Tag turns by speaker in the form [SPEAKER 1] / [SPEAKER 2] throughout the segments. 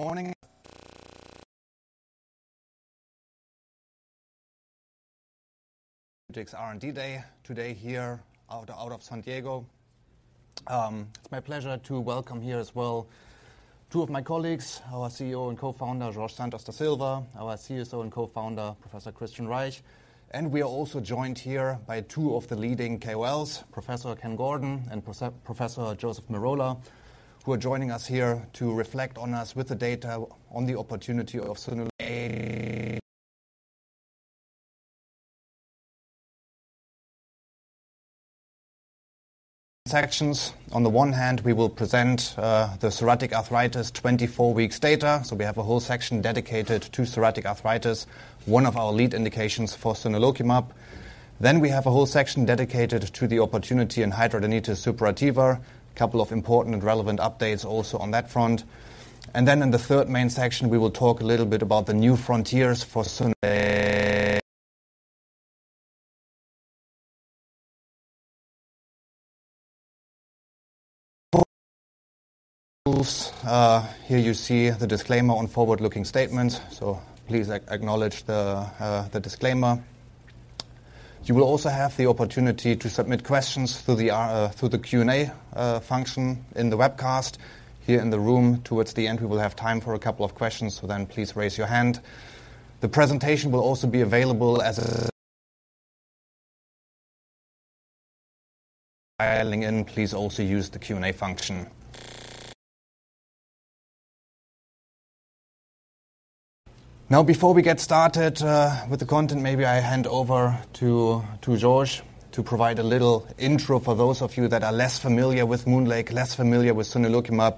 [SPEAKER 1] Good morning. It's R&D Day today here out of San Diego. It's my pleasure to welcome here as well two of my colleagues, our CEO and Co-founder Jorge Santos da Silva, our CSO and Co-founder Professor Kristian Reich. And we are also joined here by two of the leading KOLs, Professor Ken Gordon and Professor Joseph Merola, who are joining us here to reflect on us with the data on the opportunity of stimulating sections. On the one hand, we will present the psoriatic arthritis 24 weeks data. So we have a whole section dedicated to psoriatic arthritis, one of our lead indications for sonelokimab. Then we have a whole section dedicated to the opportunity in hidradenitis suppurativa, a couple of important and relevant updates also on that front. And then in the third main section, we will talk a little bit about the new frontiers for sonelokimab. Here you see the disclaimer on forward-looking statements. Please acknowledge the disclaimer. You will also have the opportunity to submit questions through the Q&A function in the webcast. Here in the room towards the end, we will have time for a couple of questions. Then please raise your hand. The presentation will also be available on LinkedIn. Please also use the Q&A function. Now, before we get started with the content, maybe I hand over to Jorge to provide a little intro for those of you that are less familiar with MoonLake, less familiar with sonelokimab.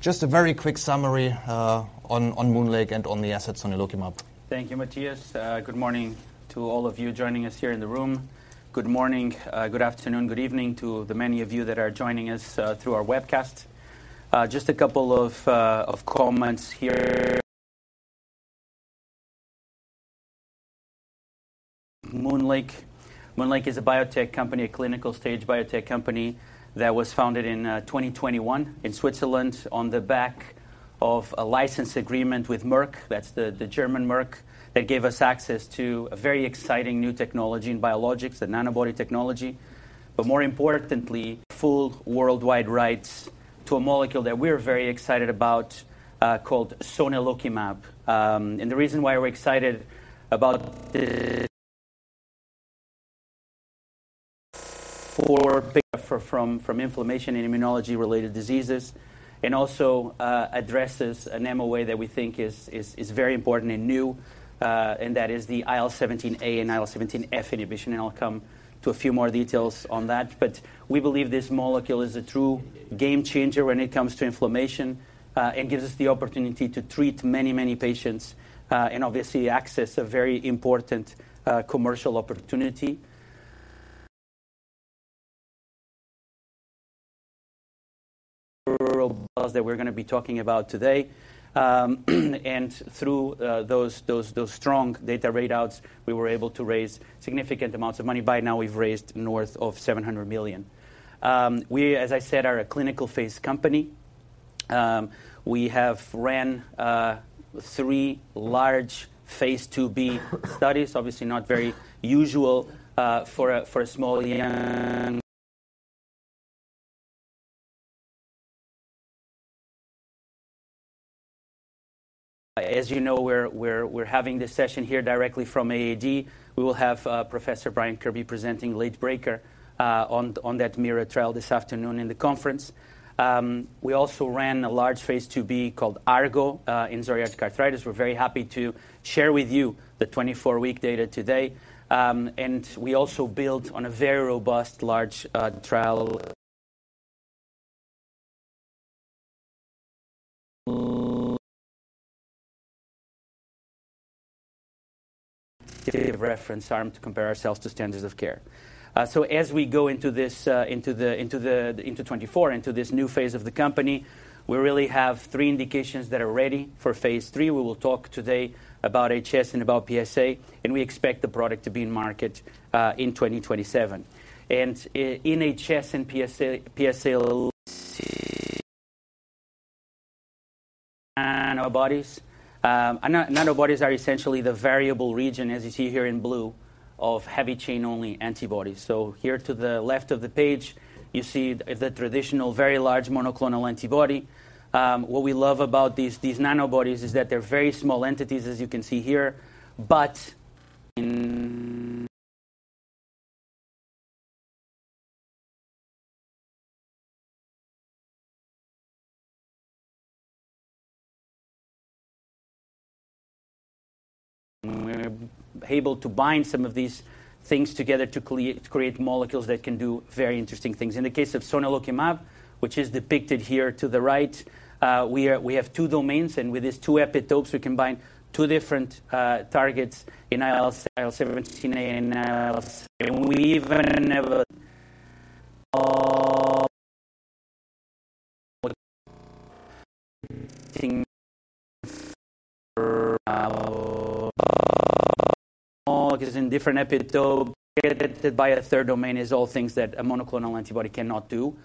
[SPEAKER 1] Just a very quick summary on MoonLake and on the asset sonelokimab.
[SPEAKER 2] Thank you, Matthias. Good morning to all of you joining us here in the room. Good morning, good afternoon, good evening to the many of you that are joining us through our webcast. Just a couple of comments here. MoonLake is a biotech company, a clinical stage biotech company that was founded in 2021 in Switzerland on the back of a license agreement with Merck. That's the German Merck that gave us access to a very exciting new technology in biologics, the Nanobody technology. But more importantly, full worldwide rights to a molecule that we're very excited about called sonelokimab. And the reason why we're excited about this is for patients with inflammation and immunology-related diseases and also addresses an MOA that we think is very important and new, and that is the IL-17A and IL-17F inhibition. And I'll come to a few more details on that. But we believe this molecule is a true game changer when it comes to inflammation and gives us the opportunity to treat many, many patients and obviously access a very important commercial opportunity that we're going to be talking about today. Through those strong data readouts, we were able to raise significant amounts of money. By now, we've raised north of $700 million. We, as I said, are a clinical phase company. We have run three large phase IIb studies, obviously not very usual for a small company. As you know, we're having this session here directly from AAD. We will have Professor Brian Kirby presenting Late Breaker on that MIRA trial this afternoon in the conference. We also ran a large phase IIb called ARGO in psoriatic arthritis. We're very happy to share with you the 24-week data today. We also built on a very robust large trial to give reference, to compare ourselves to standards of care. As we go into 2024, into this new phase of the company, we really have three indications that are ready for phase III. We will talk today about HS and about PsA. We expect the product to be in market in 2027. In HS and PsA Nanobodies, Nanobodies are essentially the variable region, as you see here in blue, of heavy chain-only antibodies. Here to the left of the page, you see the traditional very large monoclonal antibody. What we love about these Nanobodies is that they're very small entities, as you can see here. But we're able to bind some of these things together to create molecules that can do very interesting things. In the case of sonelokimab, which is depicted here to the right, we have two domains. With these two epitopes, we can bind two different targets in IL-17A and IL-17F. And we even have in different epitopes, by a third domain, is all things that a monoclonal antibody cannot do.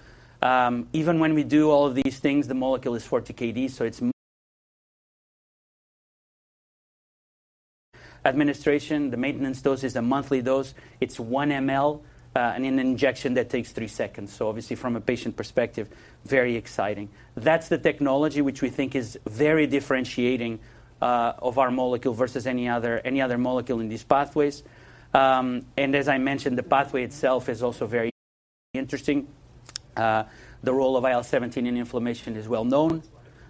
[SPEAKER 2] Even when we do all of these things, the molecule is 40 kD. So its administration, the maintenance dose, is a monthly dose. It's 1 mL in an injection that takes 3 seconds. So obviously, from a patient perspective, very exciting. That's the technology, which we think is very differentiating of our molecule versus any other molecule in these pathways. As I mentioned, the pathway itself is also very interesting. The role of IL-17 in inflammation is well known.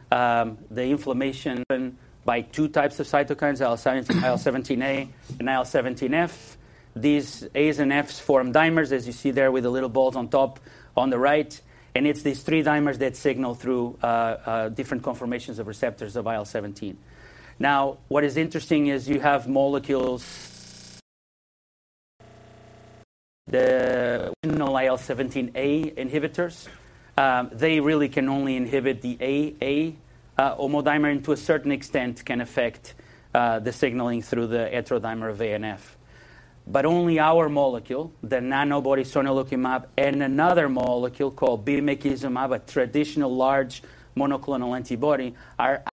[SPEAKER 2] The inflammation is driven by two types of cytokines, IL-17A and IL-17F. These A's and F's form dimers, as you see there with the little balls on top on the right. And it's these three dimers that signal through different conformations of receptors of IL-17. Now, what is interesting is you have molecules that are IL-17A inhibitors. They really can only inhibit the AA homodimer, to a certain extent, can affect the signaling through the heterodimer of A and F. But only our molecule, the Nanobody sonelokimab, and another molecule called bimekizumab, a traditional large monoclonal antibody, are capable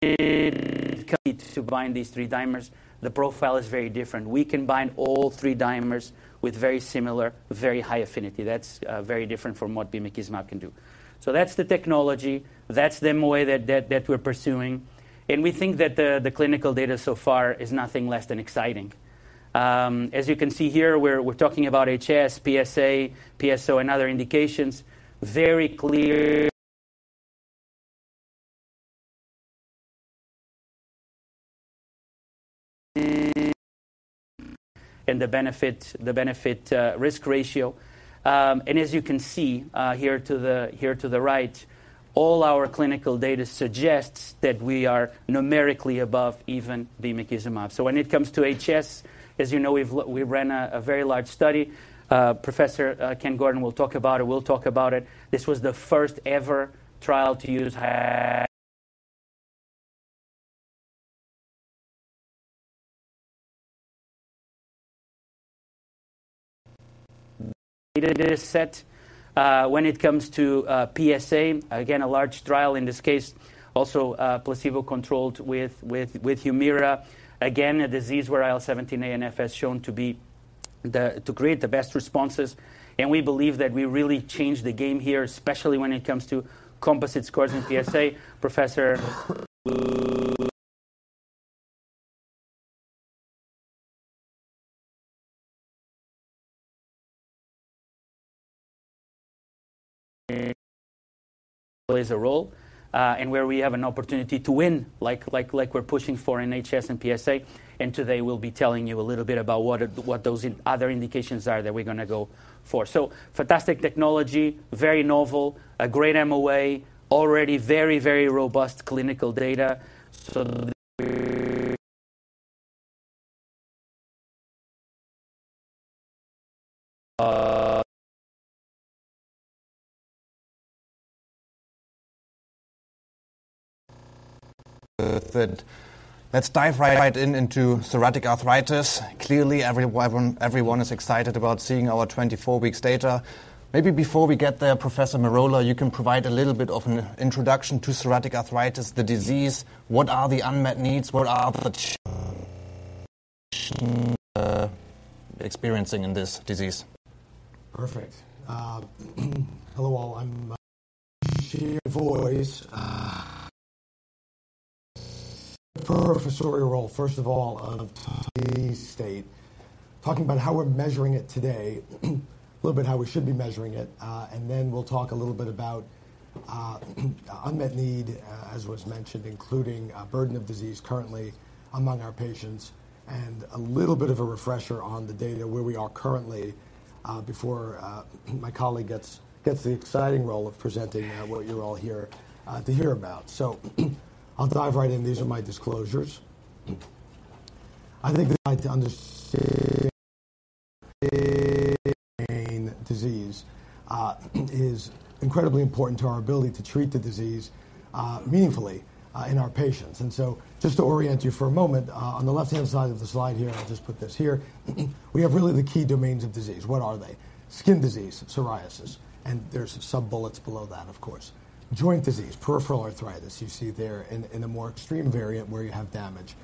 [SPEAKER 2] to bind these three dimers. The profile is very different. We can bind all three dimers with very similar, very high affinity. That's very different from what bimekizumab can do. So that's the technology. That's the MOA that we're pursuing. And we think that the clinical data so far is nothing less than exciting. As you can see here, we're talking about HS, PsA, PsO, and other indications, very clear in the benefit-risk ratio. As you can see here to the right, all our clinical data suggests that we are numerically above even bimekizumab. So when it comes to HS, as you know, we ran a very large study. Professor Ken Gordon will talk about it. We'll talk about it. This was the first-ever trial to use DAPSA when it comes to PsA. Again, a large trial in this case, also placebo-controlled with Humira. Again, a disease where IL-17A and IL-17F has shown to create the best responses. And we believe that we really changed the game here, especially when it comes to composite scores and PsA. Professor Reich plays a role and where we have an opportunity to win, like we're pushing for in HS and PsA. Today, we'll be telling you a little bit about what those other indications are that we're going to go for. Fantastic technology, very novel, a great MOA, already very, very robust clinical data. Let's dive right into psoriatic arthritis. Clearly, everyone is excited about seeing our 24 weeks data. Maybe before we get there, Professor Merola, you can provide a little bit of an introduction to psoriatic arthritis, the disease, what are the unmet needs, what are they experiencing in this disease.
[SPEAKER 3] Perfect. Hello all. I'm here for always the professorial role, first of all, to set the stage, talking about how we're measuring it today, a little bit how we should be measuring it. Then we'll talk a little bit about unmet need, as was mentioned, including burden of disease currently among our patients, and a little bit of a refresher on the data, where we are currently, before my colleague gets the exciting role of presenting what you're all here to hear about. I'll dive right in. These are my disclosures. I think the understanding of disease is incredibly important to our ability to treat the disease meaningfully in our patients. So just to orient you for a moment, on the left-hand side of the slide here, I'll just put this here, we have really the key domains of disease. What are they? Skin disease, psoriasis. There's sub-bullets below that, of course. Joint disease, peripheral arthritis, you see there in a more extreme variant where you have damage.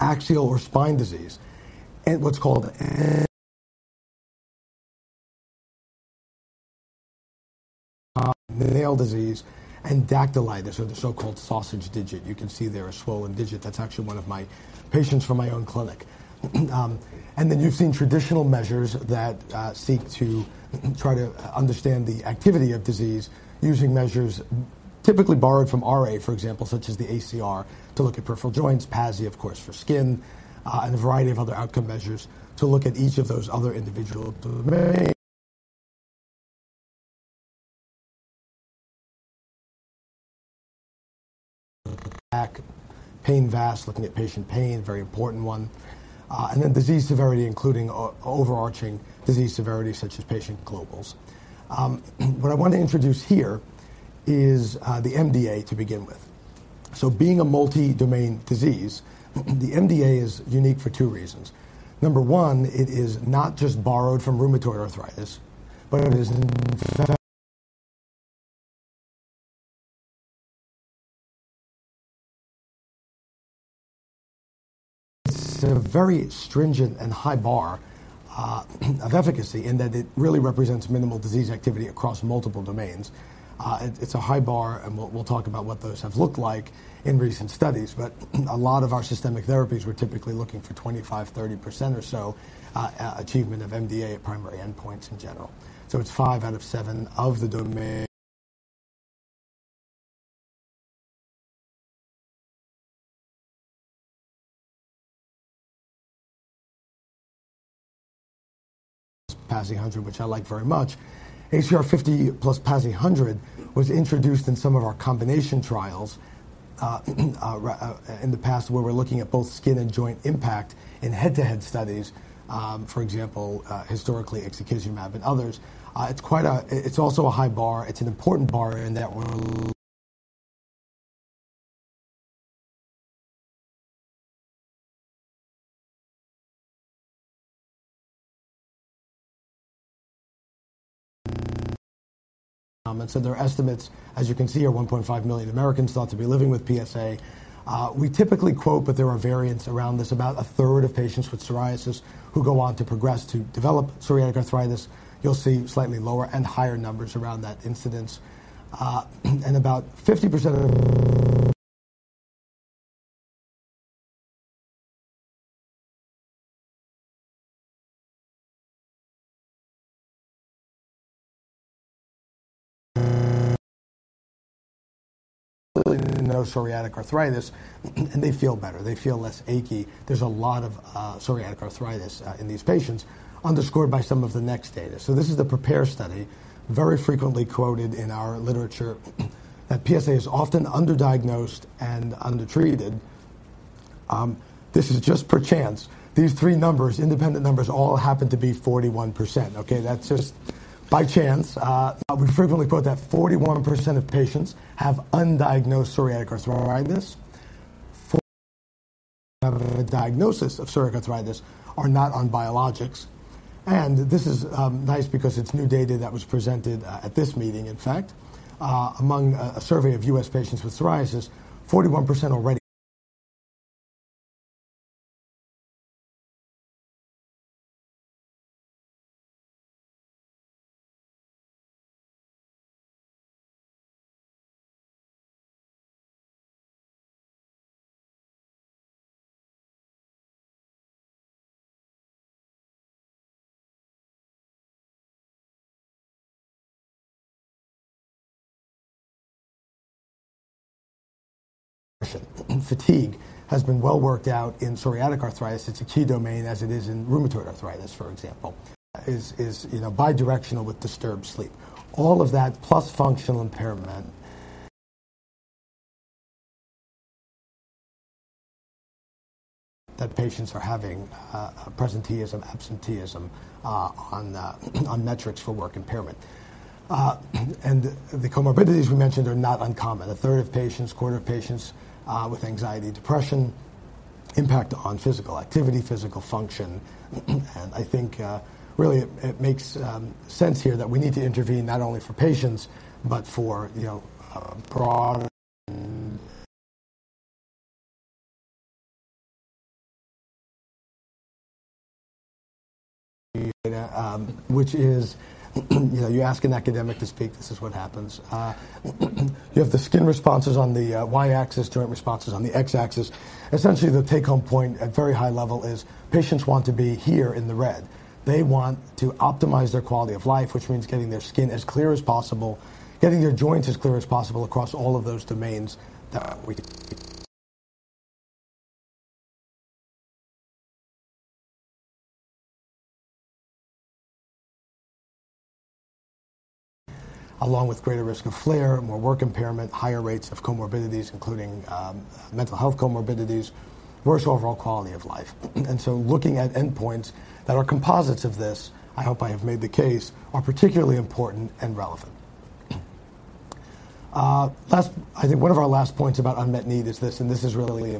[SPEAKER 3] Axial or spine disease, and what's called nail disease, and dactylitis, or the so-called sausage digit. You can see there a swollen digit. That's actually one of my patients from my own clinic. And then you've seen traditional measures that seek to try to understand the activity of disease using measures typically borrowed from RA, for example, such as the ACR, to look at peripheral joints, PASI, of course, for skin, and a variety of other outcome measures to look at each of those other individual domains. Pain VAS, looking at patient pain, very important one. And then disease severity, including overarching disease severity, such as patient globals. What I want to introduce here is the MDA to begin with. Being a multi-domain disease, the MDA is unique for two reasons. Number one, it is not just borrowed from rheumatoid arthritis, but it is a very stringent and high bar of efficacy in that it really represents minimal disease activity across multiple domains. It's a high bar. We'll talk about what those have looked like in recent studies. A lot of our systemic therapies were typically looking for 25%, 30% or so achievement of MDA at primary endpoints in general. It's 5 out of 7 of the domains. PASI 100, which I like very much. ACR 50 plus PASI 100 was introduced in some of our combination trials in the past, where we're looking at both skin and joint impact in head-to-head studies, for example, historically ixekizumab and others. It's also a high bar. It's an important bar in that we're and so their estimates, as you can see here, 1.5 million Americans thought to be living with PsA. We typically quote, but there are variants around this, about a third of patients with psoriasis who go on to progress to develop psoriatic arthritis. You'll see slightly lower and higher numbers around that incidence. About 50% of no psoriatic arthritis, and they feel better. They feel less achy. There's a lot of psoriatic arthritis in these patients, underscored by some of the next data. So this is the PREPARE study, very frequently quoted in our literature, that PsA is often underdiagnosed and undertreated. This is just per chance. These three numbers, independent numbers, all happen to be 41%. OK, that's just by chance. We frequently quote that 41% of patients have undiagnosed psoriatic arthritis. Diagnosis of psoriatic arthritis are not on biologics. This is nice because it's new data that was presented at this meeting, in fact. Among a survey of U.S. patients with psoriasis, 41% already fatigue has been well worked out in psoriatic arthritis. It's a key domain, as it is in rheumatoid arthritis, for example. Is bidirectional with disturbed sleep. All of that, plus functional impairment that patients are having, presenteeism, absenteeism, on metrics for work impairment. And the comorbidities we mentioned are not uncommon. A third of patients, a quarter of patients with anxiety, depression, impact on physical activity, physical function. And I think, really, it makes sense here that we need to intervene not only for patients, but for broader data, which is you ask an academic to speak. This is what happens. You have the skin responses on the y-axis, joint responses on the x-axis. Essentially, the take-home point at very high level is patients want to be here in the red. They want to optimize their quality of life, which means getting their skin as clear as possible, getting their joints as clear as possible across all of those domains that we along with greater risk of flare, more work impairment, higher rates of comorbidities, including mental health comorbidities, worse overall quality of life. And so looking at endpoints that are composites of this, I hope I have made the case, are particularly important and relevant. I think one of our last points about unmet need is this. And this is really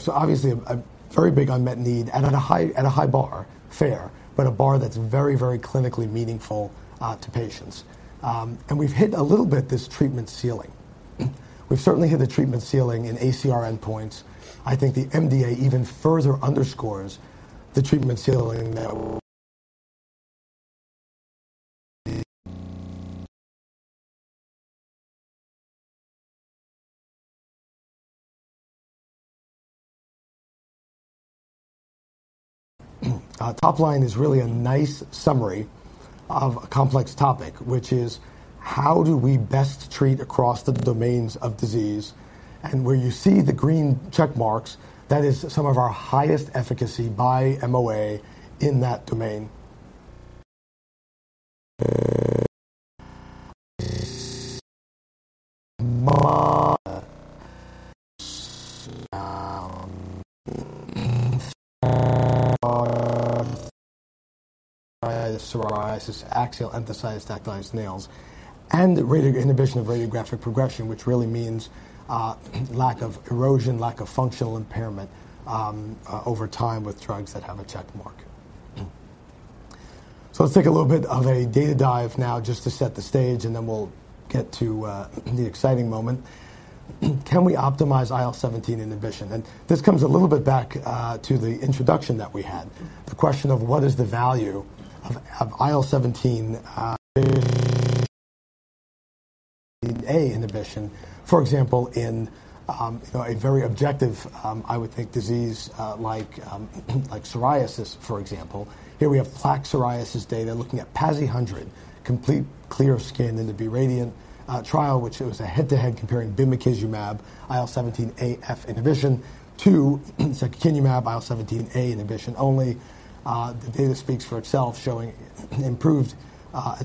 [SPEAKER 3] so obviously, a very big unmet need and at a high bar, fair, but a bar that's very, very clinically meaningful to patients. And we've hit a little bit this treatment ceiling. We've certainly hit the treatment ceiling in ACR endpoints. I think the MDA even further underscores the treatment ceiling. That top line is really a nice summary of a complex topic, which is how do we best treat across the domains of disease. And where you see the green checkmarks, that is some of our highest efficacy by MOA in that domain. Psoriasis, axial enthesitis, dactylitis, nails, and inhibition of radiographic progression, which really means lack of erosion, lack of functional impairment over time with drugs that have a checkmark. So let's take a little bit of a data dive now, just to set the stage. And then we'll get to the exciting moment. Can we optimize IL-17 inhibition? And this comes a little bit back to the introduction that we had, the question of what is the value of IL-17A inhibition, for example, in a very objective, I would think, disease like psoriasis, for example. Here we have plaque psoriasis data, looking at PASI 100, complete clear skin in the BE RADIANT trial, which was a head-to-head comparing bimekizumab, IL-17A/F inhibition, to secukinumab, IL-17A inhibition only. The data speaks for itself, showing improved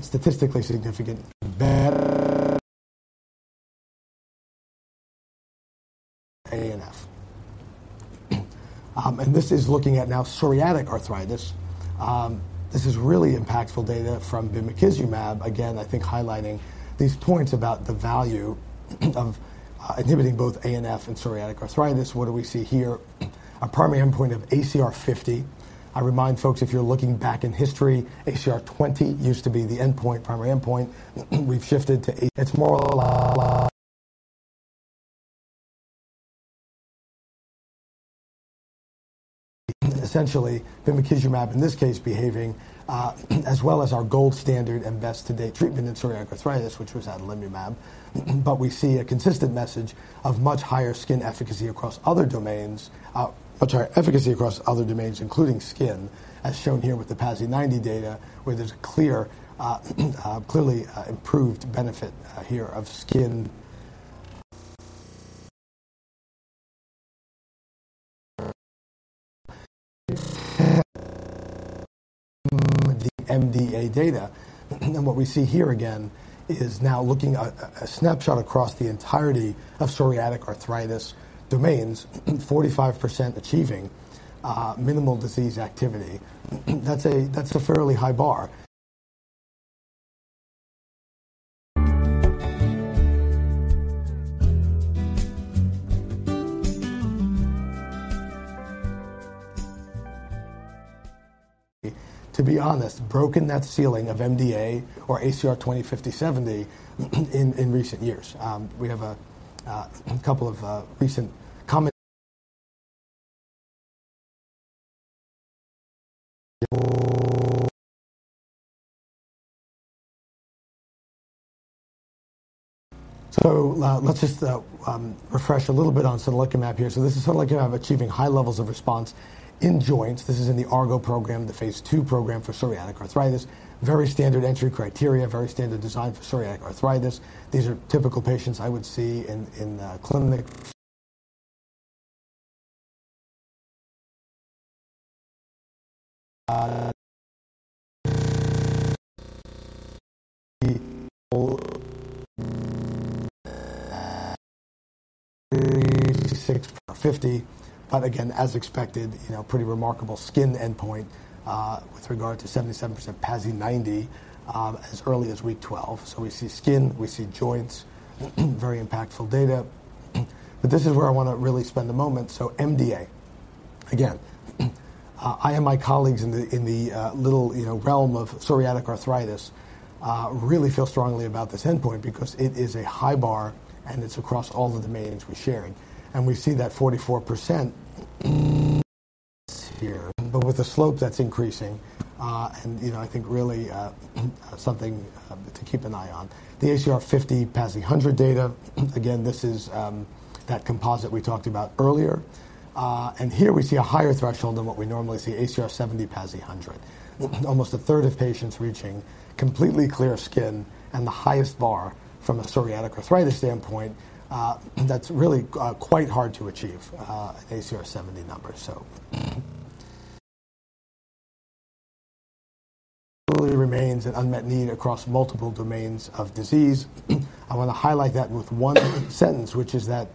[SPEAKER 3] statistically significant IL-17A/F. And this is looking at now psoriatic arthritis. This is really impactful data from bimekizumab, again, I think highlighting these points about the value of inhibiting both IL-17A/F in psoriatic arthritis. What do we see here? Our primary endpoint of ACR 50. I remind folks, if you're looking back in history, ACR 20 used to be the endpoint, primary endpoint. We've shifted to. It's more essentially bimekizumab, in this case, behaving as well as our gold standard and best to date treatment in psoriatic arthritis, which was adalimumab. But we see a consistent message of much higher skin efficacy across other domains, much higher efficacy across other domains, including skin, as shown here with the PASI 90 data, where there's clearly improved benefit here of skin. The MDA data, and what we see here again, is now looking at a snapshot across the entirety of psoriatic arthritis domains, 45% achieving minimal disease activity. That's a fairly high bar. To be honest, broken that ceiling of MDA or ACR 20, 50, 70 in recent years. We have a couple of recent comments. So let's just refresh a little bit on sonelokimab here. So this is sonelokimab achieving high levels of response in joints. This is in the ARGO program, the Phase 2 program for psoriatic arthritis. Very standard entry criteria, very standard design for psoriatic arthritis. These are typical patients I would see in clinic. 50%, but again, as expected, pretty remarkable skin endpoint with regard to 77% PASI 90 as early as week 12. So we see skin. We see joints. Very impactful data. But this is where I want to really spend a moment. So MDA, again, I and my colleagues in the little realm of psoriatic arthritis really feel strongly about this endpoint because it is a high bar. And it's across all the domains we're sharing. And we see that 44% here, but with a slope that's increasing. And I think, really, something to keep an eye on. The ACR 50, PASI 100 data, again, this is that composite we talked about earlier. And here we see a higher threshold than what we normally see, ACR 70, PASI 100, almost a third of patients reaching completely clear skin and the highest bar from a psoriatic arthritis standpoint. That's really quite hard to achieve, ACR 70 numbers. So it remains an unmet need across multiple domains of disease. I want to highlight that with one sentence, which is that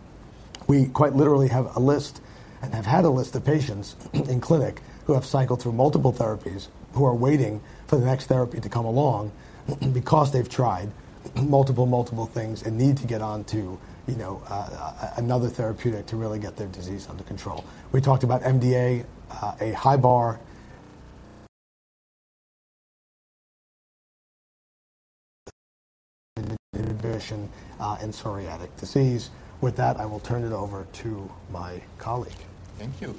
[SPEAKER 3] we quite literally have a list and have had a list of patients in clinic who have cycled through multiple therapies, who are waiting for the next therapy to come along because they've tried multiple, multiple things and need to get on to another therapeutic to really get their disease under control. We talked about MDA, a high bar inhibition in psoriatic disease. With that, I will turn it over to my colleague.
[SPEAKER 4] Thank you.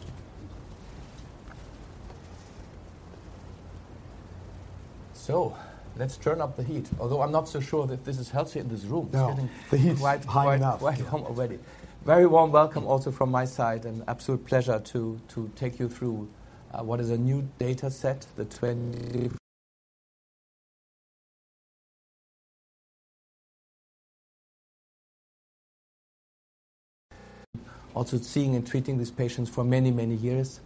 [SPEAKER 4] So let's turn up the heat, although I'm not so sure that this is healthy in this room.
[SPEAKER 2] No, the heat's quite enough.
[SPEAKER 4] Quite warm already. Very warm welcome also from my side. An absolute pleasure to take you through what is a new data set, too, also seeing and treating these patients for many, many years.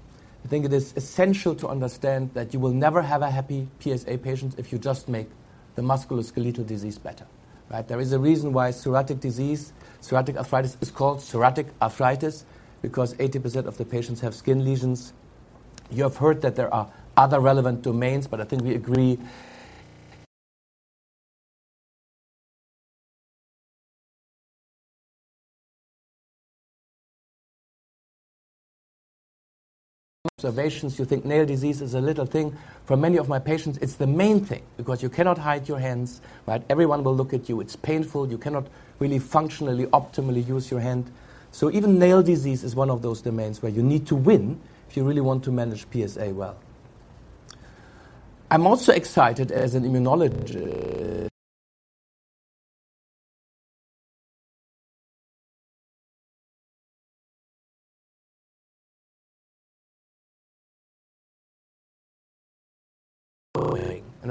[SPEAKER 4] I think it is essential to understand that you will never have a happy PsA patient if you just make the musculoskeletal disease better. There is a reason why psoriatic disease, psoriatic arthritis, is called psoriatic arthritis, because 80% of the patients have skin lesions. You have heard that there are other relevant domains. But I think we agree observations. You think nail disease is a little thing. For many of my patients, it's the main thing, because you cannot hide your hands. Everyone will look at you. It's painful. You cannot really functionally, optimally use your hand. So even nail disease is one of those domains where you need to win if you really want to manage PsA well. I'm also excited as an immunologist.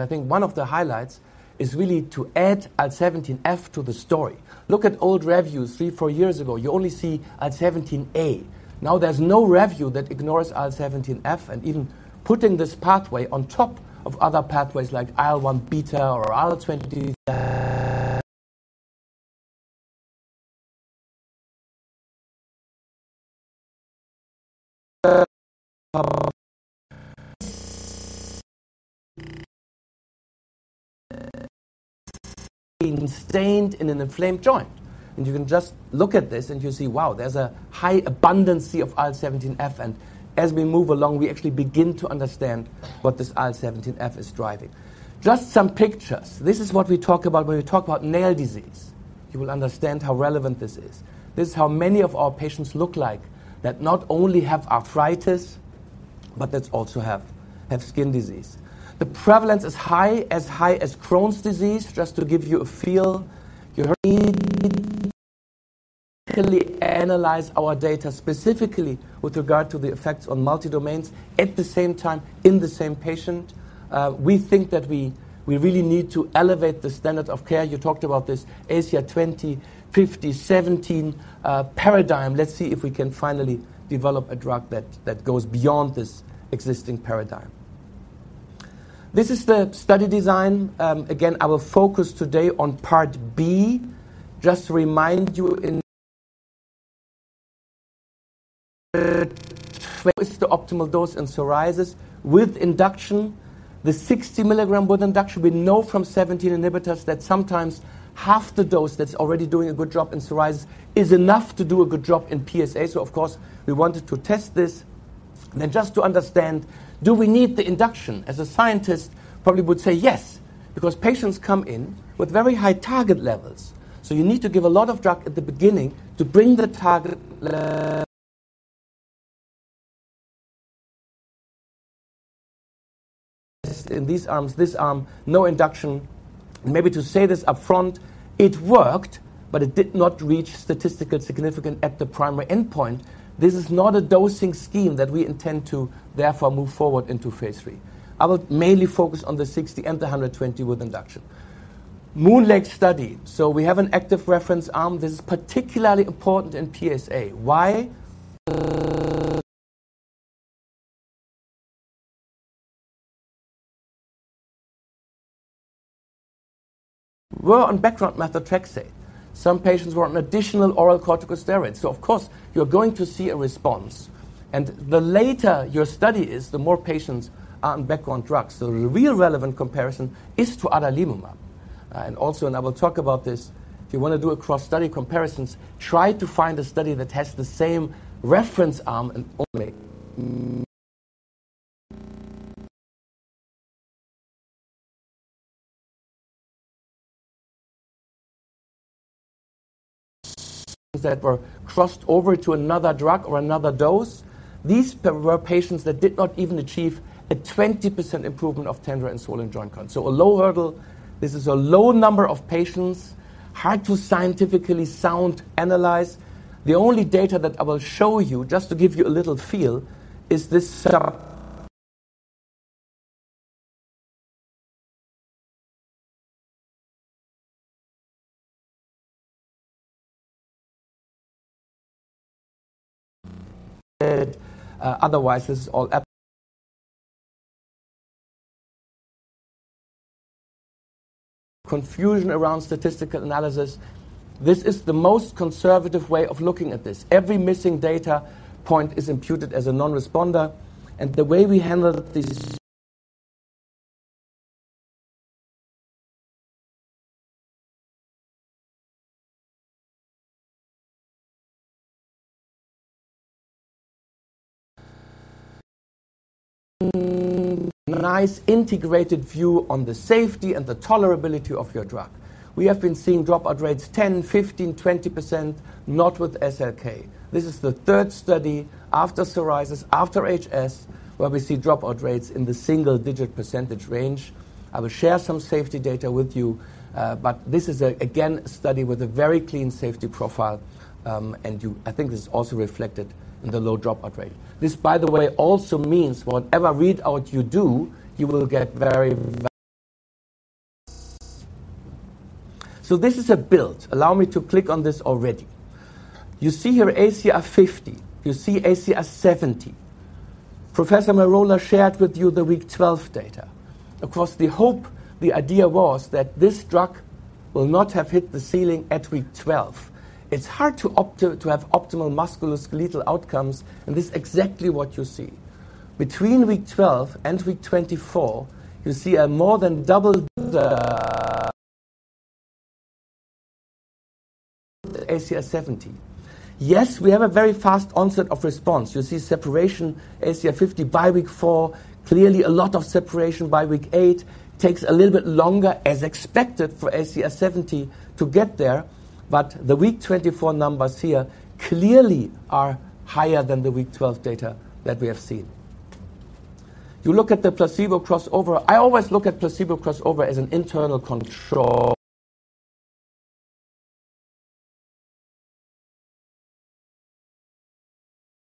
[SPEAKER 4] And I think one of the highlights is really to add IL-17F to the story. Look at old reviews three, four years ago. You only see IL-17A. Now there's no review that ignores IL-17F and even putting this pathway on top of other pathways like IL-1 beta or IL-20 stained in an inflamed joint. And you can just look at this. And you see, wow, there's a high abundance of IL-17F. And as we move along, we actually begin to understand what this IL-17F is driving. Just some pictures. This is what we talk about when we talk about nail disease. You will understand how relevant this is. This is how many of our patients look like, that not only have arthritis, but that also have skin disease. The prevalence is high, as high as Crohn's disease, just to give you a feel. You analyze our data specifically with regard to the effects on multi-domains. At the same time, in the same patient, we think that we really need to elevate the standard of care. You talked about this ACR 20, 50, 70 paradigm. Let's see if we can finally develop a drug that goes beyond this existing paradigm. This is the study design. Again, our focus today on Part B. Just to remind you, what is the optimal dose in psoriasis with induction, the 60 mg with induction? We know from 17 inhibitors that sometimes half the dose that's already doing a good job in psoriasis is enough to do a good job in PsA. So of course, we wanted to test this. And then just to understand, do we need the induction? As a scientist, probably would say yes, because patients come in with very high target levels. So you need to give a lot of drug at the beginning to bring the target. In these arms, this arm, no induction. And maybe to say this upfront, it worked. But it did not reach statistical significance at the primary endpoint. This is not a dosing scheme that we intend to therefore move forward into phase III. I will mainly focus on the 60 and the 120 with induction. MoonLake study. So we have an active reference arm. This is particularly important in PsA. Why? We're on background methotrexate. Some patients were on additional oral corticosteroids. So of course, you're going to see a response. The later your study is, the more patients are on background drugs. So the real relevant comparison is to adalimumab. And also, and I will talk about this, if you want to do a cross-study comparisons, try to find a study that has the same reference arm and only that were crossed over to another drug or another dose. These were patients that did not even achieve a 20% improvement of tender and swollen joint counts. So a low hurdle. This is a low number of patients, hard to scientifically sound analyze. The only data that I will show you, just to give you a little feel, is this. Otherwise, this is all confusion around statistical analysis. This is the most conservative way of looking at this. Every missing data point is imputed as a non-responder. And the way we handled this. Nice integrated view on the safety and the tolerability of your drug. We have been seeing dropout rates 10%, 15%, 20%, not with SLK. This is the third study after psoriasis, after HS, where we see dropout rates in the single-digit percentage range. I will share some safety data with you. But this is, again, a study with a very clean safety profile. And I think this is also reflected in the low dropout rate. This, by the way, also means whatever readout you do, you will get very. So this is a build. Allow me to click on this already. You see here ACR 50. You see ACR 70. Professor Merola shared with you the week 12 data. Of course, the hope, the idea was that this drug will not have hit the ceiling at week 12. It's hard to have optimal musculoskeletal outcomes. This is exactly what you see. Between week 12 and week 24, you see a more than double ACR 70. Yes, we have a very fast onset of response. You see separation ACR 50 by week four. Clearly, a lot of separation by week eight. Takes a little bit longer, as expected, for ACR 70 to get there. But the week 24 numbers here clearly are higher than the week 12 data that we have seen. You look at the placebo crossover. I always look at placebo crossover as an internal control.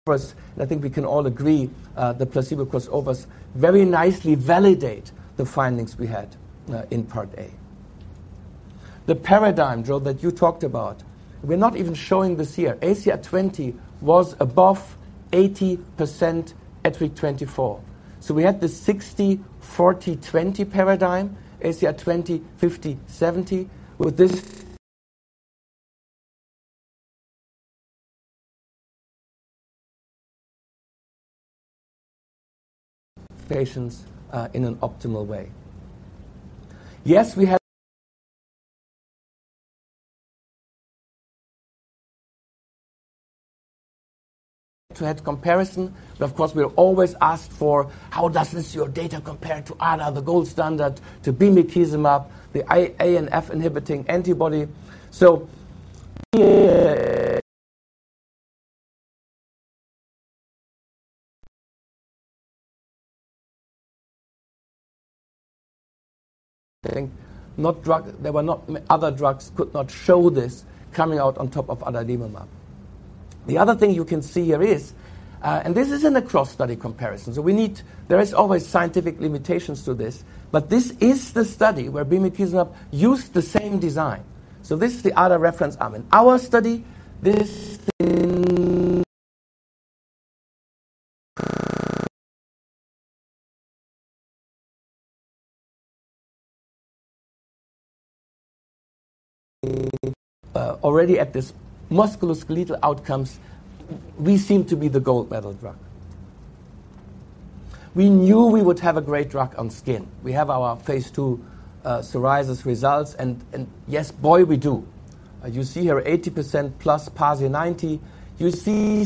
[SPEAKER 4] And I think we can all agree the placebo crossovers very nicely validate the findings we had in Part A. The paradigm rule that you talked about, we're not even showing this year. ACR 20 was above 80% at week 24. So we had the 60, 40, 20 paradigm, ACR 20, 50, 70 with these patients in an optimal way. Yes, we had to add comparison. But of course, we're always asked for, how does this your data compare to ADA, the gold standard, to bimekizumab, the IL-17F inhibiting antibody? So not drug. There were not other drugs could not show this coming out on top of adalimumab. The other thing you can see here is, and this is in a cross-study comparison. So we know there is always scientific limitations to this. But this is the study where bimekizumab used the same design. So this is the ADA reference arm in our study. This already at this musculoskeletal outcomes, we seem to be the gold medal drug. We knew we would have a great drug on skin. We have our phase II psoriasis results. And yes, boy, we do. You see here 80%+ PASI 90. You see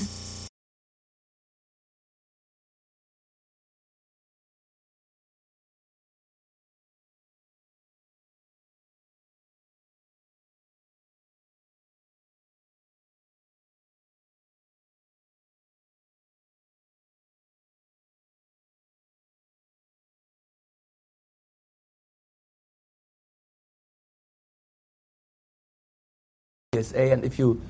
[SPEAKER 4] PsA. And if you,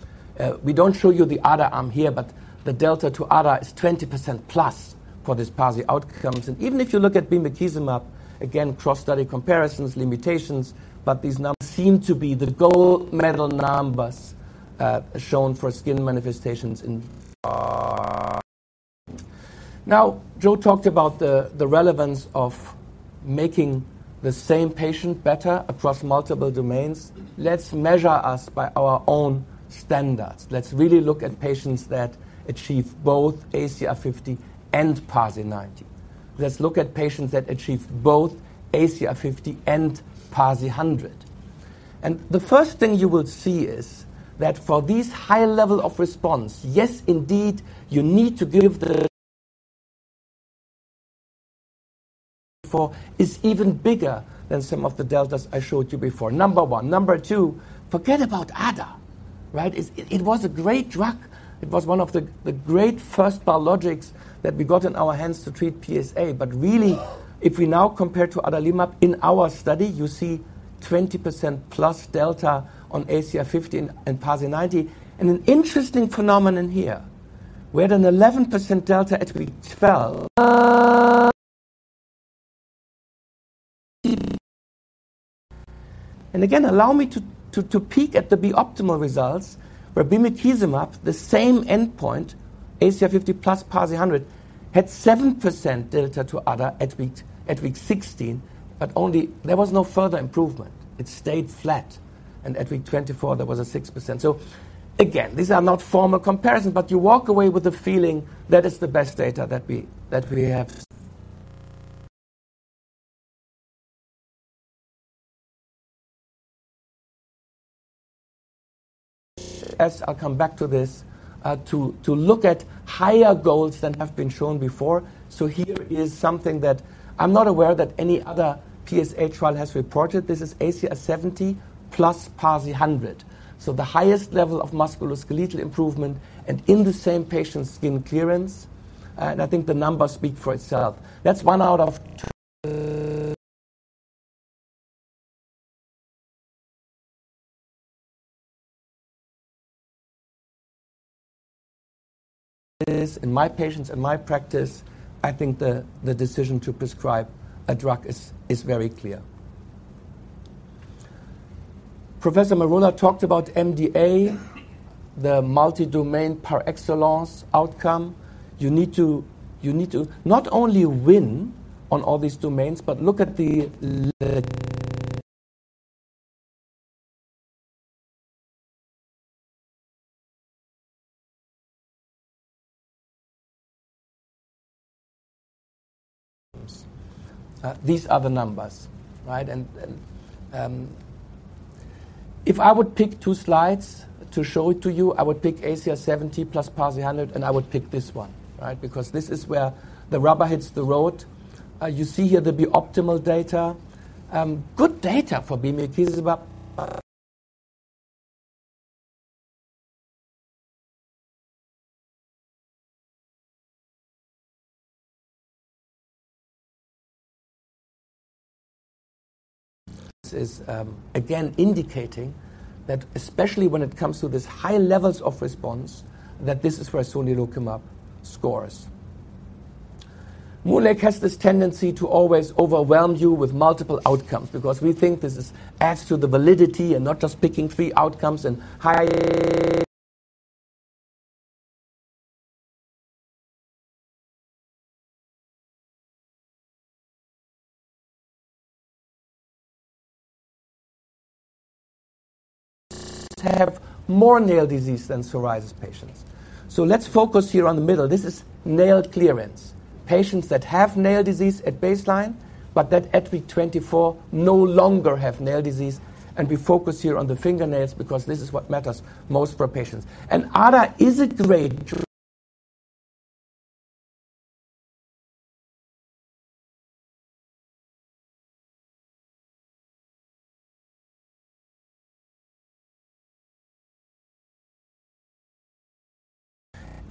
[SPEAKER 4] we don't show you the ADA arm here. But the delta to ADA is 20%+ for these PASI outcomes. And even if you look at bimekizumab, again, cross-study comparisons, limitations. But these numbers seem to be the gold medal numbers shown for skin manifestations in. Now, Joe talked about the relevance of making the same patient better across multiple domains. Let's measure us by our own standards. Let's really look at patients that achieve both ACR 50 and PASI 90. Let's look at patients that achieve both ACR 50 and PASI 100. And the first thing you will see is that for these high level of response, yes, indeed, you need to give the four is even bigger than some of the deltas I showed you before. Number one. Number two, forget about ADA. It was a great drug. It was one of the great first biologics that we got in our hands to treat PsA. But really, if we now compare to adalimumab in our study, you see 20% plus delta on ACR 50 and PASI 90. An interesting phenomenon here, we had an 11% delta at week 12. And again, allow me to peek at the optimal results, where bimekizumab, the same endpoint, ACR 50 plus PASI 100, had 7% delta to ADA at week 16. But only there was no further improvement. It stayed flat. And at week 24, there was a 6%. So again, these are not formal comparisons. But you walk away with the feeling that is the best data that we have. I'll come back to this, to look at higher goals than have been shown before. So here is something that I'm not aware that any other PsA trial has reported. This is ACR 70 plus PASI 100. So the highest level of musculoskeletal improvement and in the same patient skin clearance. And I think the numbers speak for itself. That's one out of two in my patients in my practice, I think the decision to prescribe a drug is very clear. Professor Merola talked about MDA, the multi-domain par excellence outcome. You need to not only win on all these domains, but look at the these other numbers. And if I would pick two slides to show it to you, I would pick ACR 70 plus PASI 100. And I would pick this one, because this is where the rubber hits the road. You see here the optimal data, good data for bimekizumab. This is again indicating that especially when it comes to these high levels of response, that this is where sonelokimab scores. MoonLake has this tendency to always overwhelm you with multiple outcomes, because we think this adds to the validity and not just picking three outcomes. And they have more nail disease than psoriasis patients. So let's focus here on the middle. This is nail clearance, patients that have nail disease at baseline, but that at week 24 no longer have nail disease. And we focus here on the fingernails, because this is what matters most for patients. And ACR, is it great?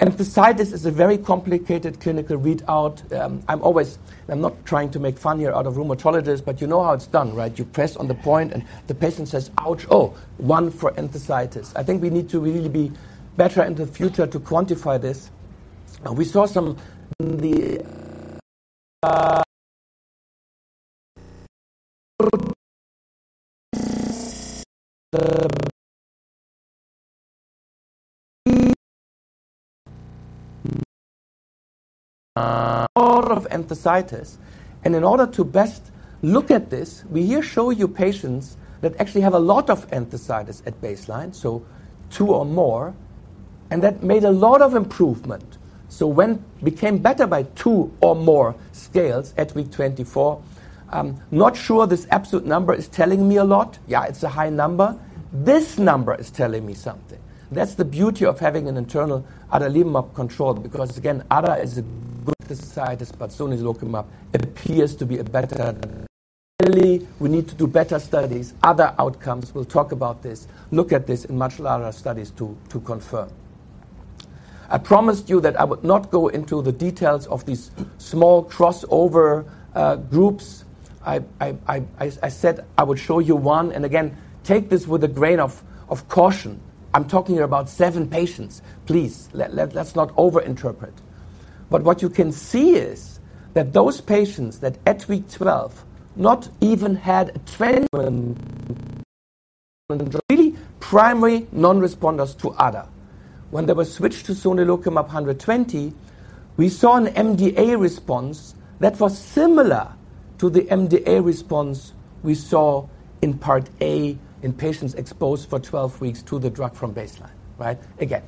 [SPEAKER 4] And enthesitis is a very complicated clinical readout. I'm not trying to make fun here out of rheumatologists. But you know how it's done, right? You press on the point. And the patient says, ouch. Oh, one for enthesitis. I think we need to really be better in the future to quantify this. We saw some in the more of enthesitis. In order to best look at this, we here show you patients that actually have a lot of enthesitis at baseline, so two or more. That made a lot of improvement. So when became better by two or more scales at week 24. Not sure this absolute number is telling me a lot. Yeah, it's a high number. This number is telling me something. That's the beauty of having an internal adalimumab control, because again, ADA is a good enthesitis. But sonelokimab appears to be a better really. We need to do better studies. Other outcomes. We'll talk about this, look at this in much larger studies to confirm. I promised you that I would not go into the details of these small crossover groups. I said I would show you one. And again, take this with a grain of caution. I'm talking here about seven patients. Please, let's not overinterpret. But what you can see is that those patients that at week 12 not even had a 20 really primary non-responders to ADA. When they were switched to sonelokimab 120, we saw an MDA response that was similar to the MDA response we saw in Part A in patients exposed for 12 weeks to the drug from baseline. Again,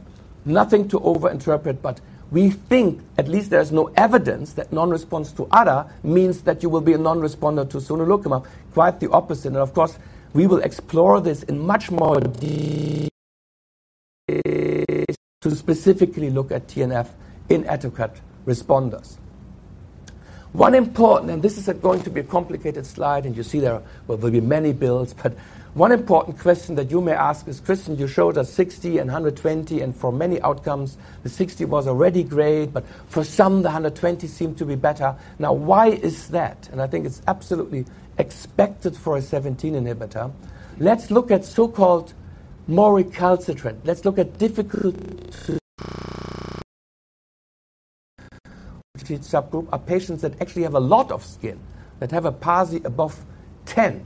[SPEAKER 4] nothing to overinterpret. But we think at least there is no evidence that non-response to ADA means that you will be a non-responder to sonelokimab, quite the opposite. And of course, we will explore this in much more to specifically look at TNF-inadequate responders. One important and this is going to be a complicated slide. And you see there will be many builds. But one important question that you may ask is, Kristian, you showed us 60 and 120. And for many outcomes, the 60 was already great. But for some, the 120 seemed to be better. Now, why is that? And I think it's absolutely expected for a 17 inhibitor. Let's look at so-called more recalcitrant. Let's look at difficult subgroup are patients that actually have a lot of skin, that have a PASI above 10.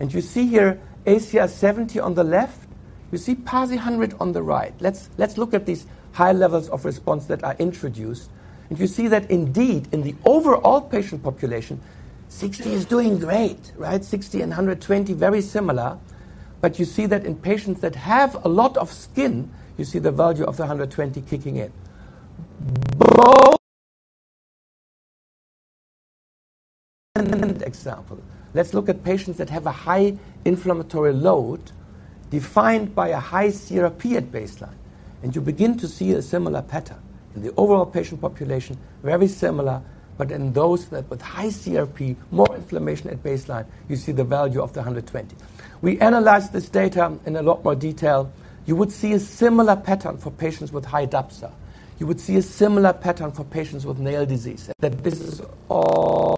[SPEAKER 4] And you see here ACR 70 on the left. You see PASI 100 on the right. Let's look at these high levels of response that are introduced. And you see that indeed, in the overall patient population, 60 is doing great. 60 and 120, very similar. But you see that in patients that have a lot of skin, you see the value of the 120 kicking in. Example, let's look at patients that have a high inflammatory load defined by a high CRP at baseline. You begin to see a similar pattern in the overall patient population, very similar. But in those that with high CRP, more inflammation at baseline, you see the value of the 120. We analyze this data in a lot more detail. You would see a similar pattern for patients with high DAPSA. You would see a similar pattern for patients with nail disease. That this is all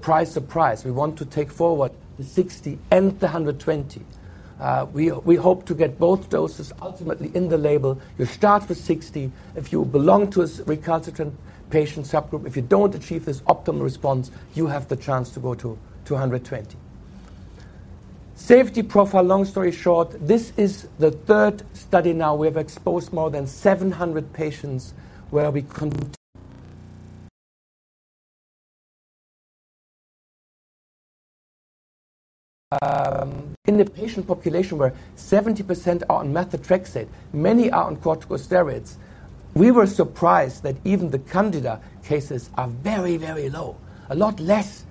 [SPEAKER 4] price surprise. We want to take forward the 60 and the 120. We hope to get both doses ultimately in the label. You start with 60. If you belong to a recalcitrant patient subgroup, if you don't achieve this optimal response, you have the chance to go to 220. Safety profile, long story short, this is the third study now. We have exposed more than 700 patients where we in the patient population where 70% are on methotrexate, many are on corticosteroids. We were surprised that even the Candida cases are very, very low, a lot less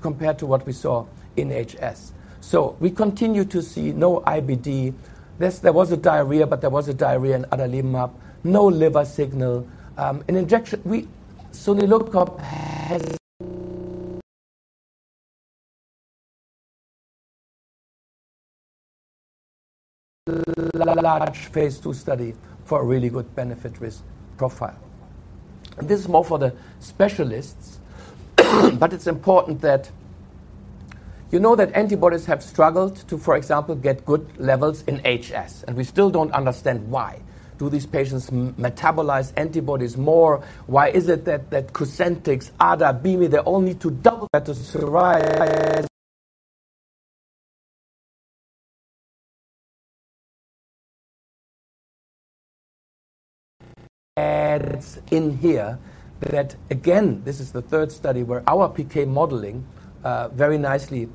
[SPEAKER 4] compared to what we saw in HS. So we continue to see no IBD. There was a diarrhea, but there was a diarrhea in adalimumab, no liver signal, an injection. Sonelokimab has a large phase II study for a really good benefit risk profile. And this is more for the specialists. But it's important that you know that antibodies have struggled to, for example, get good levels in HS. And we still don't understand why do these patients metabolize antibodies more? Why is it that Cosentyx, ADA, bimekizumab, they all need to double better survive? It's in here that again, this is the third study where our PK modeling very nicely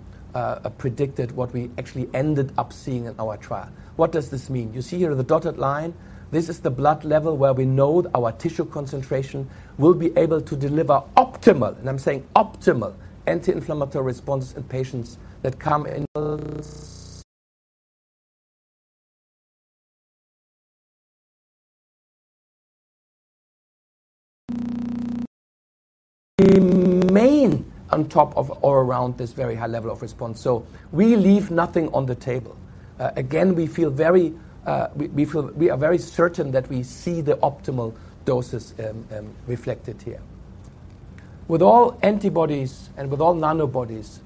[SPEAKER 4] predicted what we actually ended up seeing in our trial. What does this mean? You see here the dotted line. This is the blood level where we know our tissue concentration will be able to deliver optimal. And I'm saying optimal anti-inflammatory responses in patients that come in remain on top of or around this very high level of response. So we leave nothing on the table. Again, we feel very, we are very certain that we see the optimal doses reflected here. With all antibodies and with all Nanobodies,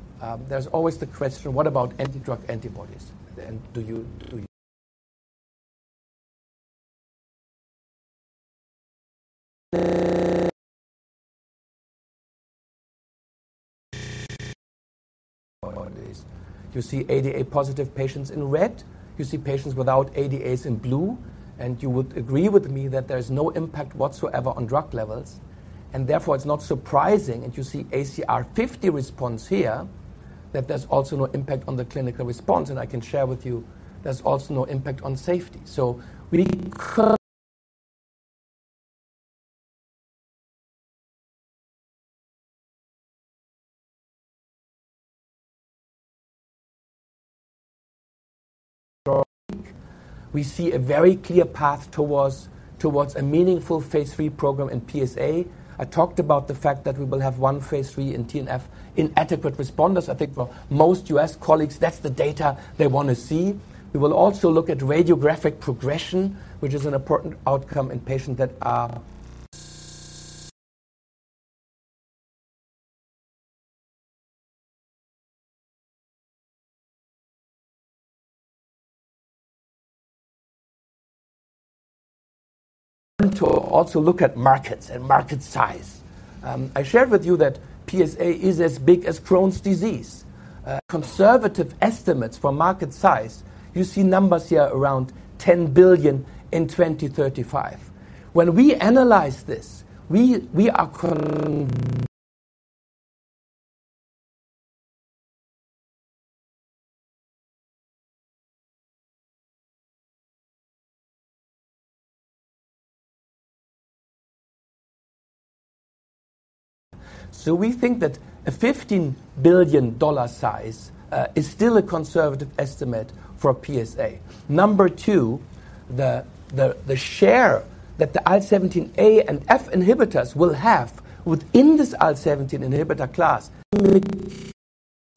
[SPEAKER 4] there's always the question, what about antidrug antibodies? And do you see ADA positive patients in red? You see patients without ADAs in blue. And you would agree with me that there is no impact whatsoever on drug levels. Therefore, it's not surprising. You see ACR 50 response here, that there's also no impact on the clinical response. I can share with you, there's also no impact on safety. So we see a very clear path towards a meaningful phase III program in PsA. I talked about the fact that we will have one phase III in TNF-inadequate responders. I think for most US colleagues, that's the data they want to see. We will also look at radiographic progression, which is an important outcome in patients that are to also look at markets and market size. I shared with you that PsA is as big as Crohn's disease. Conservative estimates for market size, you see numbers here around $10 billion in 2035. When we analyze this, we are so we think that a $15 billion size is still a conservative estimate for PsA. Number two, the share that the IL-17A and F inhibitors will have within this IL-17 inhibitor class was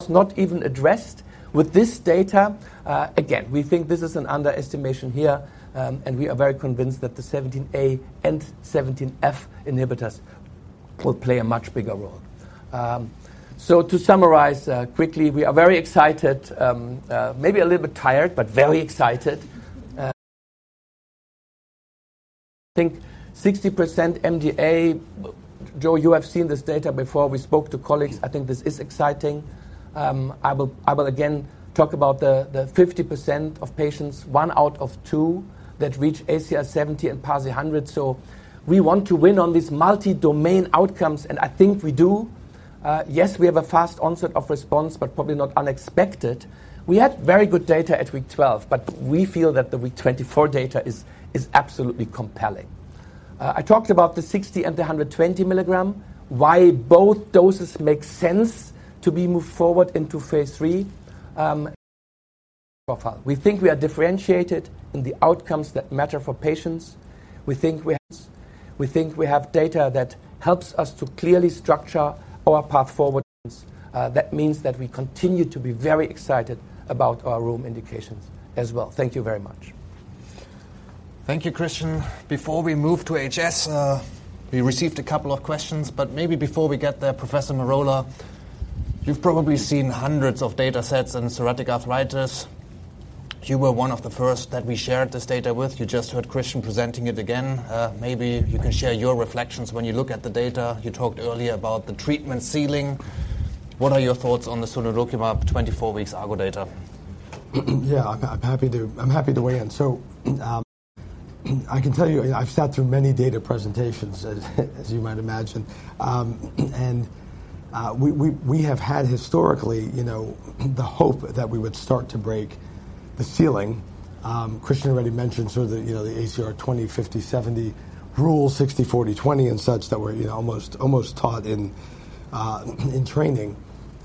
[SPEAKER 4] not even addressed with this data. Again, we think this is an underestimation here. We are very convinced that the 17A and 17F inhibitors will play a much bigger role. So to summarize quickly, we are very excited, maybe a little bit tired, but very excited. I think 60% MDA. Joe, you have seen this data before. We spoke to colleagues. I think this is exciting. I will again talk about the 50% of patients, one out of two, that reach ACR 70 and PASI 100. So we want to win on these multi-domain outcomes. And I think we do. Yes, we have a fast onset of response, but probably not unexpected. We had very good data at week 12, but we feel that the week 24 data is absolutely compelling. I talked about the 60 mg and the 120 mg. Why both doses make sense to be moved forward into phase III profile. We think we are differentiated in the outcomes that matter for patients. We think we have data that helps us to clearly structure our path forward. That means that we continue to be very excited about our rheum indications as well. Thank you very much.
[SPEAKER 1] Thank you, Kristian. Before we move to HS, we received a couple of questions. But maybe before we get there, Professor Merola, you've probably seen hundreds of data sets on psoriatic arthritis. You were one of the first that we shared this data with. You just heard Kristian presenting it again. Maybe you can share your reflections when you look at the data. You talked earlier about the treatment ceiling. What are your thoughts on the sonelokimab 24 weeks ARGO data?
[SPEAKER 3] Yeah, I'm happy to weigh in. So I can tell you, I've sat through many data presentations, as you might imagine. And we have had historically the hope that we would start to break the ceiling. Kristian already mentioned sort of the ACR 20, 50, 70 rule, 60, 40, 20, and such that were almost taught in training.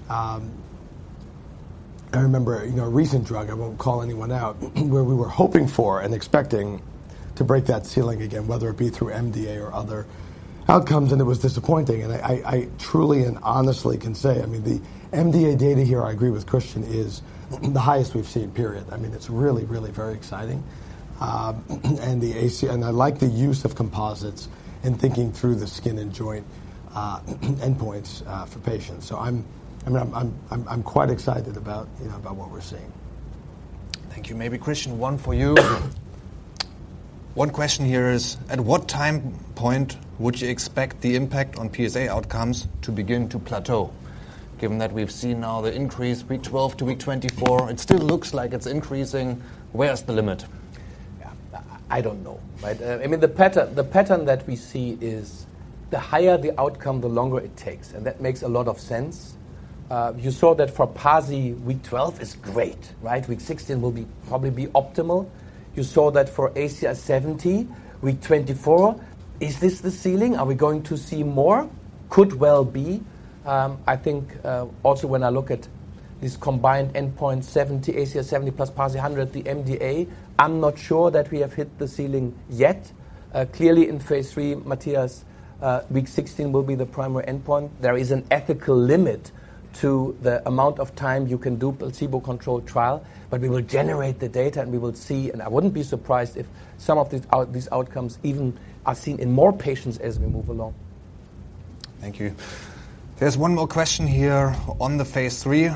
[SPEAKER 3] I remember a recent drug, I won't call anyone out, where we were hoping for and expecting to break that ceiling again, whether it be through MDA or other outcomes. And it was disappointing. And I truly and honestly can say, I mean, the MDA data here, I agree with Kristian, is the highest we've seen, period. I mean, it's really, really very exciting. And I like the use of composites in thinking through the skin and joint endpoints for patients. So I'm quite excited about what we're seeing.
[SPEAKER 1] Thank you. Maybe, Kristian, one for you. One question here is, at what time point would you expect the impact on PsA outcomes to begin to plateau, given that we've seen now the increase week 12 to week 24? It still looks like it's increasing. Where's the limit?
[SPEAKER 4] Yeah, I don't know. I mean, the pattern that we see is the higher the outcome, the longer it takes. And that makes a lot of sense. You saw that for PASI, week 12 is great. Week 16 will probably be optimal. You saw that for ACR 70, week 24. Is this the ceiling? Are we going to see more? Could well be. I think also when I look at this combined endpoint 70, ACR 70 + PASI 100, the MDA, I'm not sure that we have hit the ceiling yet. Clearly, in phase III, Matthias, week 16 will be the primary endpoint. There is an ethical limit to the amount of time you can do placebo-controlled trial. But we will generate the data. And we will see. And I wouldn't be surprised if some of these outcomes even are seen in more patients as we move along.
[SPEAKER 1] Thank you. There's one more question here on the Phase 3.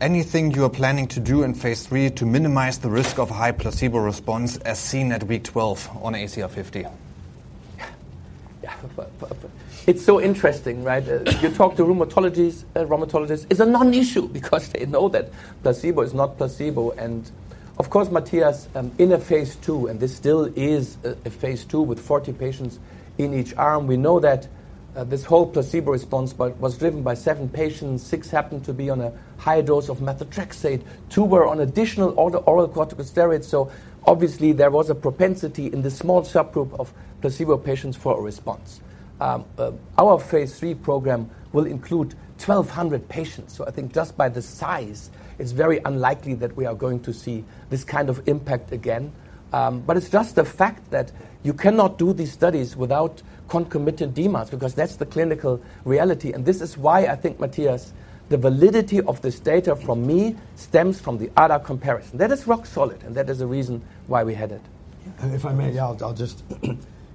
[SPEAKER 1] Anything you are planning to do in Phase 3 to minimize the risk of high placebo response as seen at week 12 on ACR 50?
[SPEAKER 4] Yeah, it's so interesting. You talk to rheumatologists, rheumatologists. It's a non-issue because they know that placebo is not placebo. Of course, Matthias, in a phase II, and this still is a phase II with 40 patients in each arm, we know that this whole placebo response was driven by seven patients. Six happened to be on a higher dose of methotrexate. Two were on additional oral corticosteroids. So obviously, there was a propensity in this small subgroup of placebo patients for a response. Our phase III program will include 1,200 patients. So I think just by the size, it's very unlikely that we are going to see this kind of impact again. But it's just the fact that you cannot do these studies without concomitant meds, because that's the clinical reality. This is why I think, Matthias, the validity of this data from me stems from the ADA comparison. That is rock solid. That is the reason why we had it.
[SPEAKER 2] And if I may, I'll just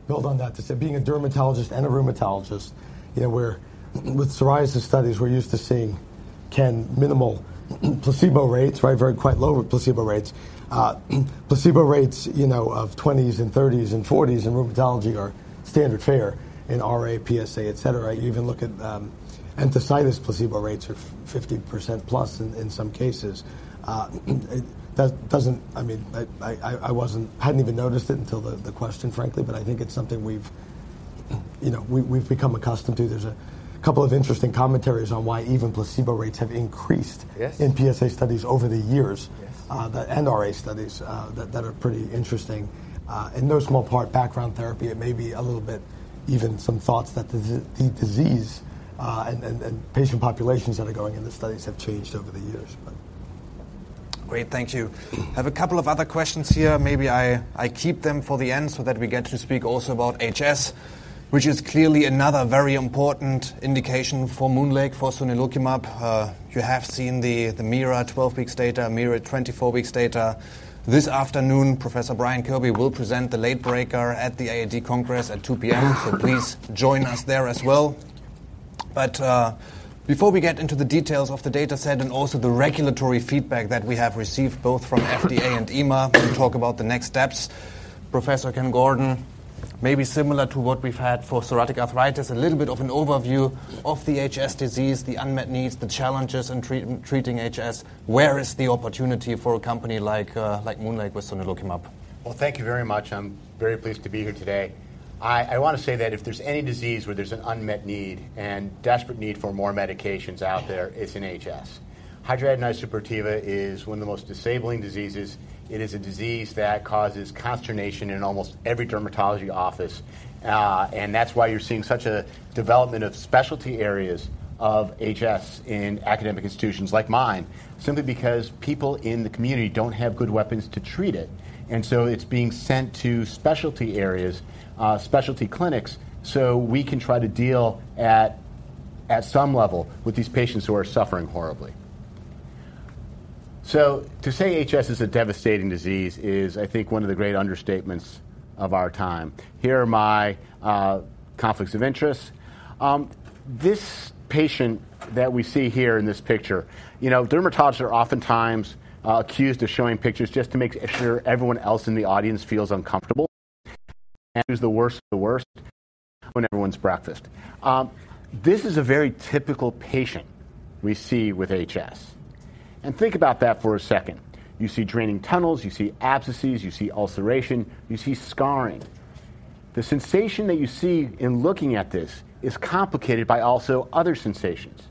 [SPEAKER 2] build on that to say, being a dermatologist and a rheumatologist, with psoriasis studies, we're used to seeing minimal placebo rates, very quite low placebo rates. Placebo rates of 20s and 30s and 40s in rheumatology are standard fare in RA, PsA, et cetera. You even look at enthesitis placebo rates are 50%+ in some cases. I mean, I hadn't even noticed it until the question, frankly. But I think it's something we've become accustomed to. There's a couple of interesting commentaries on why even placebo rates have increased in PsA studies over the years, and RA studies that are pretty interesting. In no small part, background therapy, it may be a little bit even some thoughts that the disease and patient populations that are going in the studies have changed over the years.
[SPEAKER 1] Great. Thank you. I have a couple of other questions here. Maybe I keep them for the end so that we get to speak also about HS, which is clearly another very important indication for MoonLake for sonelokimab. You have seen the MIRA 12 weeks data, MIRA 24 weeks data. This afternoon, Professor Brian Kirby will present the late breaker at the AAD Congress at 2:00 P.M. So please join us there as well. But before we get into the details of the data set and also the regulatory feedback that we have received both from FDA and EMA and talk about the next steps, Professor Ken Gordon, maybe similar to what we've had for psoriatic arthritis, a little bit of an overview of the HS disease, the unmet needs, the challenges in treating HS. Where is the opportunity for a company like MoonLake with sonelokimab?
[SPEAKER 5] Well, thank you very much. I'm very pleased to be here today. I want to say that if there's any disease where there's an unmet need and desperate need for more medications out there, it's in HS. Hydradenitis suppurativa is one of the most disabling diseases. It is a disease that causes consternation in almost every dermatology office. And that's why you're seeing such a development of specialty areas of HS in academic institutions like mine, simply because people in the community don't have good weapons to treat it. And so it's being sent to specialty areas, specialty clinics, so we can try to deal at some level with these patients who are suffering horribly. So to say HS is a devastating disease is, I think, one of the great understatements of our time. Here are my conflicts of interest. This patient that we see here in this picture, dermatologists are oftentimes accused of showing pictures just to make sure everyone else in the audience feels uncomfortable. Who's the worst of the worst when everyone's breakfast? This is a very typical patient we see with HS. Think about that for a second. You see draining tunnels. You see abscesses. You see ulceration. You see scarring. The sensation that you see in looking at this is complicated by also other sensations.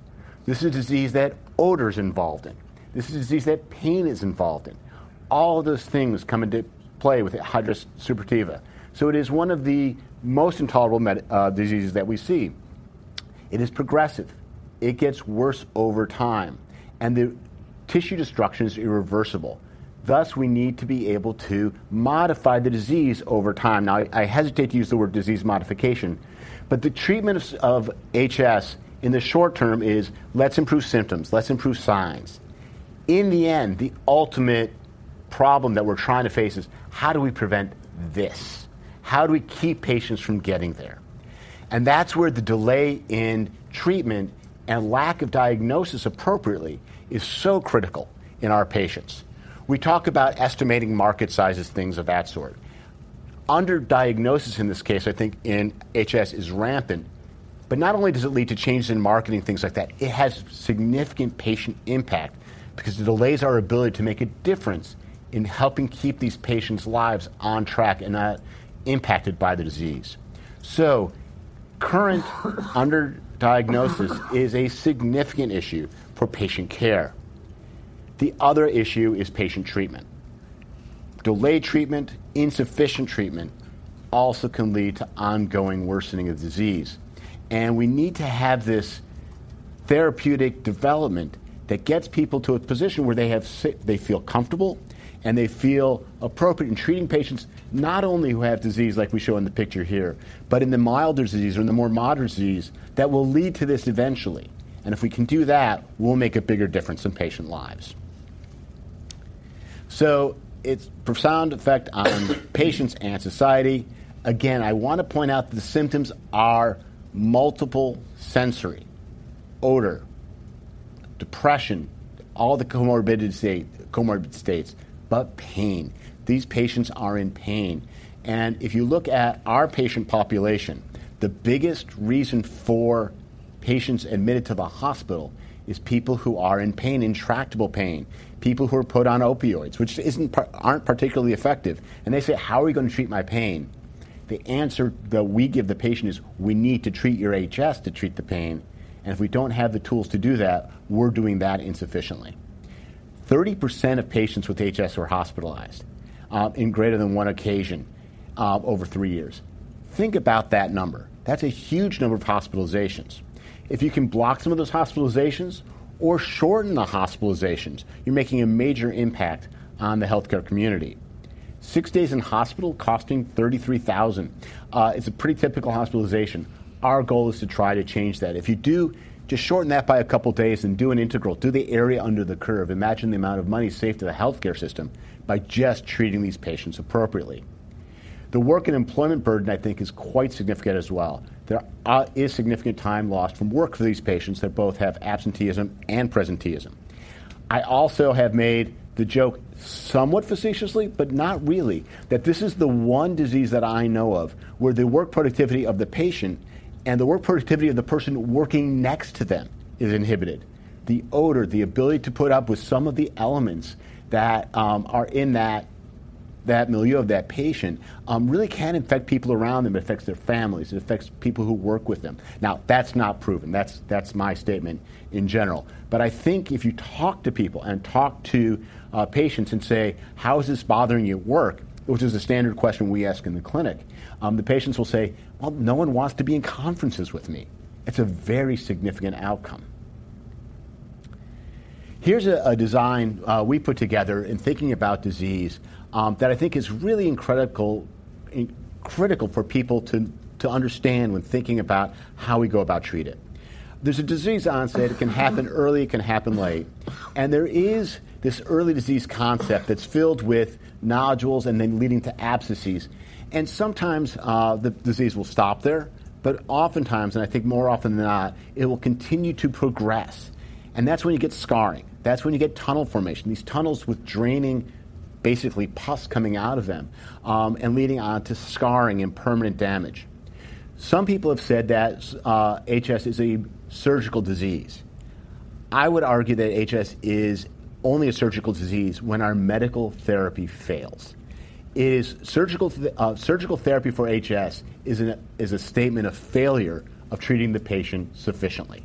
[SPEAKER 5] This is a disease that odor is involved in. This is a disease that pain is involved in. All of those things come into play with hidradenitis suppurativa. So it is one of the most intolerable diseases that we see. It is progressive. It gets worse over time. The tissue destruction is irreversible. Thus, we need to be able to modify the disease over time. Now, I hesitate to use the word disease modification. But the treatment of HS in the short term is, let's improve symptoms. Let's improve signs. In the end, the ultimate problem that we're trying to face is, how do we prevent this? How do we keep patients from getting there? And that's where the delay in treatment and lack of diagnosis appropriately is so critical in our patients. We talk about estimating market sizes, things of that sort. Underdiagnosis in this case, I think, in HS is rampant. But not only does it lead to changes in marketing, things like that, it has significant patient impact because it delays our ability to make a difference in helping keep these patients' lives on track and not impacted by the disease. So current underdiagnosis is a significant issue for patient care. The other issue is patient treatment. Delayed treatment, insufficient treatment also can lead to ongoing worsening of disease. We need to have this therapeutic development that gets people to a position where they feel comfortable and they feel appropriate in treating patients, not only who have disease like we show in the picture here, but in the milder disease or in the more moderate disease that will lead to this eventually. If we can do that, we'll make a bigger difference in patient lives. It's profound effect on patients and society. Again, I want to point out that the symptoms are multiple sensory odor, depression, all the comorbid states, but pain. These patients are in pain. If you look at our patient population, the biggest reason for patients admitted to the hospital is people who are in pain, intractable pain, people who are put on opioids, which aren't particularly effective. They say, how are we going to treat my pain? The answer that we give the patient is, we need to treat your HS to treat the pain. And if we don't have the tools to do that, we're doing that insufficiently. 30% of patients with HS are hospitalized in greater than one occasion over three years. Think about that number. That's a huge number of hospitalizations. If you can block some of those hospitalizations or shorten the hospitalizations, you're making a major impact on the health care community. Six days in hospital costing $33,000. It's a pretty typical hospitalization. Our goal is to try to change that. If you do, just shorten that by a couple of days and do an integral, do the area under the curve. Imagine the amount of money saved to the health care system by just treating these patients appropriately. The work and employment burden, I think, is quite significant as well. There is significant time lost from work for these patients that both have absenteeism and presenteeism. I also have made the joke somewhat facetiously, but not really, that this is the one disease that I know of where the work productivity of the patient and the work productivity of the person working next to them is inhibited. The odor, the ability to put up with some of the elements that are in that milieu of that patient really can affect people around them. It affects their families. It affects people who work with them. Now, that's not proven. That's my statement in general. But I think if you talk to people and talk to patients and say, how is this bothering you at work, which is a standard question we ask in the clinic, the patients will say, well, no one wants to be in conferences with me. It's a very significant outcome. Here's a design we put together in thinking about disease that I think is really critical for people to understand when thinking about how we go about treating it. There's a disease onset. It can happen early. It can happen late. And there is this early disease concept that's filled with nodules and then leading to abscesses. And sometimes the disease will stop there. But oftentimes, and I think more often than not, it will continue to progress. And that's when you get scarring. That's when you get tunnel formation, these tunnels with draining, basically pus coming out of them and leading on to scarring and permanent damage. Some people have said that HS is a surgical disease. I would argue that HS is only a surgical disease when our medical therapy fails. Surgical therapy for HS is a statement of failure of treating the patient sufficiently.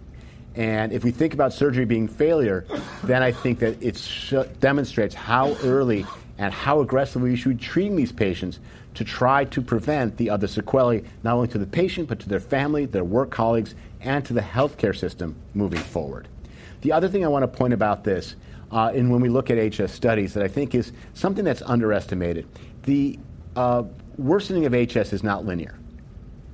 [SPEAKER 5] And if we think about surgery being failure, then I think that it demonstrates how early and how aggressively we should be treating these patients to try to prevent the other sequelae, not only to the patient, but to their family, their work colleagues, and to the health care system moving forward. The other thing I want to point about this when we look at HS studies that I think is something that's underestimated, the worsening of HS is not linear.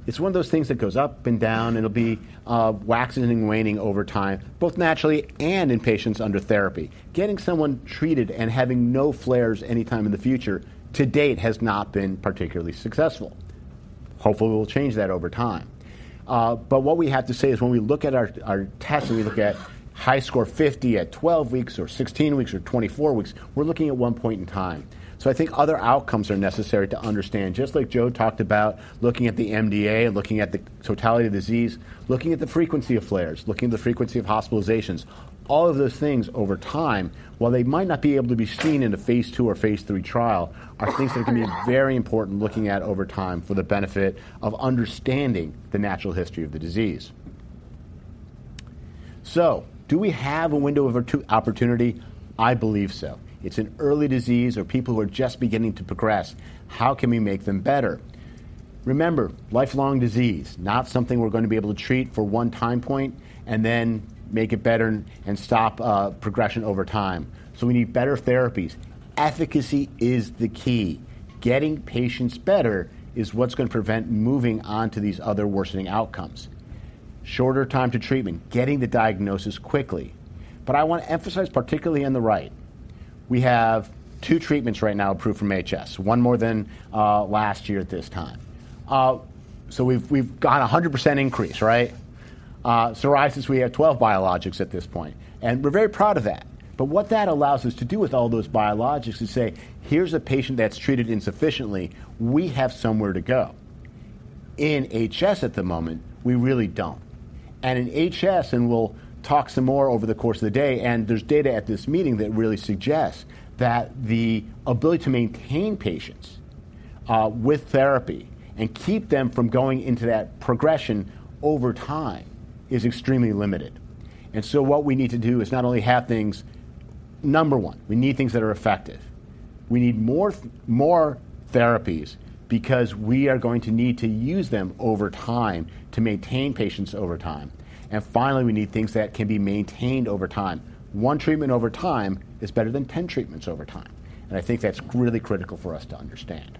[SPEAKER 5] It's one of those things that goes up and down. It'll be waxing and waning over time, both naturally and in patients under therapy. Getting someone treated and having no flares anytime in the future to date has not been particularly successful. Hopefully, we'll change that over time. What we have to say is when we look at our tests and we look at HiSCR 50 at 12 weeks or 16 weeks or 24 weeks, we're looking at one point in time. I think other outcomes are necessary to understand, just like Joe talked about looking at the MDA and looking at the totality of disease, looking at the frequency of flares, looking at the frequency of hospitalizations, all of those things over time, while they might not be able to be seen in a phase II or phase III trial, are things that can be very important looking at over time for the benefit of understanding the natural history of the disease. Do we have a window of opportunity? I believe so. It's an early disease or people who are just beginning to progress. How can we make them better? Remember, lifelong disease, not something we're going to be able to treat for one time point and then make it better and stop progression over time. We need better therapies. Efficacy is the key. Getting patients better is what's going to prevent moving on to these other worsening outcomes. Shorter time to treatment, getting the diagnosis quickly. But I want to emphasize, particularly on the right, we have two treatments right now approved for HS, one more than last year at this time. So we've got 100% increase, right? Psoriasis, we have 12 biologics at this point. And we're very proud of that. But what that allows us to do with all those biologics is say, here's a patient that's treated insufficiently. We have somewhere to go. In HS at the moment, we really don't. And in HS, and we'll talk some more over the course of the day, and there's data at this meeting that really suggests that the ability to maintain patients with therapy and keep them from going into that progression over time is extremely limited. What we need to do is not only have things number one; we need things that are effective. We need more therapies because we are going to need to use them over time to maintain patients over time. And finally, we need things that can be maintained over time. One treatment over time is better than 10 treatments over time. And I think that's really critical for us to understand.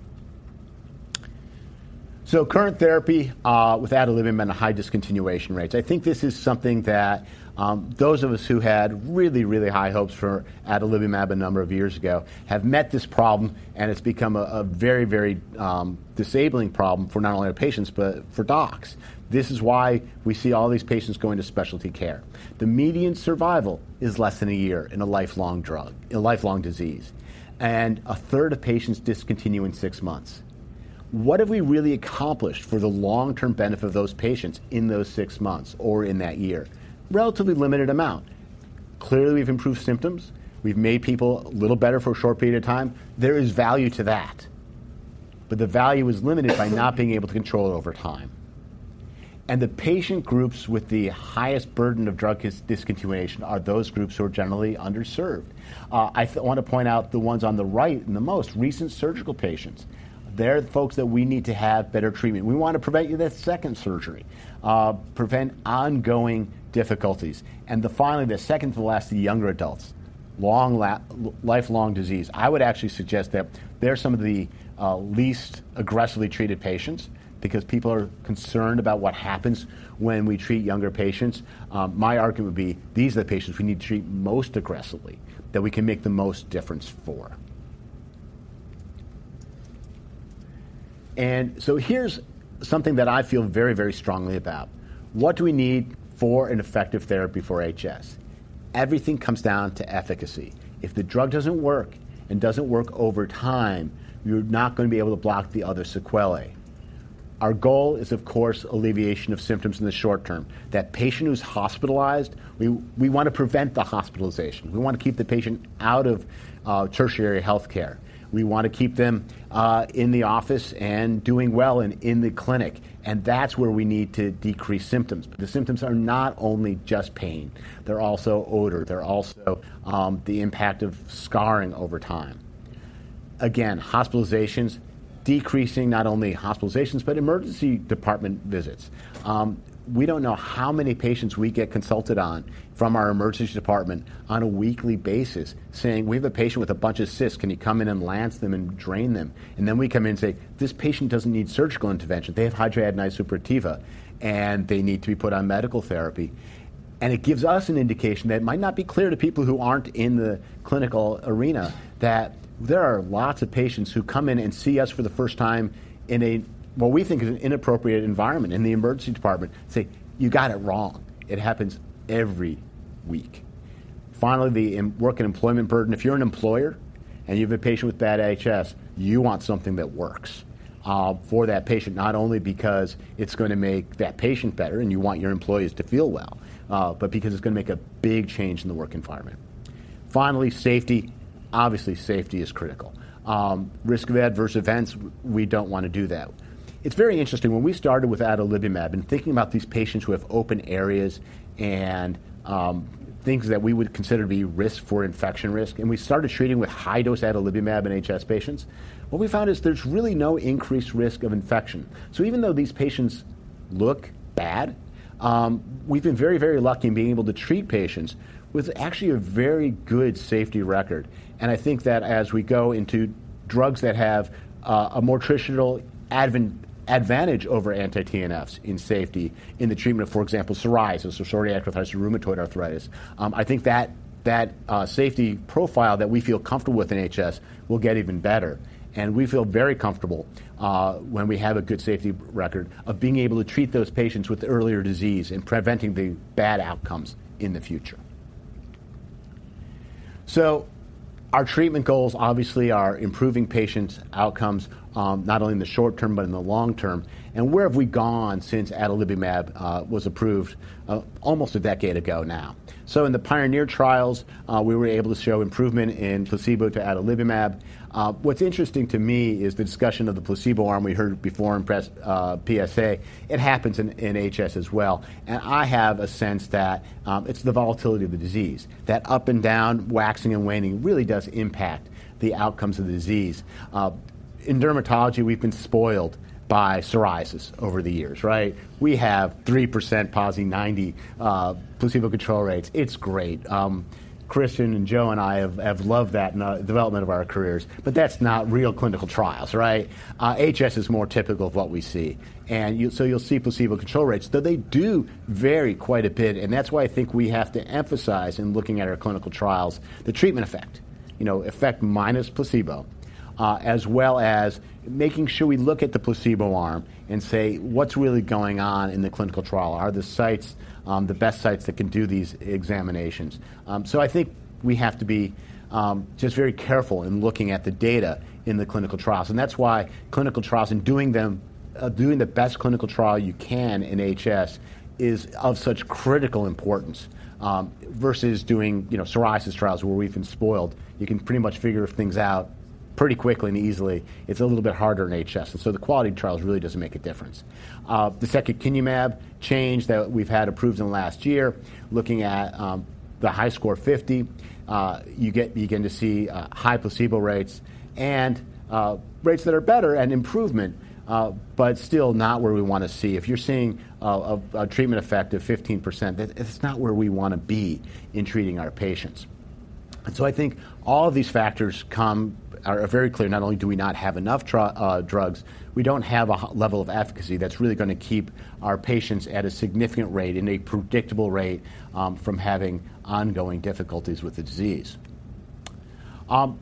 [SPEAKER 5] So current therapy with adalimumab and the high discontinuation rates, I think this is something that those of us who had really, really high hopes for adalimumab a number of years ago have met this problem. And it's become a very, very disabling problem for not only our patients, but for docs. This is why we see all these patients going to specialty care. The median survival is less than a year in a lifelong drug, a lifelong disease, and a third of patients discontinue in six months. What have we really accomplished for the long-term benefit of those patients in those six months or in that year? Relatively limited amount. Clearly, we've improved symptoms. We've made people a little better for a short period of time. There is value to that. But the value is limited by not being able to control it over time. And the patient groups with the highest burden of drug discontinuation are those groups who are generally underserved. I want to point out the ones on the right and the most recent surgical patients. They're folks that we need to have better treatment. We want to prevent you that second surgery, prevent ongoing difficulties. And finally, the second to the last, the younger adults, lifelong disease. I would actually suggest that they're some of the least aggressively treated patients because people are concerned about what happens when we treat younger patients. My argument would be, these are the patients we need to treat most aggressively that we can make the most difference for. And so here's something that I feel very, very strongly about. What do we need for an effective therapy for HS? Everything comes down to efficacy. If the drug doesn't work and doesn't work over time, you're not going to be able to block the other sequelae. Our goal is, of course, alleviation of symptoms in the short term. That patient who's hospitalized, we want to prevent the hospitalization. We want to keep the patient out of tertiary health care. We want to keep them in the office and doing well and in the clinic. And that's where we need to decrease symptoms. But the symptoms are not only just pain. They're also odor. They're also the impact of scarring over time. Again, hospitalizations, decreasing not only hospitalizations, but emergency department visits. We don't know how many patients we get consulted on from our emergency department on a weekly basis saying, we have a patient with a bunch of cysts. Can you come in and lance them and drain them? And then we come in and say, this patient doesn't need surgical intervention. They have hidradenitis suppurativa. And they need to be put on medical therapy. And it gives us an indication that might not be clear to people who aren't in the clinical arena that there are lots of patients who come in and see us for the first time in a what we think is an inappropriate environment in the emergency department, say, you got it wrong. It happens every week. Finally, the work and employment burden. If you're an employer and you have a patient with bad HS, you want something that works for that patient, not only because it's going to make that patient better and you want your employees to feel well, but because it's going to make a big change in the work environment. Finally, safety. Obviously, safety is critical. Risk of adverse events, we don't want to do that. It's very interesting. When we started with adalimumab and thinking about these patients who have open areas and things that we would consider to be risk for infection risk, and we started treating with high-dose adalimumab in HS patients, what we found is there's really no increased risk of infection. So even though these patients look bad, we've been very, very lucky in being able to treat patients with actually a very good safety record. I think that as we go into drugs that have a more traditional advantage over anti-TNFs in safety in the treatment of, for example, psoriasis, psoriatic arthritis, rheumatoid arthritis, I think that safety profile that we feel comfortable with in HS will get even better. We feel very comfortable when we have a good safety record of being able to treat those patients with the earlier disease and preventing the bad outcomes in the future. Our treatment goals, obviously, are improving patients' outcomes, not only in the short term, but in the long term. Where have we gone since adalimumab was approved almost a decade ago now? In the Pioneer trials, we were able to show improvement in placebo to adalimumab. What's interesting to me is the discussion of the placebo arm we heard before in PsA. It happens in HS as well. I have a sense that it's the volatility of the disease, that up and down, waxing and waning really does impact the outcomes of the disease. In dermatology, we've been spoiled by psoriasis over the years, right? We have 3% positive 90 placebo control rates. It's great. Kristian and Joe and I have loved that in the development of our careers. But that's not real clinical trials, right? HS is more typical of what we see. And so you'll see placebo control rates. Though they do vary quite a bit. And that's why I think we have to emphasize in looking at our clinical trials, the treatment effect, effect minus placebo, as well as making sure we look at the placebo arm and say, what's really going on in the clinical trial? Are the sites the best sites that can do these examinations? So I think we have to be just very careful in looking at the data in the clinical trials. That's why clinical trials and doing the best clinical trial you can in HS is of such critical importance versus doing psoriasis trials where we've been spoiled. You can pretty much figure things out pretty quickly and easily. It's a little bit harder in HS. And so the quality of trials really doesn't make a difference. The second secukinumab change that we've had approved in the last year, looking at the HiSCR 50, you begin to see high placebo rates and rates that are better and improvement, but still not where we want to see. If you're seeing a treatment effect of 15%, that's not where we want to be in treating our patients. And so I think all of these factors are very clear. Not only do we not have enough drugs, we don't have a level of efficacy that's really going to keep our patients at a significant rate and a predictable rate from having ongoing difficulties with the disease.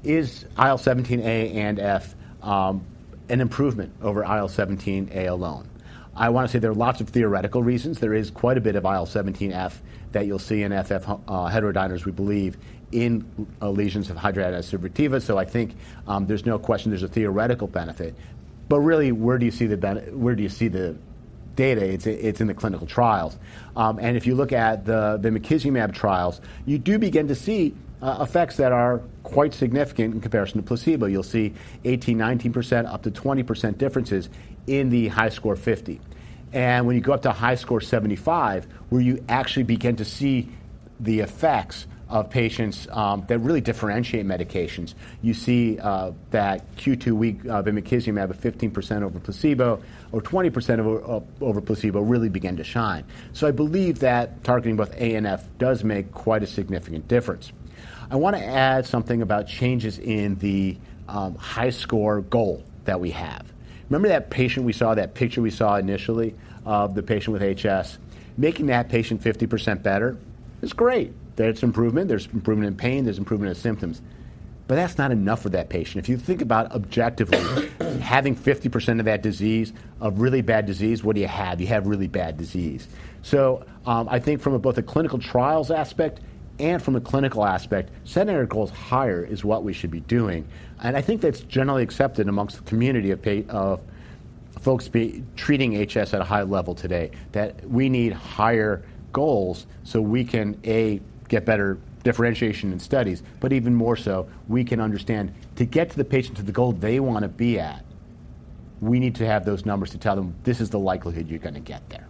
[SPEAKER 5] Is IL-17A and IL-17F an improvement over IL-17A alone? I want to say there are lots of theoretical reasons. There is quite a bit of IL-17F that you'll see in IL-17F/IL-17F heterodimers, we believe, in lesions of hidradenitis suppurativa. So I think there's no question there's a theoretical benefit. But really, where do you see the data? It's in the clinical trials. And if you look at the bimekizumab trials, you do begin to see effects that are quite significant in comparison to placebo. You'll see 18%, 19%, up to 20% differences in the HiSCR 50. When you go up to HiSCR 75, where you actually begin to see the effects of patients that really differentiate medications, you see that Q2 week of sonelokimab, 15% over placebo or 20% over placebo really begin to shine. So I believe that targeting both A and F does make quite a significant difference. I want to add something about changes in the HiSCR goal that we have. Remember that patient we saw, that picture we saw initially of the patient with HS, making that patient 50% better? It's great. There's improvement. There's improvement in pain. There's improvement in symptoms. But that's not enough for that patient. If you think about objectively having 50% of that disease, of really bad disease, what do you have? You have really bad disease. So I think from both a clinical trials aspect and from a clinical aspect, setting our goals higher is what we should be doing. And I think that's generally accepted among the community of folks treating HS at a high level today, that we need higher goals so we can, A, get better differentiation in studies, but even more so, we can understand to get to the patient to the goal they want to be at, we need to have those numbers to tell them, this is the likelihood you're going to get there.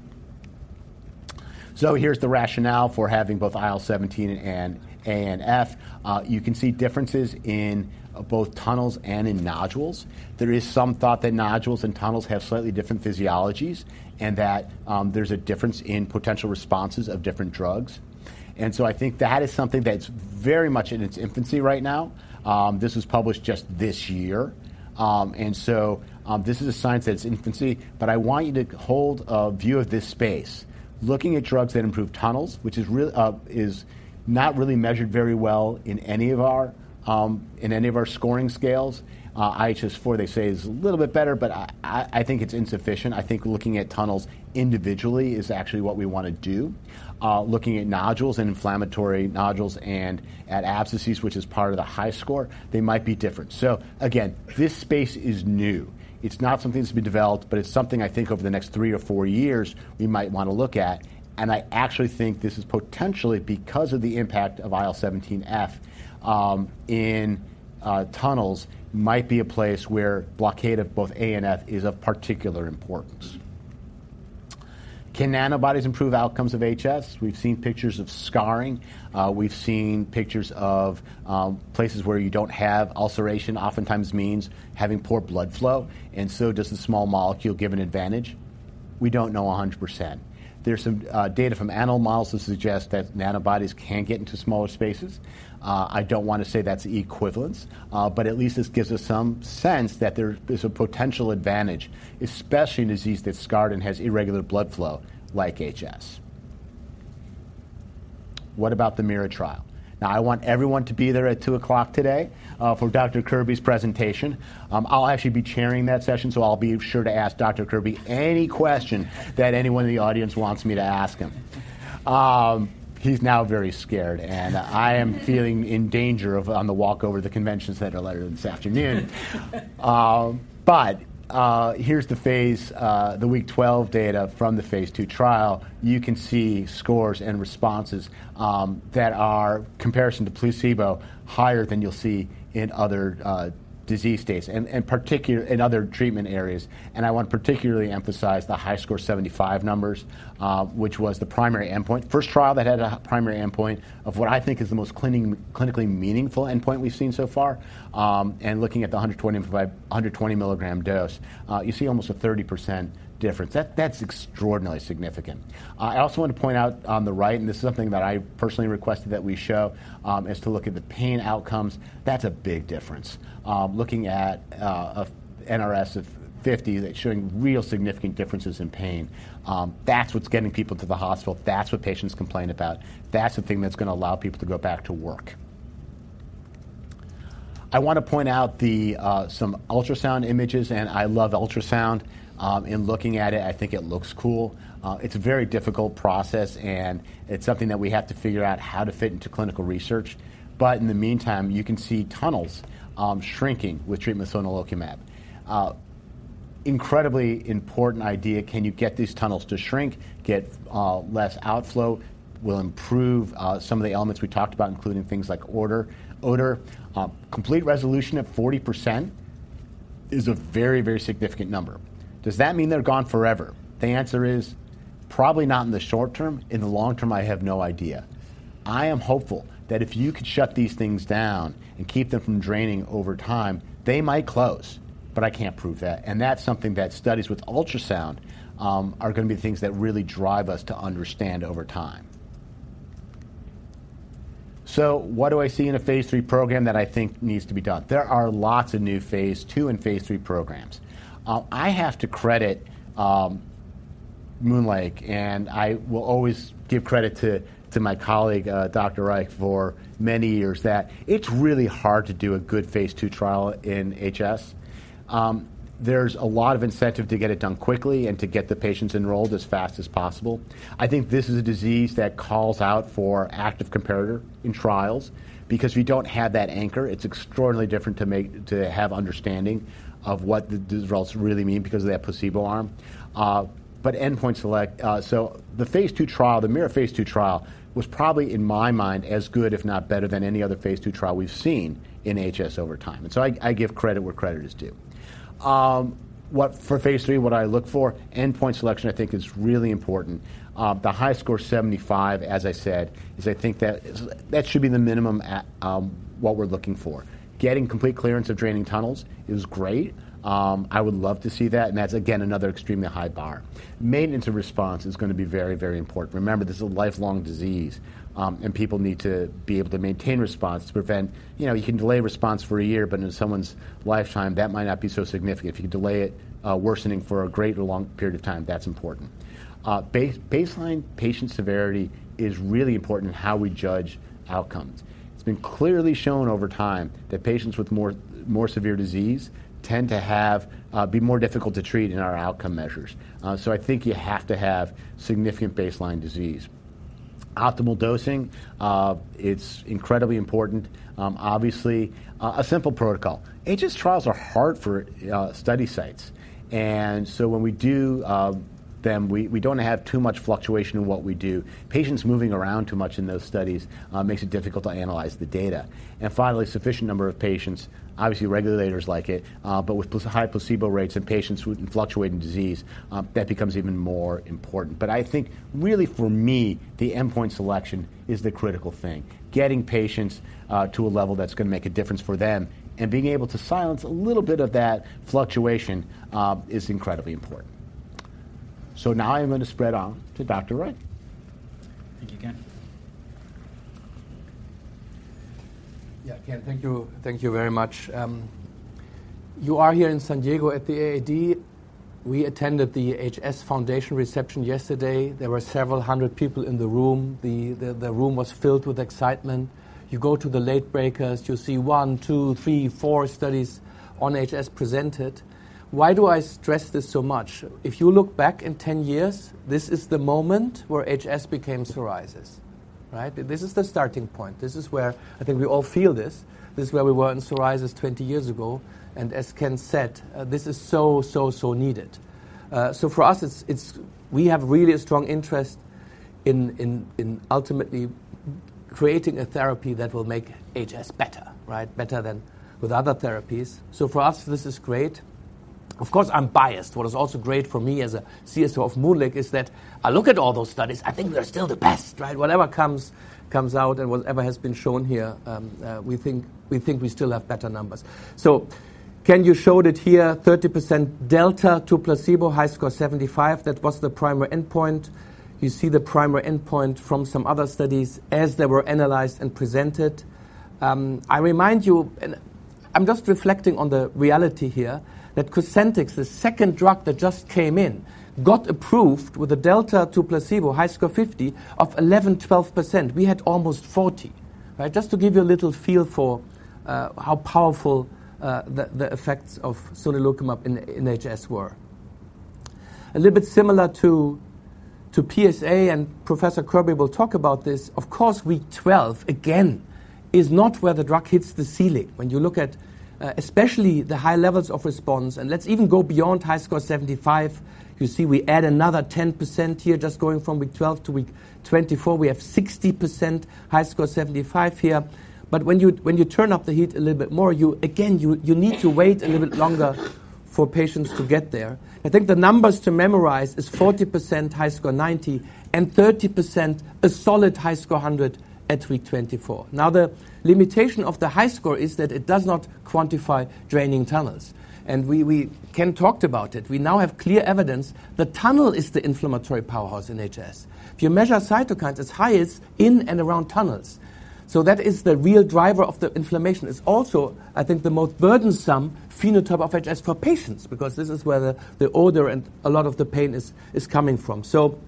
[SPEAKER 5] So here's the rationale for having both IL-17A and IL-17F. You can see differences in both tunnels and in nodules. There is some thought that nodules and tunnels have slightly different physiologies and that there's a difference in potential responses of different drugs. And so I think that is something that's very much in its infancy right now. This was published just this year. And so this is a science that's in infancy. But I want you to hold a view of this space. Looking at drugs that improve tunnels, which is not really measured very well in any of our scoring scales, IHS-4, they say, is a little bit better. But I think it's insufficient. I think looking at tunnels individually is actually what we want to do. Looking at nodules and inflammatory nodules and at abscesses, which is part of the HiSCR, they might be different. So again, this space is new. It's not something that's been developed. But it's something I think over the next three or four years, we might want to look at. I actually think this is potentially because of the impact of IL-17F in tunnels might be a place where blockade of both A and F is of particular importance. Can antibodies improve outcomes of HS? We've seen pictures of scarring. We've seen pictures of places where you don't have ulceration oftentimes means having poor blood flow. And so does the small molecule give an advantage? We don't know 100%. There's some data from animal models that suggest that antibodies can get into smaller spaces. I don't want to say that's equivalence. But at least this gives us some sense that there is a potential advantage, especially in disease that's scarred and has irregular blood flow like HS. What about the MIRA trial? Now, I want everyone to be there at 2:00 P.M. today for Dr. Kirby's presentation. I'll actually be chairing that session. I'll be sure to ask Dr. Kirby any question that anyone in the audience wants me to ask him. He's now very scared. I am feeling in danger on the walk over to the convention center later this afternoon. Here's the phase II, the week 12 data from the phase II trial. You can see scores and responses that are comparison to placebo higher than you'll see in other disease states and in other treatment areas. I want to particularly emphasize the HiSCR 75 numbers, which was the primary endpoint, first trial that had a primary endpoint of what I think is the most clinically meaningful endpoint we've seen so far. Looking at the 120 mg dose, you see almost a 30% difference. That's extraordinarily significant. I also want to point out on the right, and this is something that I personally requested that we show, is to look at the pain outcomes. That's a big difference. Looking at NRS of 50, that's showing real significant differences in pain. That's what's getting people to the hospital. That's what patients complain about. That's the thing that's going to allow people to go back to work. I want to point out some ultrasound images. I love ultrasound. In looking at it, I think it looks cool. It's a very difficult process. It's something that we have to figure out how to fit into clinical research. But in the meantime, you can see tunnels shrinking with treatment with sonelokimab. Incredibly important idea. Can you get these tunnels to shrink, get less outflow? Will improve some of the elements we talked about, including things like odor. Complete resolution at 40% is a very, very significant number. Does that mean they're gone forever? The answer is probably not in the short term. In the long term, I have no idea. I am hopeful that if you could shut these things down and keep them from draining over time, they might close. But I can't prove that. And that's something that studies with ultrasound are going to be the things that really drive us to understand over time. So what do I see in a phase III program that I think needs to be done? There are lots of new phase II and phase III programs. I have to credit MoonLake. And I will always give credit to my colleague, Dr. Reich, for many years that it's really hard to do a good phase II trial in HS. There's a lot of incentive to get it done quickly and to get the patients enrolled as fast as possible. I think this is a disease that calls out for active competitor in trials because if you don't have that anchor, it's extraordinarily different to have understanding of what the results really mean because of that placebo arm. But endpoint selection, so the phase II trial, the MIRA phase II trial, was probably in my mind as good, if not better, than any other phase II trial we've seen in HS over time. And so I give credit where credit is due. For phase III, what I look for, endpoint selection, I think is really important. The HiSCR 75, as I said, is I think that should be the minimum what we're looking for. Getting complete clearance of draining tunnels is great. I would love to see that. That's, again, another extremely high bar. Maintenance of response is going to be very, very important. Remember, this is a lifelong disease. People need to be able to maintain response to prevent. You can delay response for a year. But in someone's lifetime, that might not be so significant. If you can delay it, worsening for a greater long period of time, that's important. Baseline patient severity is really important in how we judge outcomes. It's been clearly shown over time that patients with more severe disease tend to be more difficult to treat in our outcome measures. So I think you have to have significant baseline disease. Optimal dosing, it's incredibly important. Obviously, a simple protocol. HS trials are hard for study sites. And so when we do them, we don't have too much fluctuation in what we do. Patients moving around too much in those studies makes it difficult to analyze the data. Finally, sufficient number of patients, obviously, regulators like it. But with high placebo rates and patients fluctuating disease, that becomes even more important. But I think really, for me, the endpoint selection is the critical thing, getting patients to a level that's going to make a difference for them. And being able to silence a little bit of that fluctuation is incredibly important. Now I'm going to spread on to Dr. Reich.
[SPEAKER 4] Thank you, Ken. Yeah, Ken, thank you very much. You are here in San Diego at the AAD. We attended the HS Foundation reception yesterday. There were several hundred people in the room. The room was filled with excitement. You go to the late breakers. You see one, two, three, four studies on HS presented. Why do I stress this so much? If you look back in 10 years, this is the moment where HS became psoriasis, right? This is the starting point. This is where I think we all feel this. This is where we were in psoriasis 20 years ago. And as Ken said, this is so, so, so needed. So for us, we have really a strong interest in ultimately creating a therapy that will make HS better, right, better than with other therapies. So for us, this is great. Of course, I'm biased. What is also great for me as a CSO of MoonLake is that I look at all those studies. I think they're still the best, right? Whatever comes out and whatever has been shown here, we think we still have better numbers. So Ken, you showed it here, 30% delta to placebo, HiSCR 75. That was the primary endpoint. You see the primary endpoint from some other studies as they were analyzed and presented. I remind you, and I'm just reflecting on the reality here, that Cosentyx, the second drug that just came in, got approved with a delta to placebo, HiSCR 50, of 11% to 12%. We had almost 40%, right, just to give you a little feel for how powerful the effects of sonelokimab in HS were. A little bit similar to PsA. And Professor Kirby will talk about this. Of course, week 12, again, is not where the drug hits the ceiling. When you look at especially the high levels of response, and let's even go beyond HiSCR 75, you see we add another 10% here. Just going from week 12 to week 24, we have 60% HiSCR 75 here. But when you turn up the heat a little bit more, again, you need to wait a little bit longer for patients to get there. I think the numbers to memorize is 40% HiSCR 90 and 30% a solid HiSCR 100 at week 24. Now, the limitation of the HiSCR is that it does not quantify draining tunnels. And we've talked about it. We now have clear evidence the tunnel is the inflammatory powerhouse in HS. If you measure cytokines as high as in and around tunnels. So that is the real driver of the inflammation. It's also, I think, the most burdensome phenotype of HS for patients because this is where the odor and a lot of the pain is coming from. So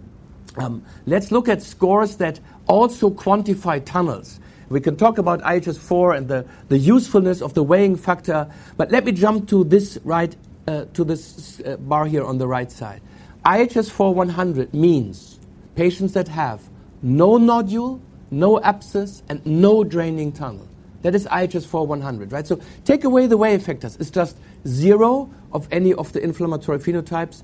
[SPEAKER 4] let's look at scores that also quantify tunnels. We can talk about IHS-4 and the usefulness of the weighting factor. But let me jump to this right to this bar here on the right side. IHS-4 100 means patients that have no nodule, no abscess, and no draining tunnel. That is IHS-4 100, right? So take away the weighting factors. It's just zero of any of the inflammatory phenotypes.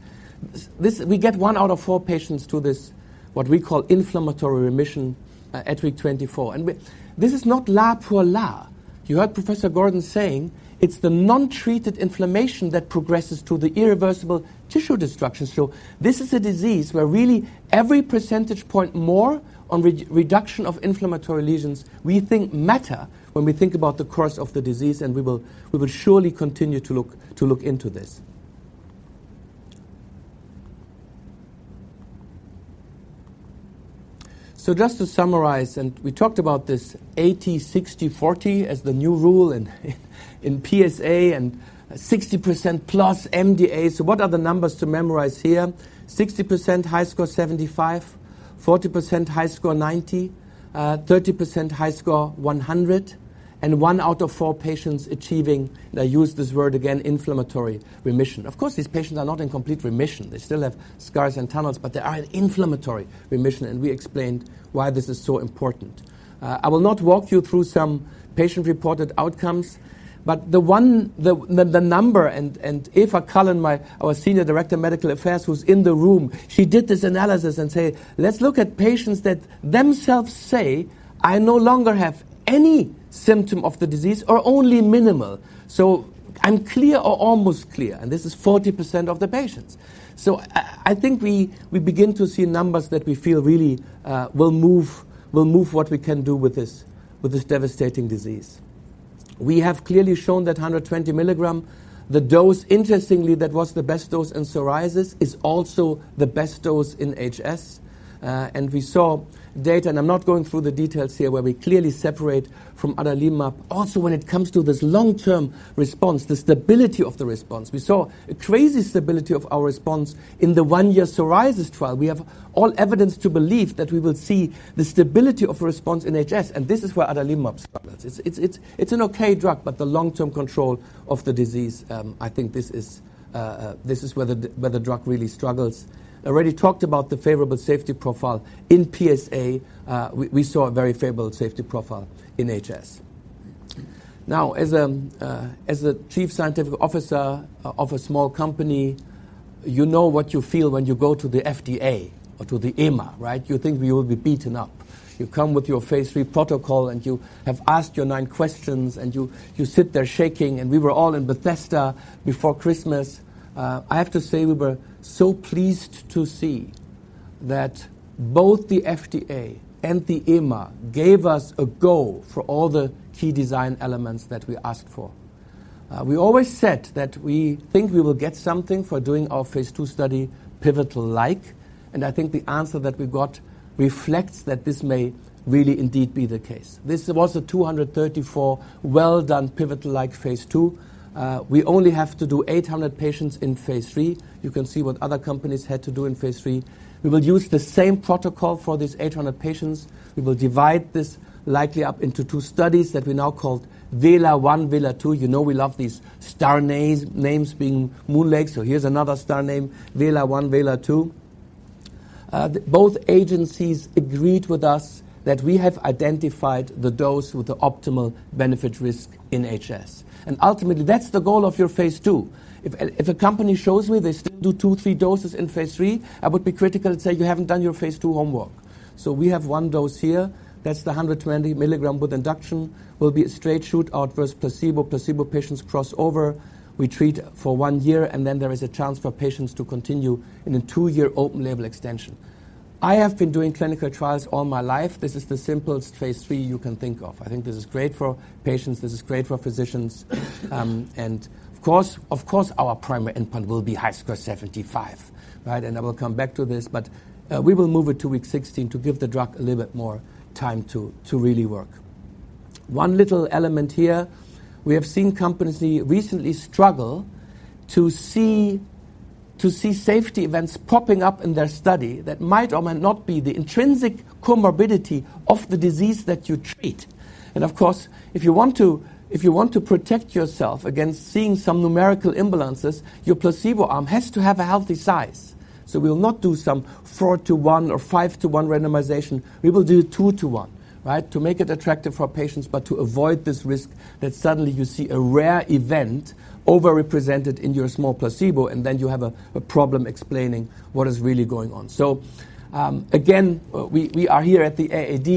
[SPEAKER 4] We get 1 out of 4 patients to this what we call inflammatory remission at week 24. And this is not l'art pour l'art. You heard Professor Gordon saying it's the non-treated inflammation that progresses to the irreversible tissue destruction. So this is a disease where really every percentage point more on reduction of inflammatory lesions, we think, matter when we think about the course of the disease. And we will surely continue to look into this. So just to summarize, and we talked about this HiSCR 60/40 as the new rule in PsA and 60%+ MDA. So what are the numbers to memorize here? 60% HiSCR 75, 40% HiSCR 90, 30% HiSCR 100, and 1 out of 4 patients achieving and I use this word again, inflammatory remission. Of course, these patients are not in complete remission. They still have scars and tunnels. But they are in inflammatory remission. And we explained why this is so important. I will not walk you through some patient-reported outcomes. But the number and Eva Cullen, our Senior Director of Medical Affairs, who's in the room, she did this analysis and says, "Let's look at patients that themselves say, 'I no longer have any symptom of the disease' or only minimal." So I'm clear or almost clear. And this is 40% of the patients. So I think we begin to see numbers that we feel really will move what we can do with this devastating disease. We have clearly shown that 120 mg, the dose, interestingly, that was the best dose in psoriasis is also the best dose in HS. And we saw data, and I'm not going through the details here, where we clearly separate from other IL-17 mAbs. Also, when it comes to this long-term response, the stability of the response, we saw a crazy stability of our response in the one-year psoriasis trial. We have all evidence to believe that we will see the stability of response in HS. This is where adalimumab struggles. It's an OK drug. The long-term control of the disease, I think this is where the drug really struggles. I already talked about the favorable safety profile. In PsA, we saw a very favorable safety profile in HS. Now, as a chief scientific officer of a small company, you know what you feel when you go to the FDA or to the EMA, right? You think you will be beaten up. You come with your phase III protocol. You have asked your 9 questions. You sit there shaking. We were all in Bethesda before Christmas. I have to say, we were so pleased to see that both the FDA and the EMA gave us a go for all the key design elements that we asked for. We always said that we think we will get something for doing our phase II study pivotal-like. And I think the answer that we got reflects that this may really, indeed, be the case. This was a 234 well-done pivotal-like phase II. We only have to do 800 patients in phase III. You can see what other companies had to do in phase III. We will use the same protocol for these 800 patients. We will divide this likely up into two studies that we now called VELA-1, VELA-2. You know we love these star names being MoonLake. So here's another star name, VELA-1, VELA-2. Both agencies agreed with us that we have identified the dose with the optimal benefit risk in HS. Ultimately, that's the goal of your phase II. If a company shows me they still do two, three doses in phase III, I would be critical and say, "You haven't done your phase II homework." We have one dose here. That's the 120 mg with induction. Will be a straight shoot out versus placebo. Placebo patients cross over. We treat for one year. Then there is a chance for patients to continue in a two-year open label extension. I have been doing clinical trials all my life. This is the simplest phase III you can think of. I think this is great for patients. This is great for physicians. Of course, our primary endpoint will be HiSCR 75, right? I will come back to this. But we will move it to week 16 to give the drug a little bit more time to really work. One little element here, we have seen companies recently struggle to see safety events popping up in their study that might or might not be the intrinsic comorbidity of the disease that you treat. And of course, if you want to protect yourself against seeing some numerical imbalances, your placebo arm has to have a healthy size. So we will not do some 4:1 or 5:1 randomization. We will do 2:1, right, to make it attractive for patients but to avoid this risk that suddenly you see a rare event overrepresented in your small placebo. And then you have a problem explaining what is really going on. So again, we are here at the AAD.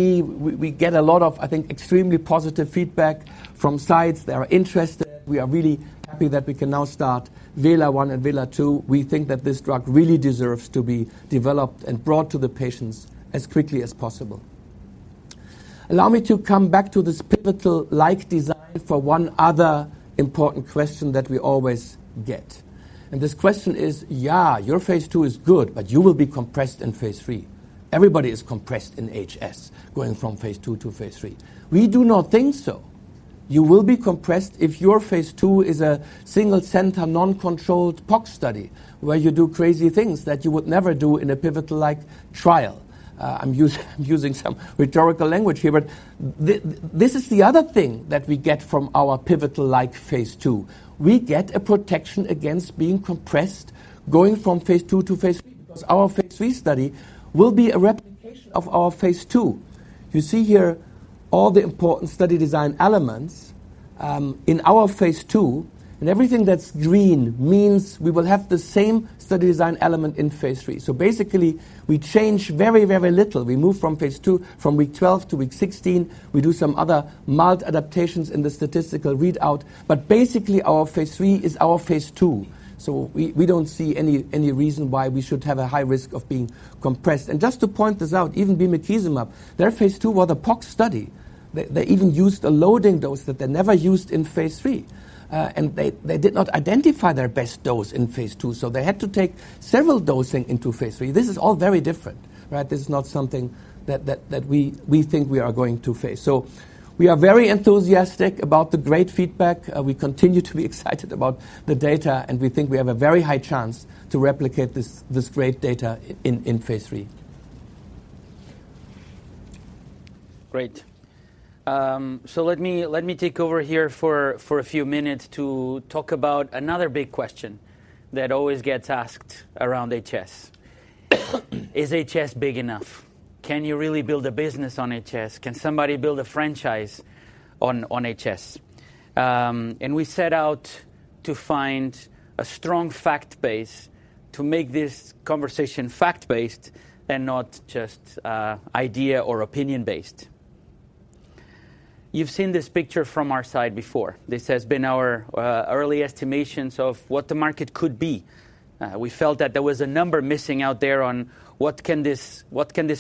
[SPEAKER 4] We get a lot of, I think, extremely positive feedback from sites that are interested. We are really happy that we can now start VELA-1 and VELA-2. We think that this drug really deserves to be developed and brought to the patients as quickly as possible. Allow me to come back to this pivotal-like design for one other important question that we always get. This question is, "Yeah, your phase II is good. But you will be compressed in phase III. Everybody is compressed in HS going from phase II to phase III." We do not think so. You will be compressed if your phase II is a single center, non-controlled PoC study where you do crazy things that you would never do in a pivotal-like trial. I'm using some rhetorical language here. This is the other thing that we get from our pivotal-like phase II. We get a protection against being compressed going from phase II to phase III because our phase III study will be a replication of our phase II. You see here all the important study design elements in our phase II. Everything that's green means we will have the same study design element in phase III. So basically, we change very, very little. We move from phase II from week 12 to week 16. We do some other mild adaptations in the statistical readout. But basically, our phase III is our phase II. So we don't see any reason why we should have a high risk of being compressed. And just to point this out, even bimekizumab, their phase II was a PoC study. They even used a loading dose that they never used in phase III. And they did not identify their best dose in phase II. So they had to take several dosing into phase III. This is all very different, right? This is not something that we think we are going to face. So we are very enthusiastic about the great feedback. We continue to be excited about the data. And we think we have a very high chance to replicate this great data in phase III.
[SPEAKER 2] Great. So let me take over here for a few minutes to talk about another big question that always gets asked around HS. Is HS big enough? Can you really build a business on HS? Can somebody build a franchise on HS? And we set out to find a strong fact base to make this conversation fact-based and not just idea or opinion-based. You've seen this picture from our side before. This has been our early estimations of what the market could be. We felt that there was a number missing out there on what can this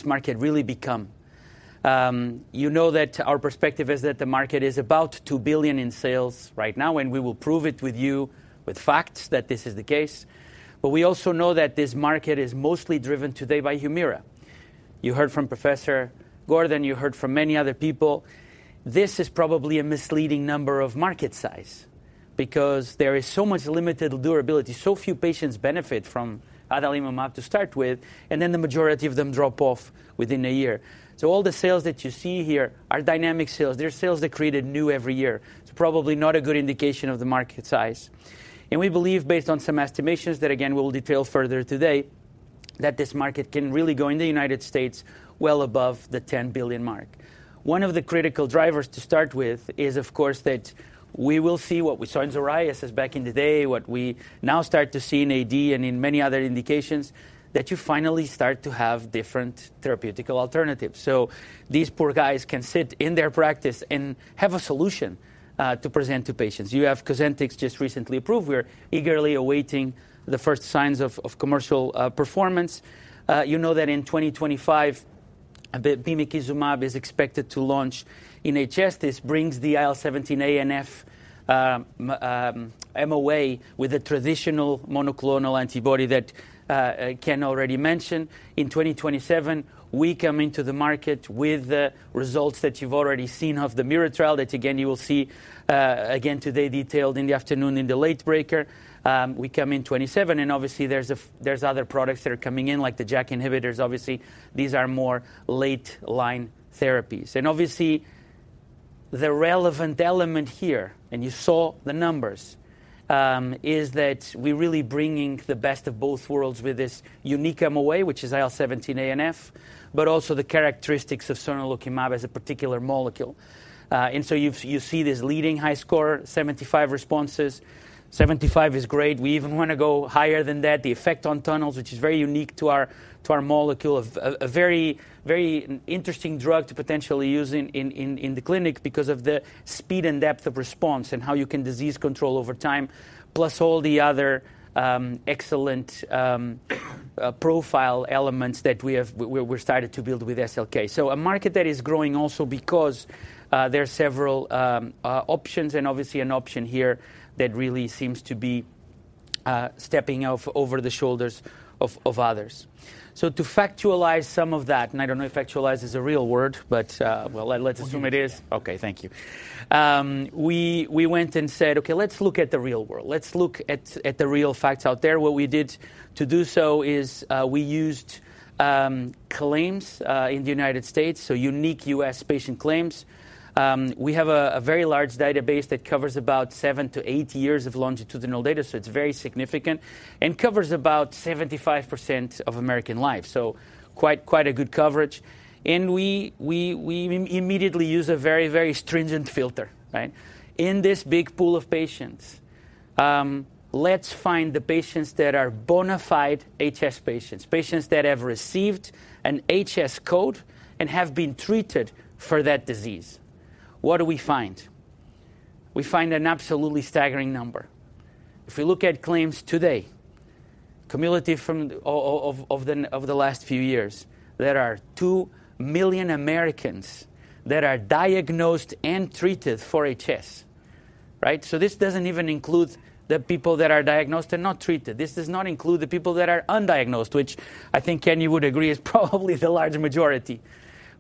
[SPEAKER 2] market really become. You know that our perspective is that the market is about $2 billion in sales right now. And we will prove it with you with facts that this is the case. But we also know that this market is mostly driven today by Humira. You heard from Professor Gordon. You heard from many other people. This is probably a misleading number of market size because there is so much limited durability. So few patients benefit from adalimumab to start with. And then the majority of them drop off within a year. So all the sales that you see here are dynamic sales. They're sales that created new every year. It's probably not a good indication of the market size. And we believe, based on some estimations that, again, we will detail further today, that this market can really go in the United States well above the $10 billion mark. One of the critical drivers to start with is, of course, that we will see what we saw in psoriasis back in the day, what we now start to see in AD and in many other indications, that you finally start to have different therapeutic alternatives. So these poor guys can sit in their practice and have a solution to present to patients. You have Cosentyx just recently approved. We're eagerly awaiting the first signs of commercial performance. You know that in 2025, bimekizumab is expected to launch in HS. This brings the IL-17A/F MOA with a traditional monoclonal antibody that Ken already mentioned. In 2027, we come into the market with the results that you've already seen of the MIRA trial that, again, you will see today detailed in the afternoon in the Late Breaker. We come in 2027. And obviously, there's other products that are coming in, like the JAK inhibitors. Obviously, these are more late-line therapies. And obviously, the relevant element here and you saw the numbers is that we're really bringing the best of both worlds with this unique MOA, which is IL-17A/F, but also the characteristics of sonelokimab as a particular molecule. And so you see this leading HiSCR 75 response. 75 is great. We even want to go higher than that, the effect on tunnels, which is very unique to our molecule, a very interesting drug to potentially use in the clinic because of the speed and depth of response and how you can disease control over time, plus all the other excellent profile elements that we've started to build with SLK. So a market that is growing also because there are several options and obviously an option here that really seems to be stepping over the shoulders of others. So to factualize some of that and I don't know if factualize is a real word. But well, let's assume it is. OK, thank you. We went and said, "OK, let's look at the real world. Let's look at the real facts out there." What we did to do so is we used claims in the United States, so unique U.S. patient claims. We have a very large database that covers about seven to eight years of longitudinal data. So it's very significant and covers about 75% of American lives, so quite a good coverage. And we immediately use a very, very stringent filter, right, in this big pool of patients. Let's find the patients that are bona fide HS patients, patients that have received an HS code and have been treated for that disease. What do we find? We find an absolutely staggering number. If we look at claims today, cumulative from the last few years, there are 2 million Americans that are diagnosed and treated for HS, right? So this doesn't even include the people that are diagnosed and not treated. This does not include the people that are undiagnosed, which I think, Ken, you would agree is probably the large majority.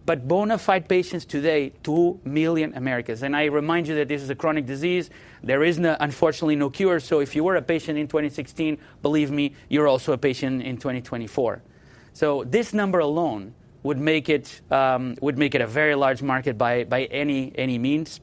[SPEAKER 2] But bona fide patients today, 2 million Americans. I remind you that this is a chronic disease. There is, unfortunately, no cure. So if you were a patient in 2016, believe me, you're also a patient in 2024. So this number alone would make it a very large market by any means.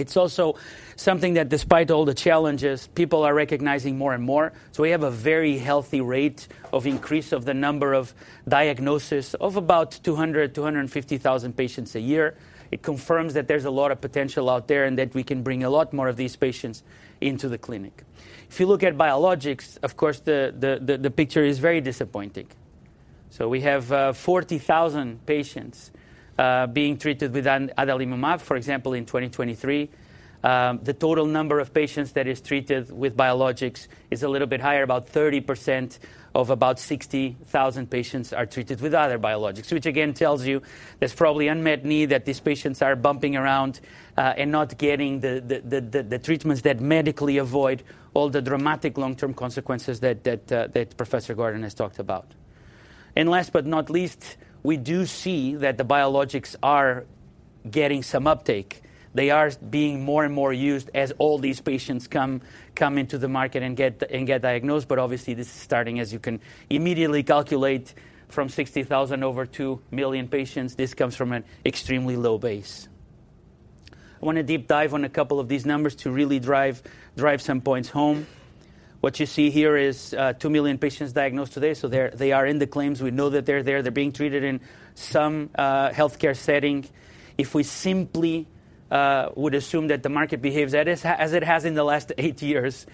[SPEAKER 2] It's also something that, despite all the challenges, people are recognizing more and more. We have a very healthy rate of increase of the number of diagnosis of about 200,000-250,000 patients a year. It confirms that there's a lot of potential out there and that we can bring a lot more of these patients into the clinic. If you look at biologics, of course, the picture is very disappointing. So we have 40,000 patients being treated with adalimumab, for example, in 2023. The total number of patients that is treated with biologics is a little bit higher, about 30% of about 60,000 patients are treated with other biologics, which, again, tells you there's probably unmet need that these patients are bumping around and not getting the treatments that medically avoid all the dramatic long-term consequences that Professor Gordon has talked about. And last but not least, we do see that the biologics are getting some uptake. They are being more and more used as all these patients come into the market and get diagnosed. But obviously, this is starting, as you can immediately calculate, from 60,000 over 2 million patients. This comes from an extremely low base. I want to deep dive on a couple of these numbers to really drive some points home. What you see here is 2 million patients diagnosed today. So they are in the claims. We know that they're there. They're being treated in some health care setting. If we simply would assume that the market behaves as it has in the last eight years,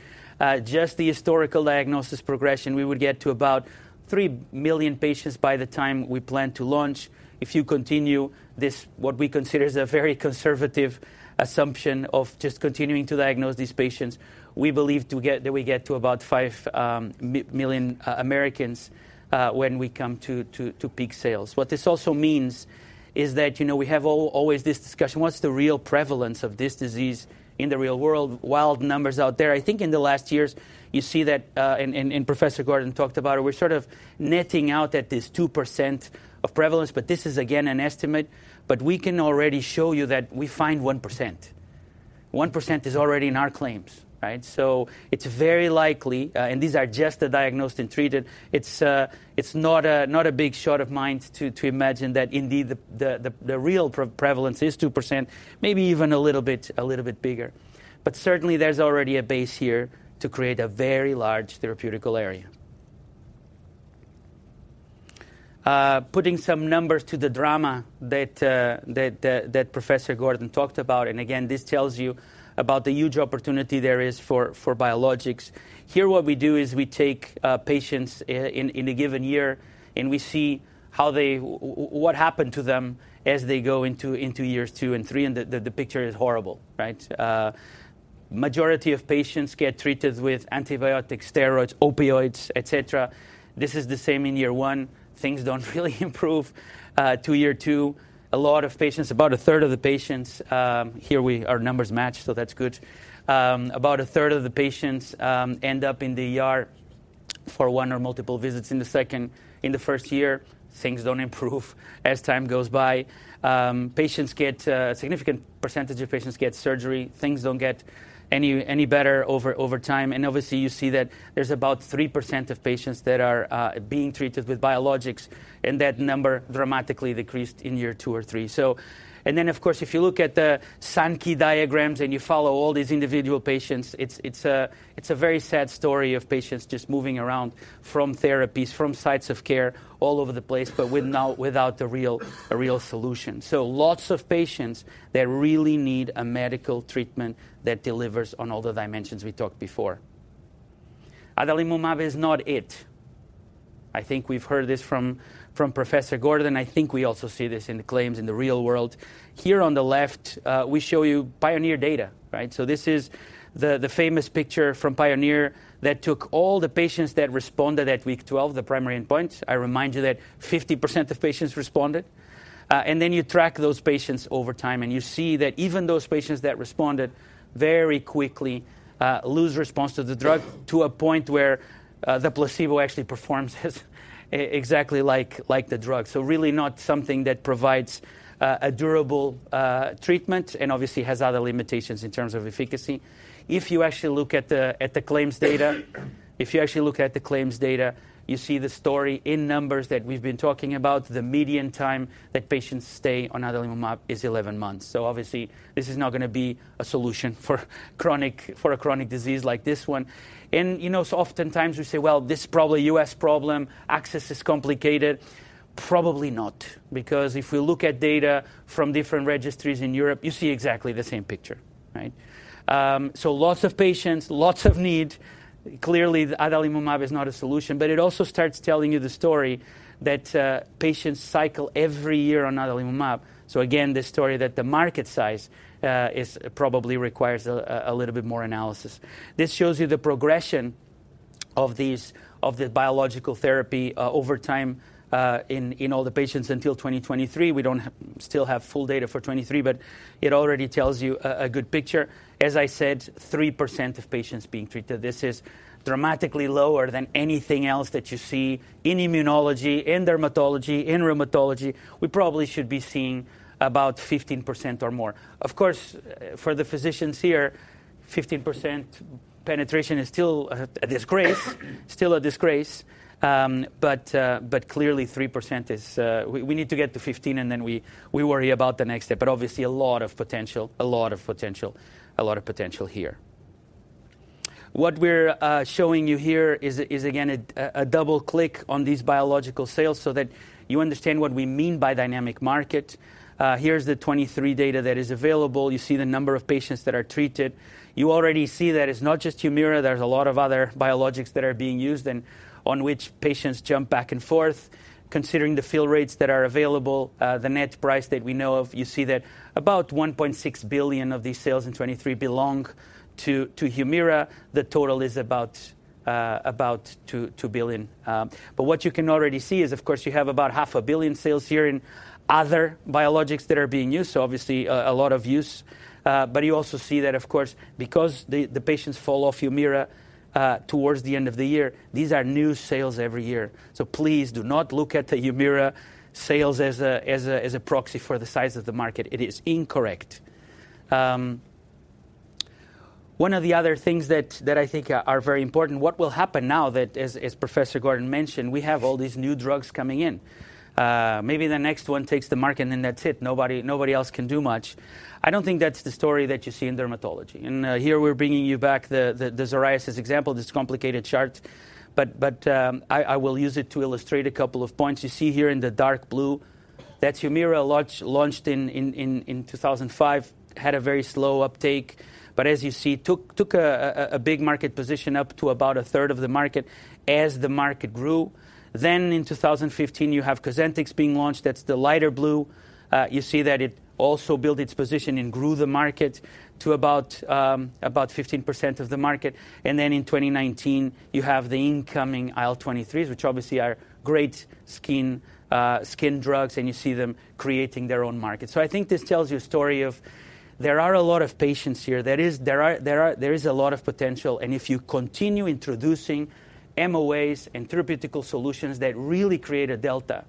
[SPEAKER 2] just the historical diagnosis progression, we would get to about 3 million patients by the time we plan to launch. If you continue what we consider as a very conservative assumption of just continuing to diagnose these patients, we believe that we get to about 5 million Americans when we come to peak sales. What this also means is that we have always this discussion: what's the real prevalence of this disease in the real world? Wild numbers out there. I think in the last years, you see that and Professor Gordon talked about it. We're sort of netting out at this 2% of prevalence. This is, again, an estimate. We can already show you that we find 1%. 1% is already in our claims, right? So it's very likely and these are just the diagnosed and treated. It's not a big stretch of the mind to imagine that, indeed, the real prevalence is 2%, maybe even a little bit bigger. Certainly, there's already a base here to create a very large therapeutic area. Putting some numbers to the drama that Professor Gordon talked about and, again, this tells you about the huge opportunity there is for biologics. Here, what we do is we take patients in a given year. We see what happened to them as they go into years two and three. The picture is horrible, right? Majority of patients get treated with antibiotics, steroids, opioids, et cetera. This is the same in year one. Things don't really improve to year two. A lot of patients, about a third of the patients here, our numbers match. So that's good. About a third of the patients end up in the ER for one or multiple visits in the first year. Things don't improve as time goes by. A significant percentage of patients get surgery. Things don't get any better over time. And obviously, you see that there's about 3% of patients that are being treated with biologics. And that number dramatically decreased in year two or three. And then, of course, if you look at the Sankey diagrams and you follow all these individual patients, it's a very sad story of patients just moving around from therapies, from sites of care all over the place but without a real solution. So lots of patients that really need a medical treatment that delivers on all the dimensions we talked before. Other IL-17A is not it. I think we've heard this from Professor Gordon. I think we also see this in the claims in the real world. Here on the left, we show you Pioneer data, right? So this is the famous picture from Pioneer that took all the patients that responded at week 12, the primary endpoints. I remind you that 50% of patients responded. And then you track those patients over time. And you see that even those patients that responded very quickly lose response to the drug to a point where the placebo actually performs exactly like the drug, so really not something that provides a durable treatment and obviously has other limitations in terms of efficacy. If you actually look at the claims data, if you actually look at the claims data, you see the story in numbers that we've been talking about. The median time that patients stay on adalimumab is 11 months. So obviously, this is not going to be a solution for a chronic disease like this one. And oftentimes, we say, well, this is probably a U.S. problem. Access is complicated. Probably not because if we look at data from different registries in Europe, you see exactly the same picture, right? So lots of patients, lots of need. Clearly, adalimumab is not a solution. But it also starts telling you the story that patients cycle every year on adalimumab. So again, this story that the market size probably requires a little bit more analysis. This shows you the progression of the biological therapy over time in all the patients until 2023. We still have full data for 2023. But it already tells you a good picture. As I said, 3% of patients being treated. This is dramatically lower than anything else that you see in immunology, in dermatology, in rheumatology. We probably should be seeing about 15% or more. Of course, for the physicians here, 15% penetration is still a disgrace, still a disgrace. But clearly, 3% is we need to get to 15. And then we worry about the next step. But obviously, a lot of potential, a lot of potential, a lot of potential here. What we're showing you here is, again, a double click on these biological sales so that you understand what we mean by dynamic market. Here's the 2023 data that is available. You see the number of patients that are treated. You already see that it's not just Humira. There's a lot of other biologics that are being used and on which patients jump back and forth. Considering the fill rates that are available, the net price that we know of, you see that about $1.6 billion of these sales in 2023 belong to Humira. The total is about $2 billion. But what you can already see is, of course, you have about $500 million sales here in other biologics that are being used. So obviously, a lot of use. But you also see that, of course, because the patients fall off Humira towards the end of the year, these are new sales every year. So please do not look at the Humira sales as a proxy for the size of the market. It is incorrect. One of the other things that I think are very important, what will happen now that, as Professor Gordon mentioned, we have all these new drugs coming in? Maybe the next one takes the market. That's it. Nobody else can do much. I don't think that's the story that you see in dermatology. Here, we're bringing you back the psoriasis example, this complicated chart. But I will use it to illustrate a couple of points. You see here in the dark blue, that's Humira launched in 2005, had a very slow uptake. But as you see, took a big market position up to about a third of the market as the market grew. Then in 2015, you have Cosentyx being launched. That's the lighter blue. You see that it also built its position and grew the market to about 15% of the market. Then in 2019, you have the incoming IL-23s, which obviously are great skin drugs. And you see them creating their own market. So I think this tells you a story of there are a lot of patients here. There is a lot of potential. And if you continue introducing MOAs and therapeutic solutions that really create a delta,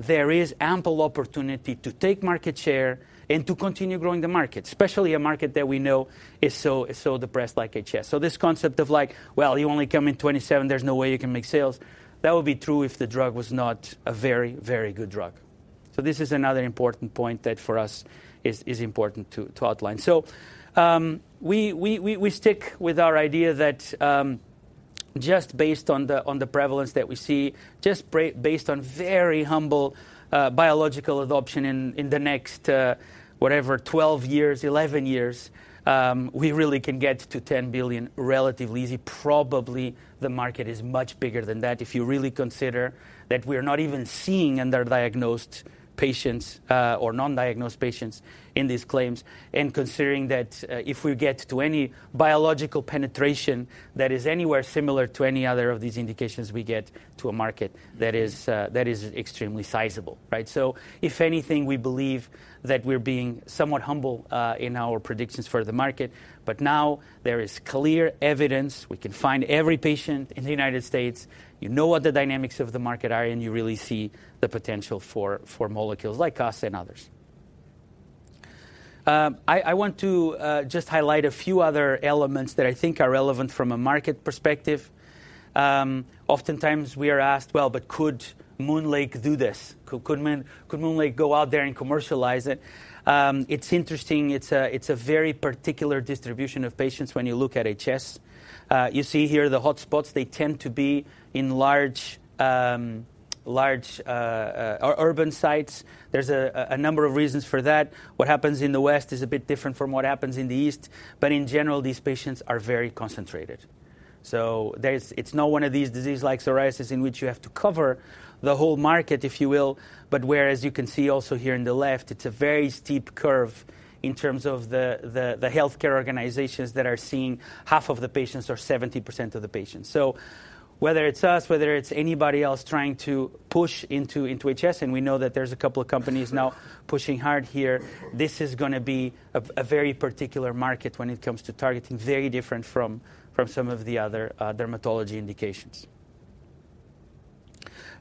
[SPEAKER 2] there is ample opportunity to take market share and to continue growing the market, especially a market that we know is so depressed like HS. So this concept of like, well, you only come in 2027. There's no way you can make sales, that would be true if the drug was not a very, very good drug. So this is another important point that, for us, is important to outline. So we stick with our idea that just based on the prevalence that we see, just based on very humble biological adoption in the next whatever, 12 years, 11 years, we really can get to $10 billion relatively easy. Probably, the market is much bigger than that if you really consider that we are not even seeing underdiagnosed patients or nondiagnosed patients in these claims and considering that if we get to any biological penetration that is anywhere similar to any other of these indications, we get to a market that is extremely sizable, right? So if anything, we believe that we're being somewhat humble in our predictions for the market. But now, there is clear evidence. We can find every patient in the United States. You know what the dynamics of the market are. And you really see the potential for molecules like Cos and others. I want to just highlight a few other elements that I think are relevant from a market perspective. Oftentimes, we are asked, well, but could MoonLake do this? Could MoonLake go out there and commercialize it? It's interesting. It's a very particular distribution of patients when you look at HS. You see here the hotspots. They tend to be in large urban sites. There's a number of reasons for that. What happens in the West is a bit different from what happens in the East. But in general, these patients are very concentrated. So it's not one of these diseases like psoriasis in which you have to cover the whole market, if you will. But whereas you can see also here in the left, it's a very steep curve in terms of the health care organizations that are seeing half of the patients or 70% of the patients. So whether it's us, whether it's anybody else trying to push into HS and we know that there's a couple of companies now pushing hard here, this is going to be a very particular market when it comes to targeting, very different from some of the other dermatology indications.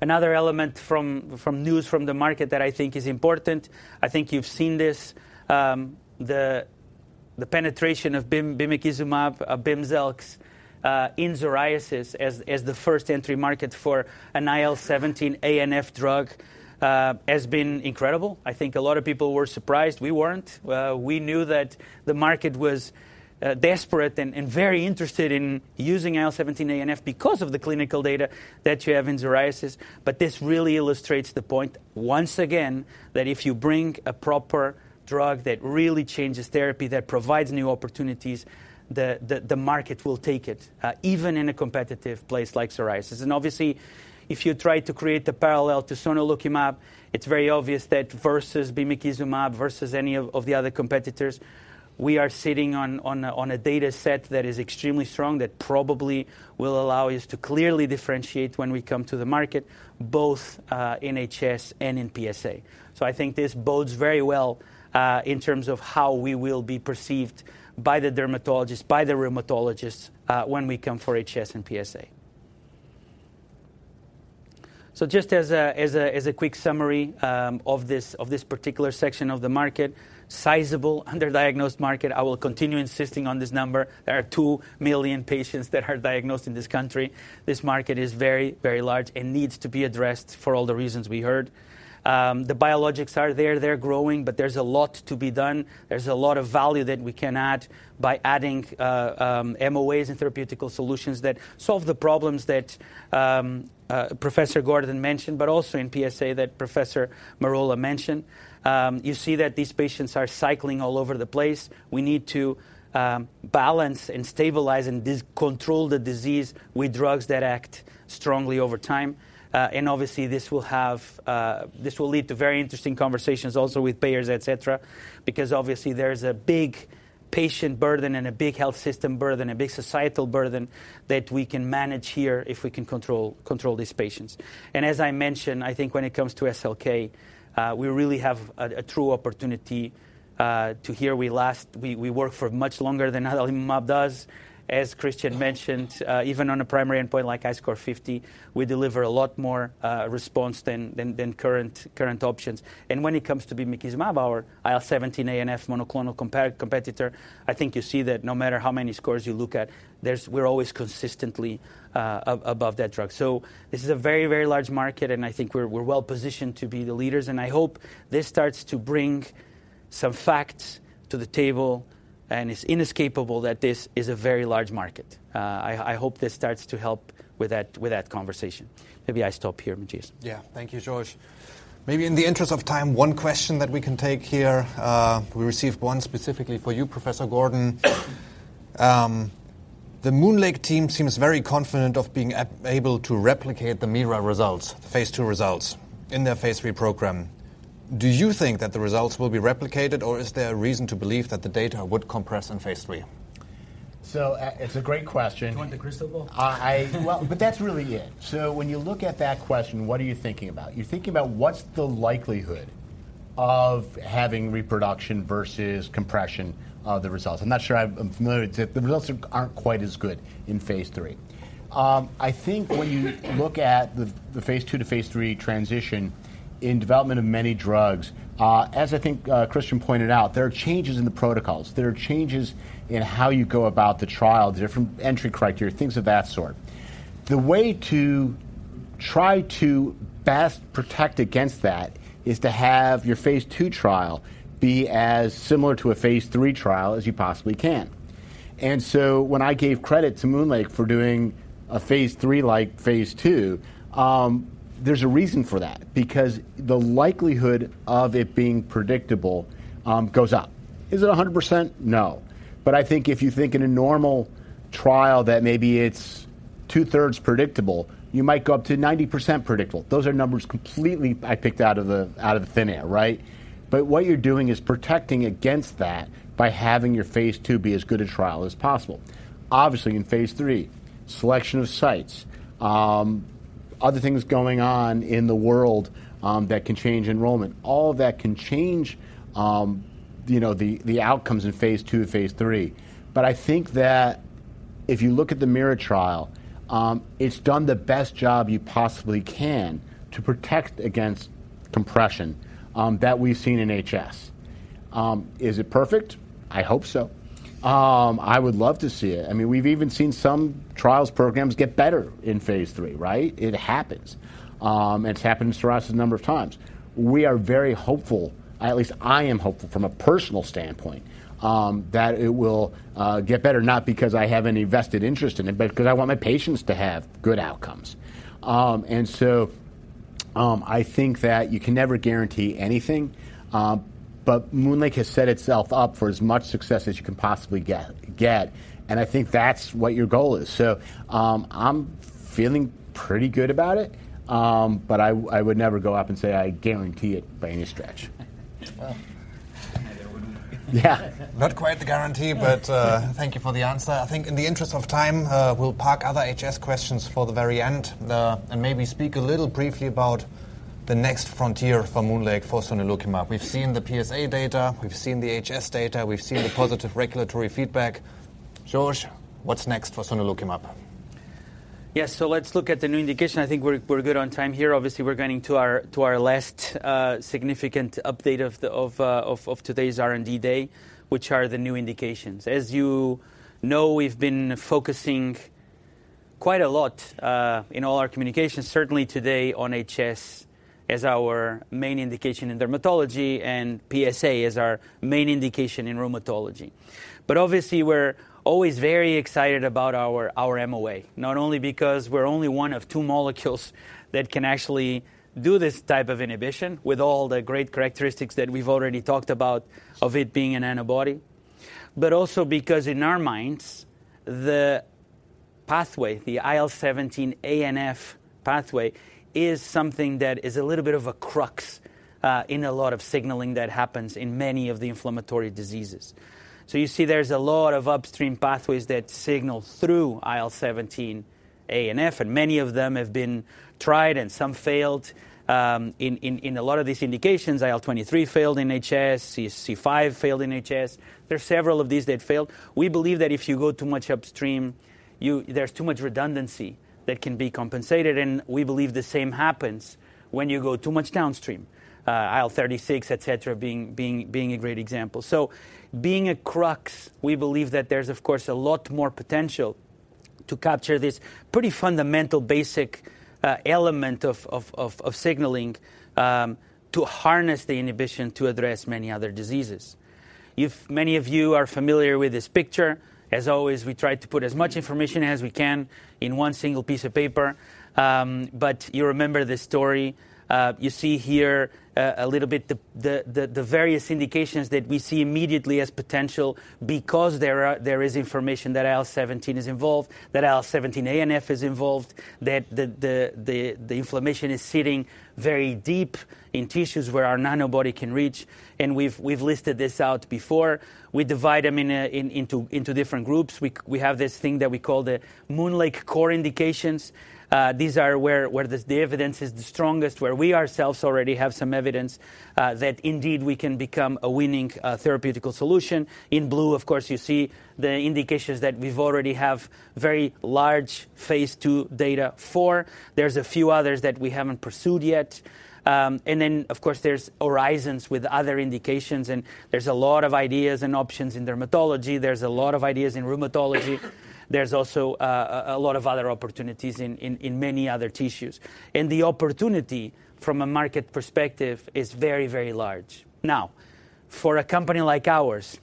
[SPEAKER 2] Another element from news from the market that I think is important, I think you've seen this, the penetration of bimekizumab, Bimzelx in psoriasis as the first entry market for an IL-17A/F drug has been incredible. I think a lot of people were surprised. We weren't. We knew that the market was desperate and very interested in using IL-17A/F because of the clinical data that you have in psoriasis. But this really illustrates the point once again that if you bring a proper drug that really changes therapy, that provides new opportunities, the market will take it, even in a competitive place like psoriasis. And obviously, if you try to create a parallel to sonelokimab, it's very obvious that versus bimekizumab, versus any of the other competitors, we are sitting on a data set that is extremely strong that probably will allow us to clearly differentiate when we come to the market, both in HS and in PsA. So I think this bodes very well in terms of how we will be perceived by the dermatologists, by the rheumatologists when we come for HS and PsA. So just as a quick summary of this particular section of the market, sizable underdiagnosed market. I will continue insisting on this number. There are 2 million patients that are diagnosed in this country. This market is very, very large and needs to be addressed for all the reasons we heard. The biologics are there. They're growing. But there's a lot to be done. There's a lot of value that we can add by adding MOAs and therapeutic solutions that solve the problems that Professor Gordon mentioned but also in PsA that Professor Merola mentioned. You see that these patients are cycling all over the place. We need to balance and stabilize and control the disease with drugs that act strongly over time. And obviously, this will lead to very interesting conversations also with payers, et cetera because obviously, there's a big patient burden and a big health system burden, a big societal burden that we can manage here if we can control these patients. As I mentioned, I think when it comes to sonelokimab, we really have a true opportunity to lead. We work for much longer than other IL-17A/F mAbs do. As Kristian mentioned, even on a primary endpoint like HiSCR 50, we deliver a lot more response than current options. And when it comes to bimekizumab, our IL-17A/F monoclonal competitor, I think you see that no matter how many scores you look at, we're always consistently above that drug. So this is a very, very large market. And I think we're well positioned to be the leaders. And I hope this starts to bring some facts to the table. And it's inescapable that this is a very large market. I hope this starts to help with that conversation. Maybe I stop here. Matthias?
[SPEAKER 1] Yeah. Thank you, Jorge. Maybe in the interest of time, one question that we can take here. We received one specifically for you, Professor Gordon. The MoonLake team seems very confident of being able to replicate the MIRA results, the phase II results, in their phase III program. Do you think that the results will be replicated? Or is there a reason to believe that the data would compress in phase III? So it's a great question. Do you want the crystal ball? Well, but that's really it. So when you look at that question, what are you thinking about?
[SPEAKER 5] You're thinking about what's the likelihood of having reproduction versus compression of the results? I'm not sure I'm familiar with the results that aren't quite as good in phase III. I think when you look at the phase II to phase III transition in development of many drugs, as I think Kristian pointed out, there are changes in the protocols. There are changes in how you go about the trial, the different entry criteria, things of that sort. The way to try to best protect against that is to have your phase II trial be as similar to a phase III trial as you possibly can. And so when I gave credit to MoonLake for doing a phase III like phase II, there's a reason for that because the likelihood of it being predictable goes up. Is it 100%? No. But I think if you think in a normal trial that maybe it's two-thirds predictable, you might go up to 90% predictable. Those are numbers completely I picked out of the thin air, right? But what you're doing is protecting against that by having your phase II be as good a trial as possible. Obviously, in phase III, selection of sites, other things going on in the world that can change enrollment, all of that can change the outcomes in phase II to phase III. But I think that if you look at the MIRA trial, it's done the best job you possibly can to protect against compression that we've seen in HS. Is it perfect? I hope so. I would love to see it. I mean, we've even seen some trials, programs get better in phase III, right? It happens. And it's happened in psoriasis a number of times. We are very hopeful, at least I am hopeful from a personal standpoint, that it will get better, not because I have any vested interest in it but because I want my patients to have good outcomes. And so I think that you can never guarantee anything. But MoonLake has set itself up for as much success as you can possibly get. And I think that's what your goal is. So I'm feeling pretty good about it. But I would never go up and say, "I guarantee it by any stretch." Well, I know there wouldn't be.
[SPEAKER 1] Yeah. Not quite the guarantee. But thank you for the answer. I think in the interest of time, we'll park other HS questions for the very end and maybe speak a little briefly about the next frontier for MoonLake, for sonelokimab. We've seen the PsA data. We've seen the HS data. We've seen the positive regulatory feedback. Jorge, what's next for sonelokimab?
[SPEAKER 2] Yes. So let's look at the new indication. I think we're good on time here. Obviously, we're going to our last significant update of today's R&D day, which are the new indications. As you know, we've been focusing quite a lot in all our communications, certainly today on HS as our main indication in dermatology and PsA as our main indication in rheumatology. But obviously, we're always very excited about our MOA, not only because we're only one of two molecules that can actually do this type of inhibition with all the great characteristics that we've already talked about of it being an antibody but also because in our minds, the pathway, the IL-17A and IL-17F pathway, is something that is a little bit of a crux in a lot of signaling that happens in many of the inflammatory diseases. So you see there's a lot of upstream pathways that signal through IL-17A and IL-17F. And many of them have been tried. And some failed in a lot of these indications. IL-23 failed in HS. C5 failed in HS. There's several of these that failed. We believe that if you go too much upstream, there's too much redundancy that can be compensated. And we believe the same happens when you go too much downstream, IL-36, et cetera, being a great example. So being a crux, we believe that there's, of course, a lot more potential to capture this pretty fundamental, basic element of signaling to harness the inhibition to address many other diseases. Many of you are familiar with this picture. As always, we try to put as much information as we can in one single piece of paper. But you remember this story. You see here a little bit the various indications that we see immediately as potential because there is information that IL-17 is involved, that IL-17A and F is involved, that the inflammation is sitting very deep in tissues where our Nanobody can reach. We've listed this out before. We divide them into different groups. We have this thing that we call the MoonLake core indications. These are where the evidence is the strongest, where we ourselves already have some evidence that, indeed, we can become a winning therapeutic solution. In blue, of course, you see the indications that we already have very large phase II data for. There's a few others that we haven't pursued yet. And then, of course, there's horizons with other indications. And there's a lot of ideas and options in dermatology. There's a lot of ideas in rheumatology. There's also a lot of other opportunities in many other tissues. And the opportunity from a market perspective is very, very large. Now, for a company like ours,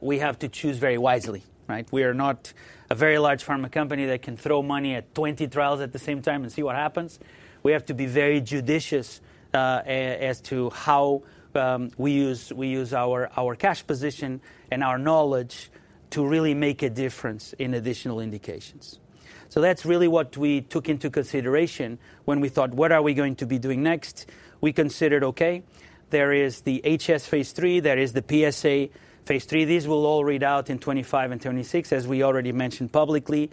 [SPEAKER 2] we have to choose very wisely, right? We are not a very large pharma company that can throw money at 20 trials at the same time and see what happens. We have to be very judicious as to how we use our cash position and our knowledge to really make a difference in additional indications. So that's really what we took into consideration when we thought, "What are we going to be doing next?" We considered, "OK, there is the HS phase III. There is the PsA phase III. These will all read out in 2025 and 2026," as we already mentioned publicly.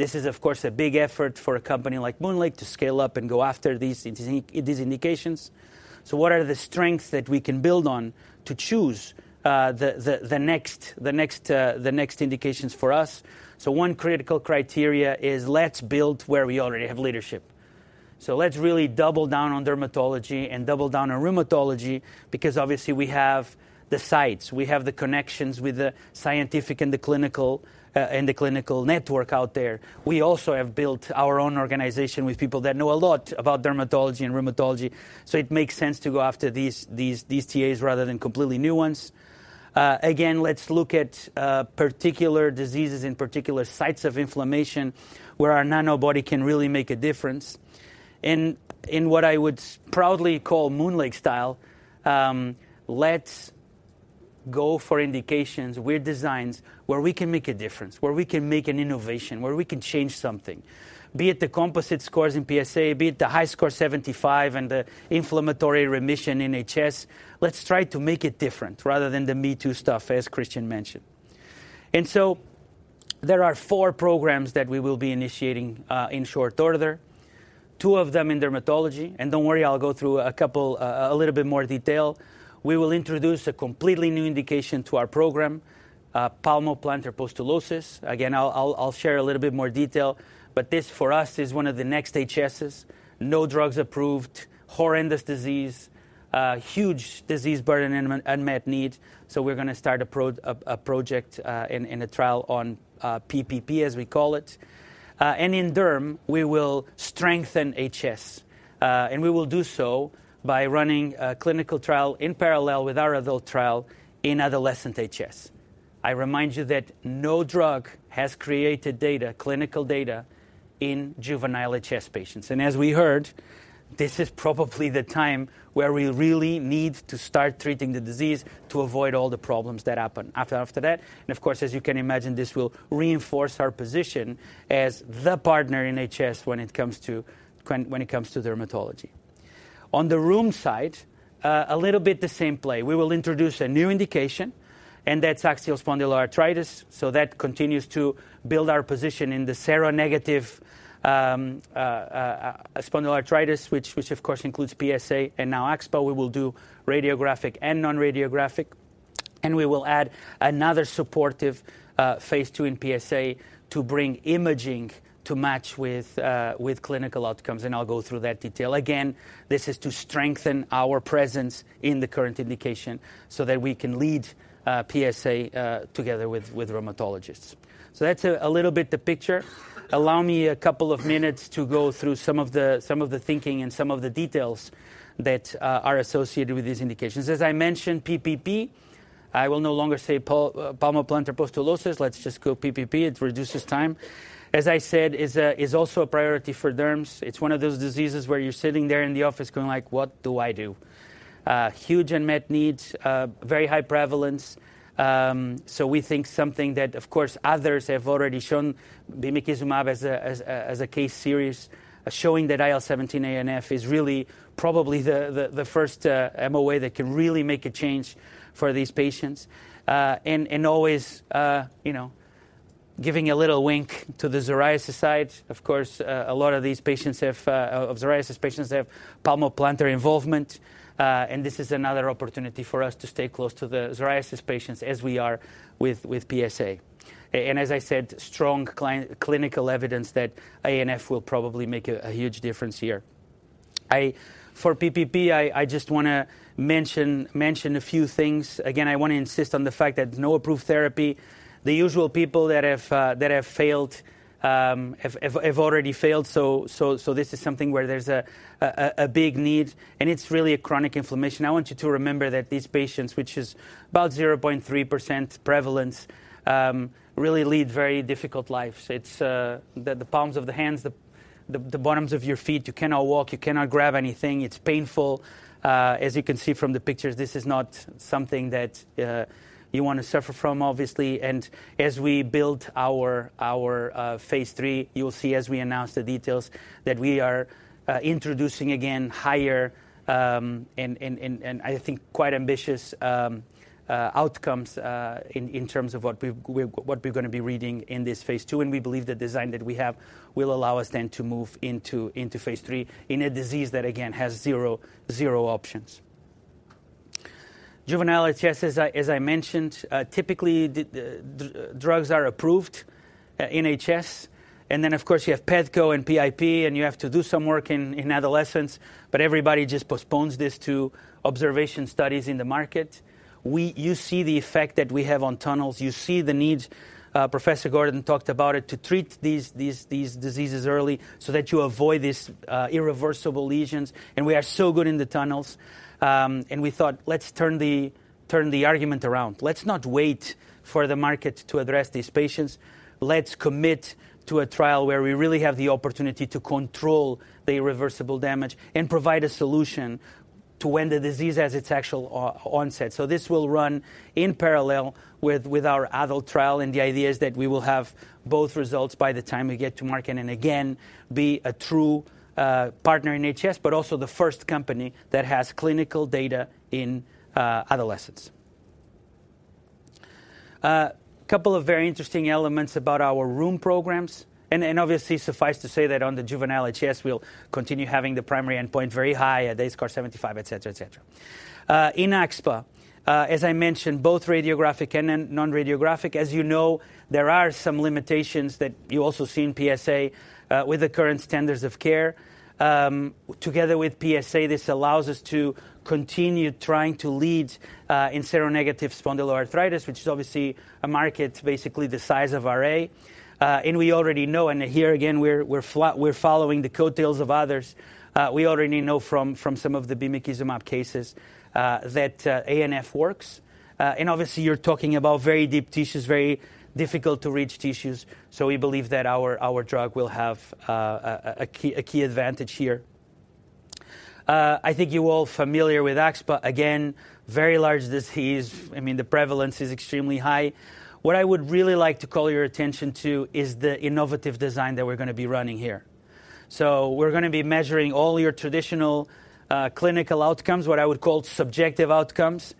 [SPEAKER 2] This is, of course, a big effort for a company like MoonLake to scale up and go after these indications. So what are the strengths that we can build on to choose the next indications for us? So one critical criteria is, "Let's build where we already have leadership." So let's really double down on dermatology and double down on rheumatology because, obviously, we have the sites. We have the connections with the scientific and the clinical network out there. We also have built our own organization with people that know a lot about dermatology and rheumatology. So it makes sense to go after these TAs rather than completely new ones. Again, let's look at particular diseases in particular sites of inflammation where our Nanobody can really make a difference. And in what I would proudly call MoonLake style, let's go for indications with designs where we can make a difference, where we can make an innovation, where we can change something, be it the composite scores in PsA, be it the HiSCR 75 and the inflammatory remission in HS. Let's try to make it different rather than the me too stuff, as Kristian mentioned. So there are four programs that we will be initiating in short order, two of them in dermatology. Don't worry. I'll go through a couple a little bit more detail. We will introduce a completely new indication to our program, palmoplantar pustulosis. Again, I'll share a little bit more detail. But this, for us, is one of the next HSs, no drugs approved, horrendous disease, huge disease burden, and unmet need. We're going to start a project and a trial on PPP, as we call it. In derm, we will strengthen HS. We will do so by running a clinical trial in parallel with our adult trial in adolescent HS. I remind you that no drug has created data, clinical data, in juvenile HS patients. As we heard, this is probably the time where we really need to start treating the disease to avoid all the problems that happen after that. Of course, as you can imagine, this will reinforce our position as the partner in HS when it comes to dermatology. On the rheum side, a little bit the same play. We will introduce a new indication. That's axial spondyloarthritis. So that continues to build our position in the seronegative spondyloarthritis, which, of course, includes PsA and now AxSpA. We will do radiographic and non-radiographic. We will add another supportive phase II in PsA to bring imaging to match with clinical outcomes. I'll go through that detail. Again, this is to strengthen our presence in the current indication so that we can lead PsA together with rheumatologists. That's a little bit the picture. Allow me a couple of minutes to go through some of the thinking and some of the details that are associated with these indications. As I mentioned, PPP, I will no longer say palmoplantar pustulosis. Let's just go PPP. It reduces time. As I said, is also a priority for derms. It's one of those diseases where you're sitting there in the office going like, "What do I do?" Huge unmet needs, very high prevalence. So we think something that, of course, others have already shown, bimekizumab as a case series, showing that IL-17A and F is really probably the first MOA that can really make a change for these patients and always giving a little wink to the psoriasis side. Of course, a lot of these patients have of psoriasis patients have palmoplantar involvement. This is another opportunity for us to stay close to the psoriasis patients as we are with PsA. As I said, strong clinical evidence that IL-17 will probably make a huge difference here. For PPP, I just want to mention a few things. Again, I want to insist on the fact that no approved therapy. The usual people that have failed have already failed. So this is something where there's a big need. And it's really a chronic inflammation. I want you to remember that these patients, which is about 0.3% prevalence, really lead very difficult lives. It's the palms of the hands, the bottoms of your feet. You cannot walk. You cannot grab anything. It's painful. As you can see from the pictures, this is not something that you want to suffer from, obviously. As we build our phase III, you will see as we announce the details that we are introducing again higher and, I think, quite ambitious outcomes in terms of what we're going to be reading in this phase II. We believe the design that we have will allow us then to move into phase III in a disease that, again, has zero options. Juvenile HS, as I mentioned, typically, drugs are approved in HS. And then, of course, you have peds and PIP. And you have to do some work in adolescents. But everybody just postpones this to observational studies in the market. You see the effect that we have on tunnels. You see the needs. Professor Gordon talked about it, to treat these diseases early so that you avoid these irreversible lesions. We are so good in the tunnels. We thought, "Let's turn the argument around. Let's not wait for the market to address these patients. Let's commit to a trial where we really have the opportunity to control the irreversible damage and provide a solution to end the disease as its actual onset." This will run in parallel with our adult trial. The idea is that we will have both results by the time we get to market and, again, be a true partner in HS but also the first company that has clinical data in adolescents. A couple of very interesting elements about our youth programs. Obviously, suffice to say that on the juvenile HS, we'll continue having the primary endpoint very high, HiSCR 75, et cetera, et cetera. In AxSpA, as I mentioned, both radiographic and non-radiographic, as you know, there are some limitations that you also see in PsA with the current standards of care. Together with PsA, this allows us to continue trying to lead in seronegative spondyloarthritis, which is obviously a market basically the size of RA. And we already know and here, again, we're following the coattails of others. We already know from some of the bimekizumab cases that AxSpA works. And obviously, you're talking about very deep tissues, very difficult-to-reach tissues. So we believe that our drug will have a key advantage here. I think you're all familiar with AxSpA. Again, very large disease. I mean, the prevalence is extremely high. What I would really like to call your attention to is the innovative design that we're going to be running here. So we're going to be measuring all your traditional clinical outcomes, what I would call subjective outcomes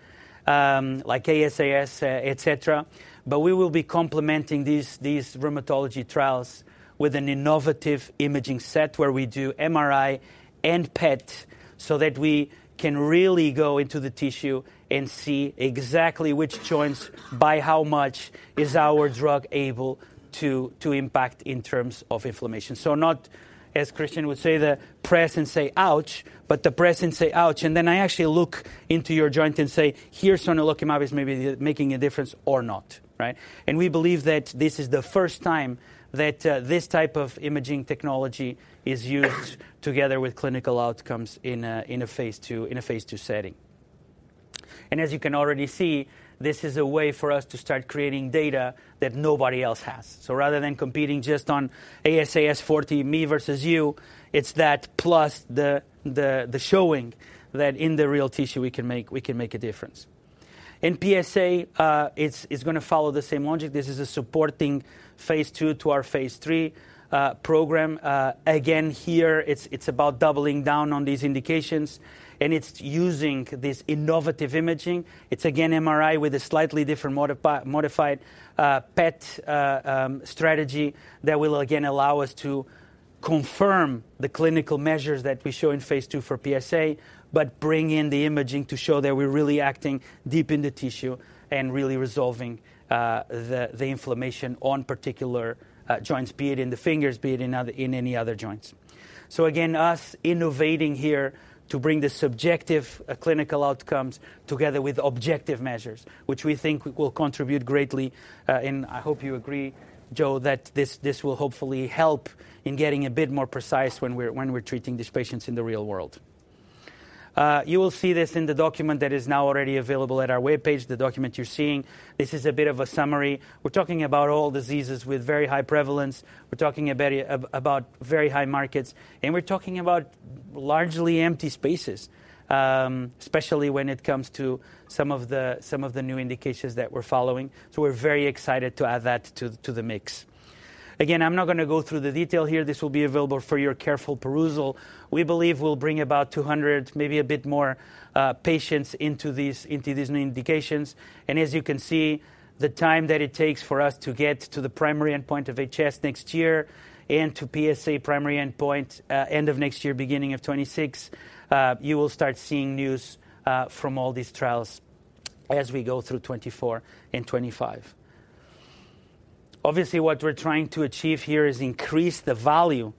[SPEAKER 2] like ASAS, et cetera. But we will be complementing these rheumatology trials with an innovative imaging set where we do MRI and PET so that we can really go into the tissue and see exactly which joints, by how much, is our drug able to impact in terms of inflammation. So not, as Kristian would say, the press and say, "Ouch," but the press and say, "Ouch." And then I actually look into your joint and say, "Here's where sonelokimab is maybe making a difference or not," right? And we believe that this is the first time that this type of imaging technology is used together with clinical outcomes in a phase II setting. And as you can already see, this is a way for us to start creating data that nobody else has. So rather than competing just on ASAS 40, me versus you, it's that plus the showing that in the real tissue, we can make a difference. In PsA, it's going to follow the same logic. This is a supporting phase II to our phase III program. Again, here, it's about doubling down on these indications. And it's using this innovative imaging. It's, again, MRI with a slightly different modified PET strategy that will, again, allow us to confirm the clinical measures that we show in phase II for PsA but bring in the imaging to show that we're really acting deep in the tissue and really resolving the inflammation on particular joints, be it in the fingers, be it in any other joints. So again, us innovating here to bring the subjective clinical outcomes together with objective measures, which we think will contribute greatly. And I hope you agree, Joe, that this will hopefully help in getting a bit more precise when we're treating these patients in the real world. You will see this in the document that is now already available at our web page, the document you're seeing. This is a bit of a summary. We're talking about all diseases with very high prevalence. We're talking about very high markets. And we're talking about largely empty spaces, especially when it comes to some of the new indications that we're following. So we're very excited to add that to the mix. Again, I'm not going to go through the detail here. This will be available for your careful perusal. We believe we'll bring about 200, maybe a bit more, patients into these new indications. As you can see, the time that it takes for us to get to the primary endpoint of HS next year and to PsA primary endpoint end of next year, beginning of 2026, you will start seeing news from all these trials as we go through 2024 and 2025. Obviously, what we're trying to achieve here is increase the value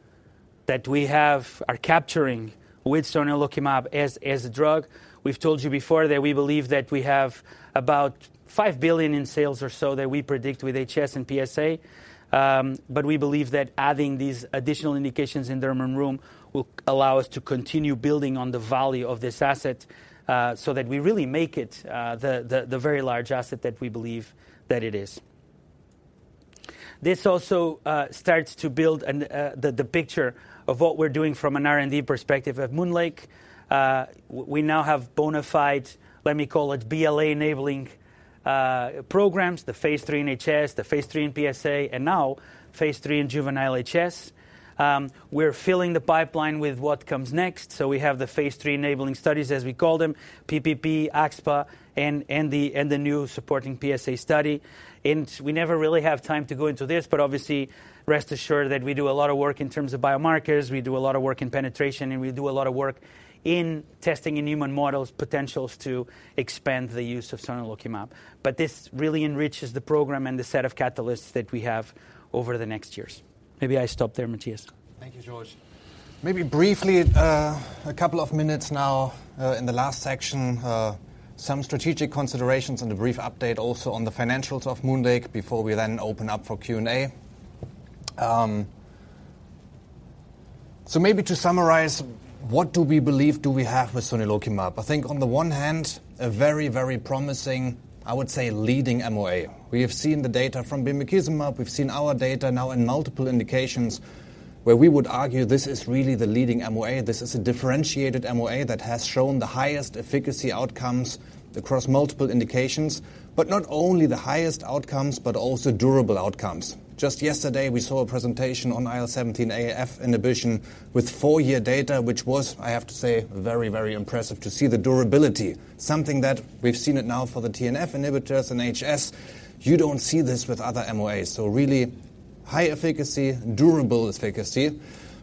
[SPEAKER 2] that we are capturing with sonelokimab as a drug. We've told you before that we believe that we have about $5 billion in sales or so that we predict with HS and PsA. But we believe that adding these additional indications in derm and rheum will allow us to continue building on the value of this asset so that we really make it the very large asset that we believe that it is. This also starts to build the picture of what we're doing from an R&D perspective at MoonLake. We now have bona fide, let me call it, BLA-enabling programs, the phase III in HS, the phase III in PsA, and now phase III in juvenile HS. We're filling the pipeline with what comes next. So we have the phase III-enabling studies, as we call them, PPP, AxSpA, and the new supporting PsA study. And we never really have time to go into this. But obviously, rest assured that we do a lot of work in terms of biomarkers. We do a lot of work in penetration. And we do a lot of work in testing in human models potentials to expand the use of sonelokimab. But this really enriches the program and the set of catalysts that we have over the next years. Maybe I stop there, Matthias.
[SPEAKER 1] Thank you, Jorge. Maybe briefly, a couple of minutes now in the last section, some strategic considerations and a brief update also on the financials of MoonLake before we then open up for Q&A. So maybe to summarize, what do we believe do we have with sonelokimab? I think, on the one hand, a very, very promising, I would say, leading MOA. We have seen the data from bimekizumab. We've seen our data now in multiple indications where we would argue this is really the leading MOA. This is a differentiated MOA that has shown the highest efficacy outcomes across multiple indications, but not only the highest outcomes but also durable outcomes. Just yesterday, we saw a presentation on IL-17A/F inhibition with four-year data, which was, I have to say, very, very impressive to see the durability, something that we've seen it now for the TNF inhibitors in HS. You don't see this with other MOAs. So really high efficacy, durable efficacy,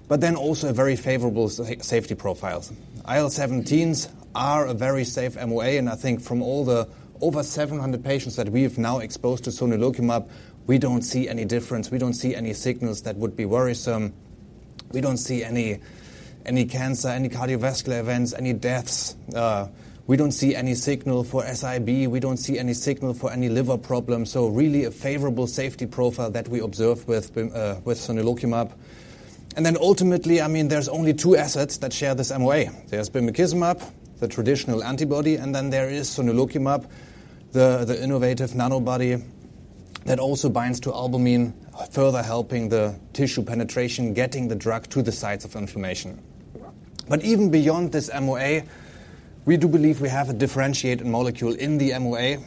[SPEAKER 1] but then also very favorable safety profiles. IL-17s are a very safe MOA. And I think from all the over 700 patients that we have now exposed to sonelokimab, we don't see any difference. We don't see any signals that would be worrisome. We don't see any cancer, any cardiovascular events, any deaths. We don't see any signal for SIB. We don't see any signal for any liver problems. So really a favorable safety profile that we observe with sonelokimab. And then ultimately, I mean, there's only two assets that share this MOA. There's bimekizumab, the traditional antibody. And then there is sonelokimab, the innovative Nanobody that also binds to albumin, further helping the tissue penetration, getting the drug to the sites of inflammation. But even beyond this MOA, we do believe we have a differentiated molecule in the MOA.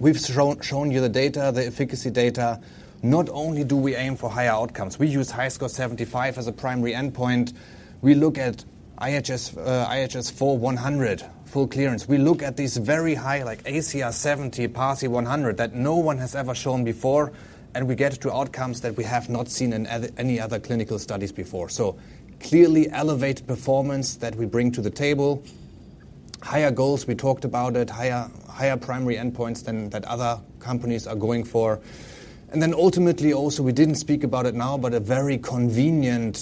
[SPEAKER 1] We've shown you the data, the efficacy data. Not only do we aim for higher outcomes, we use HiSCR 75 as a primary endpoint. We look at IHS-4 100, full clearance. We look at these very high like ACR 70, PASI 100 that no one has ever shown before. And we get to outcomes that we have not seen in any other clinical studies before. So clearly elevated performance that we bring to the table, higher goals. We talked about it, higher primary endpoints than that other companies are going for. And then ultimately, also, we didn't speak about it now, but a very convenient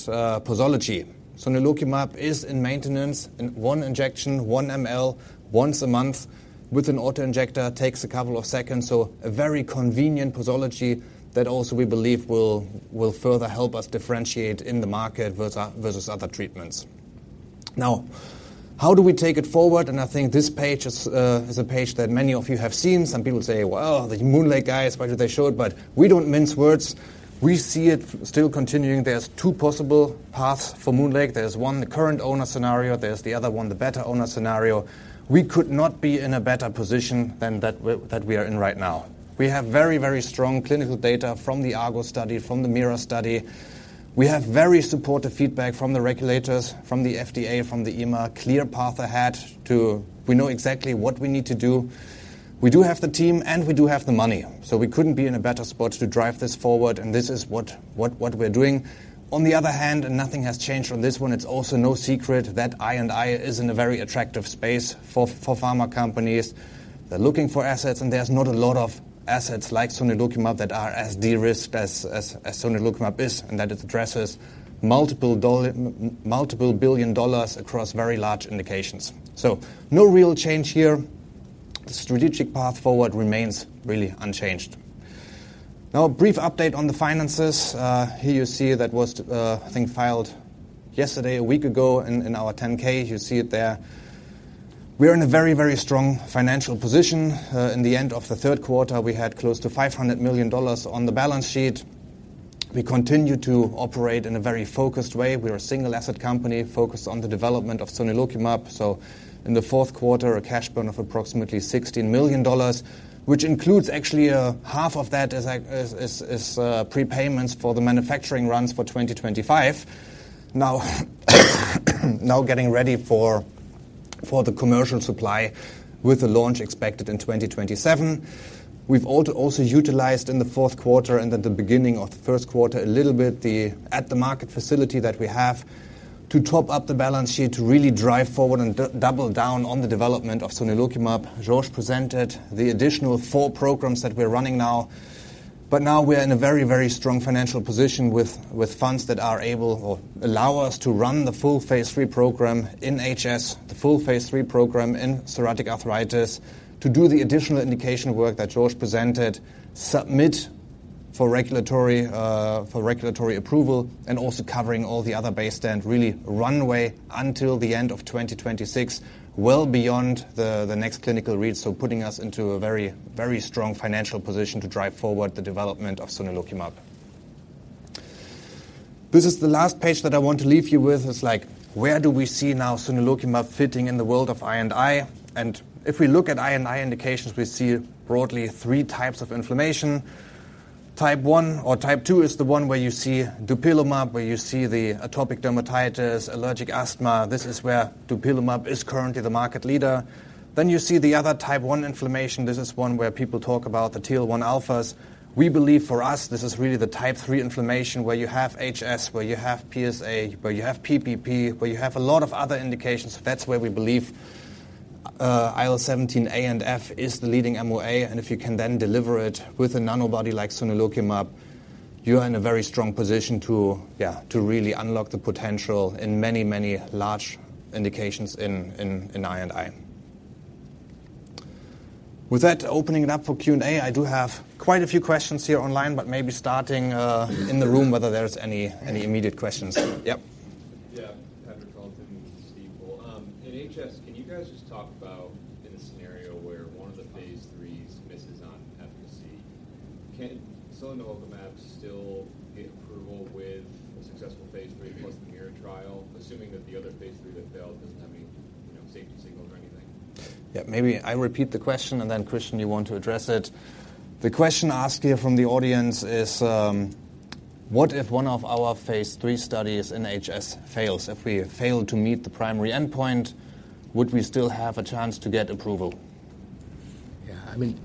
[SPEAKER 1] posology. Sonelokimab is in maintenance, one injection, 1 mL once a month with an autoinjector. Takes a couple of seconds. So a very convenient posology that also we believe will further help us differentiate in the market versus other treatments. Now, how do we take it forward? And I think this page is a page that many of you have seen. Some people say, "Well, the MoonLake guys, why did they show it?" But we don't mince words. We see it still continuing. There's two possible paths for MoonLake. There's one, the current owner scenario. There's the other one, the better owner scenario. We could not be in a better position than that we are in right now. We have very, very strong clinical data from the ARGO study, from the MIRA study. We have very supportive feedback from the regulators, from the FDA, from the EMA. Clear path ahead to we know exactly what we need to do. We do have the team. And we do have the money. So we couldn't be in a better spot to drive this forward. And this is what we're doing. On the other hand, nothing has changed on this one. It's also no secret that I&I is in a very attractive space for pharma companies. They're looking for assets. And there's not a lot of assets like sonelokimab that are as de-risked as sonelokimab is and that it addresses multiple billion dollars across very large indications. So no real change here. The strategic path forward remains really unchanged. Now, a brief update on the finances. Here you see that was, I think, filed yesterday, a week ago, in our 10-K. You see it there. We're in a very, very strong financial position. At the end of the third quarter, we had close to $500 million on the balance sheet. We continue to operate in a very focused way. We're a single-asset company focused on the development of sonelokimab. So in the fourth quarter, a cash burn of approximately $16 million, which includes actually half of that as prepayments for the manufacturing runs for 2025, now getting ready for the commercial supply with the launch expected in 2027. We've also utilized in the fourth quarter and then the beginning of the first quarter a little bit the at-the-market facility that we have to top up the balance sheet, to really drive forward and double down on the development of sonelokimab. Jorge presented the additional four programs that we're running now. But now we're in a very, very strong financial position with funds that are able or allow us to run the full phase III program in HS, the full phase III program in psoriatic arthritis, to do the additional indication work that Jorge presented, submit for regulatory approval, and also covering all the other baseline, really runway until the end of 2026, well beyond the next clinical reach, so putting us into a very, very strong financial position to drive forward the development of sonelokimab. This is the last page that I want to leave you with. It's like, where do we see now sonelokimab fitting in the world of I&I? And if we look at I&I indications, we see broadly three types of inflammation. Type I or type II is the one where you see dupilumab, where you see the atopic dermatitis, allergic asthma. This is where dupilumab is currently the market leader. Then you see the other type I inflammation. This is one where people talk about the IL-1 alphas. We believe, for us, this is really the type III inflammation where you have HS, where you have PsA, where you have PPP, where you have a lot of other indications. That's where we believe IL-17A and IL-17F is the leading MOA. And if you can then deliver it with a Nanobody like sonelokimab, you are in a very strong position to really unlock the potential in many, many large indications in I&I. With that, opening it up for Q&A, I do have quite a few questions here online. But maybe starting in the room whether there's any immediate questions? Yep.
[SPEAKER 6] Yeah. Patrick Trucchio and Steve Ball. In HS, can you guys just talk about in a scenario where one of the phase IIIs misses on efficacy, can sonelokimab still get approval with a successful phase III plus the MIRA trial, assuming that the other phase III that failed doesn't have any safety signals or anything?
[SPEAKER 2] Yeah. Maybe I repeat the question. And then, Kristian, you want to address it. The question asked here from the audience is, what if one of our phase III studies in HS fails? If we fail to meet the primary endpoint, would we still have a chance to get approval?
[SPEAKER 4] Yeah. I mean,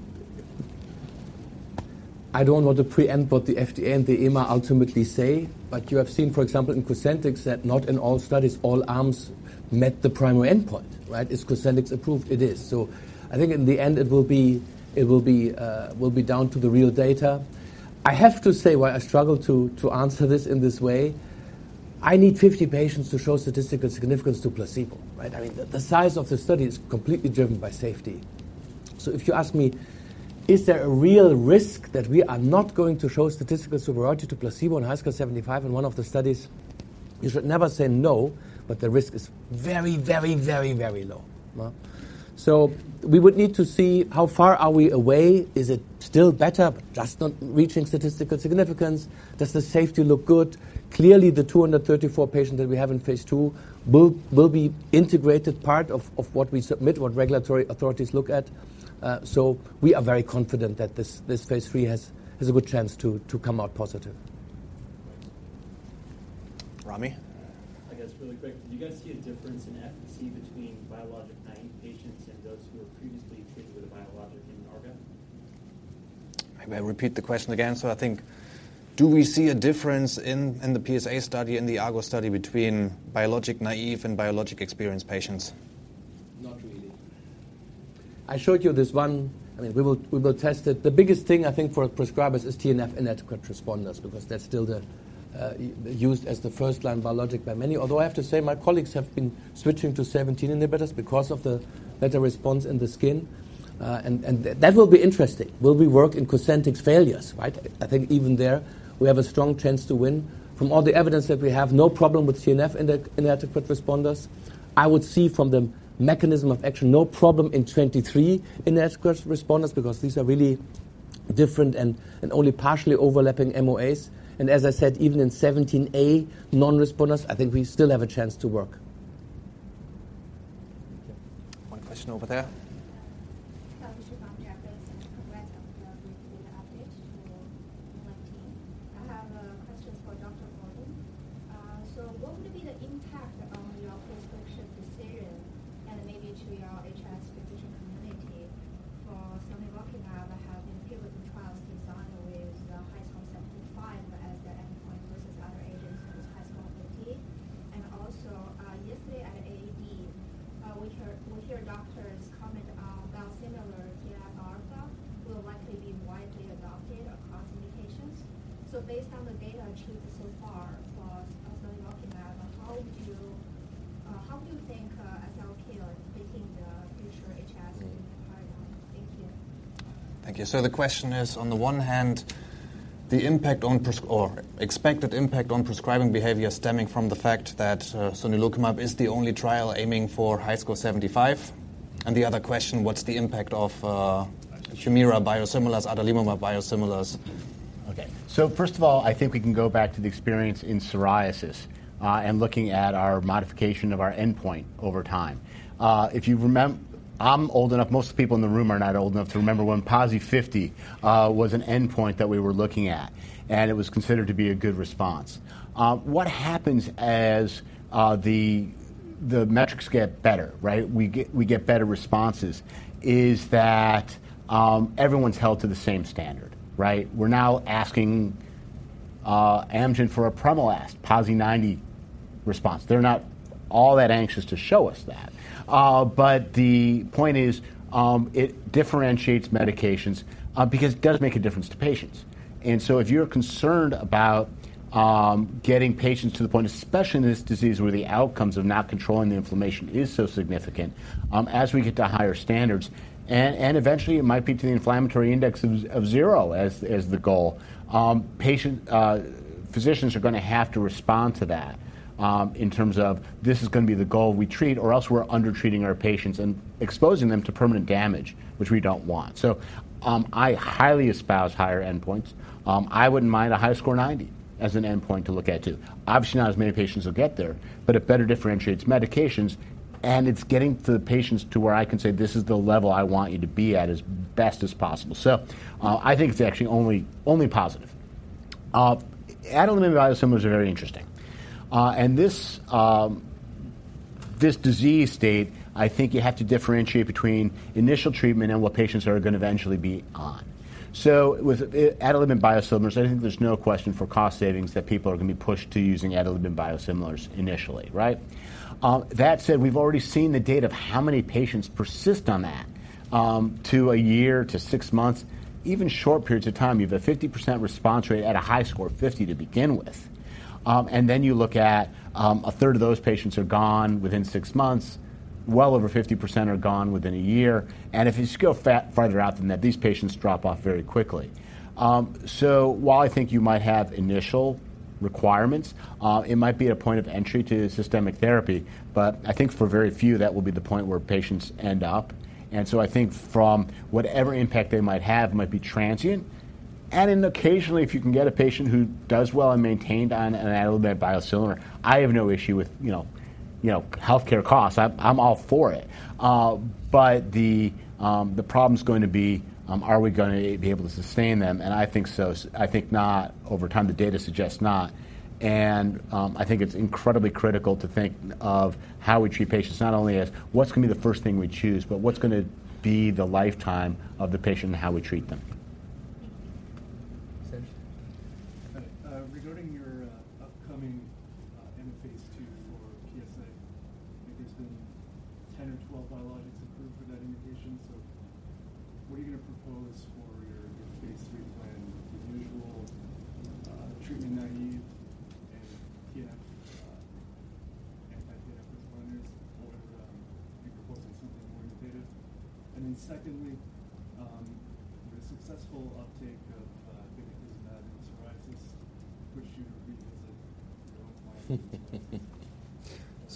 [SPEAKER 4] I don't know what the primary endpoint the FDA and the EMA ultimately say. But you have seen, for example, in Cosentyx that not in all studies, all arms met the primary endpoint, right? Is Cosentyx approved? It is. So I think, in the end, it will be down to the real data. I have to say, why I struggle to answer this in this way, I need 50 patients to show statistical significance to placebo, right? I mean, the size of the study is completely driven by safety. So if you ask me, is there a real risk that we are not going to show statistical superiority to placebo in HiSCR 75 in one of the studies, you should never say no. But the risk is very, very, very, very low. So we would need to see, how far are we away? Is it still better, but just not reaching statistical significance? Does the safety look good? Clearly, the 234 patients that we have in phase II will be integrated part of what we submit, what regulatory authorities look at. So we are very confident that this phase III has a good chance to come out positive.
[SPEAKER 2] Thanks. Rami?
[SPEAKER 6] I guess, really quick, do you guys see a difference in efficacy between biologic naive patients and those who were previously treated with a biologic in ARGO?
[SPEAKER 2] May I repeat the question again? I think, do we see a difference in the PsA study and the ARGO study between biologic naive and biologic experienced patients?
[SPEAKER 6] Not really.
[SPEAKER 4] I showed you this one. I mean, we will test it. The biggest thing, I think, for prescribers is TNF inadequate responders because that's still used as the first-line biologic by many. Although I have to say, my colleagues have been switching to 17 inhibitors because of the better response in the skin. And that will be interesting. Will we work in Cosentyx failures, right? I think, even there, we have a strong chance to win. From all the evidence that we have, no problem with TNF inadequate responders. I would see from the mechanism of action, no problem in 23 inadequate responders because these are really different and only partially overlapping MOAs. And as I said, even in 17A non-responders, I think we still have a chance to work.
[SPEAKER 6] Thank you.
[SPEAKER 2] One question over there.
[SPEAKER 5] I'm old enough. Most of the people in the room are not old enough to remember when PASI 50 was an endpoint that we were looking at. And it was considered to be a good response. What happens as the metrics get better, right, we get better responses, is that everyone's held to the same standard, right? We're now asking Amgen for a brodalumab PASI 90 response. They're not all that anxious to show us that. But the point is, it differentiates medications because it does make a difference to patients. If you're concerned about getting patients to the point, especially in this disease where the outcomes of not controlling the inflammation is so significant, as we get to higher standards and eventually it might peak to the inflammatory index of zero as the goal, physicians are going to have to respond to that in terms of this is going to be the goal. We treat. Or else we're undertreating our patients and exposing them to permanent damage, which we don't want. So I highly espouse higher endpoints. I wouldn't mind a high score 90 as an endpoint to look at too. Obviously not as many patients will get there. But it better differentiates medications. And it's getting the patients to where I can say this is the level I want you to be at as best as possible. So I think it's actually only positive. Adalimumab biosimilars are very interesting. This disease state, I think you have to differentiate between initial treatment and what patients are going to eventually be on. So with Adalimumab biosimilars, I think there's no question for cost savings that people are going to be pushed to using Adalimumab biosimilars initially, right? That said, we've already seen the data of how many patients persist on that to one year, to six months, even short periods of time. You have a 50% response rate at HiSCR 50 to begin with. And then you look at a third of those patients are gone within six months. Well over 50% are gone within one year. And if you just go farther out than that, these patients drop off very quickly. So while I think you might have initial requirements, it might be a point of entry to systemic therapy. But I think, for very few, that will be the point where patients end up. And so I think, from whatever impact they might have, it might be transient. And occasionally, if you can get a patient who does well and maintained on an adalimumab biosimilar, I have no issue with health care costs. I'm all for it. But the problem's going to be, are we going to be able to sustain them? And I think so. I think not. Over time, the data suggests not. And I think it's incredibly critical to think of how we treat patients, not only as, what's going to be the first thing we choose? But what's going to be the lifetime of the patient and how we treat them?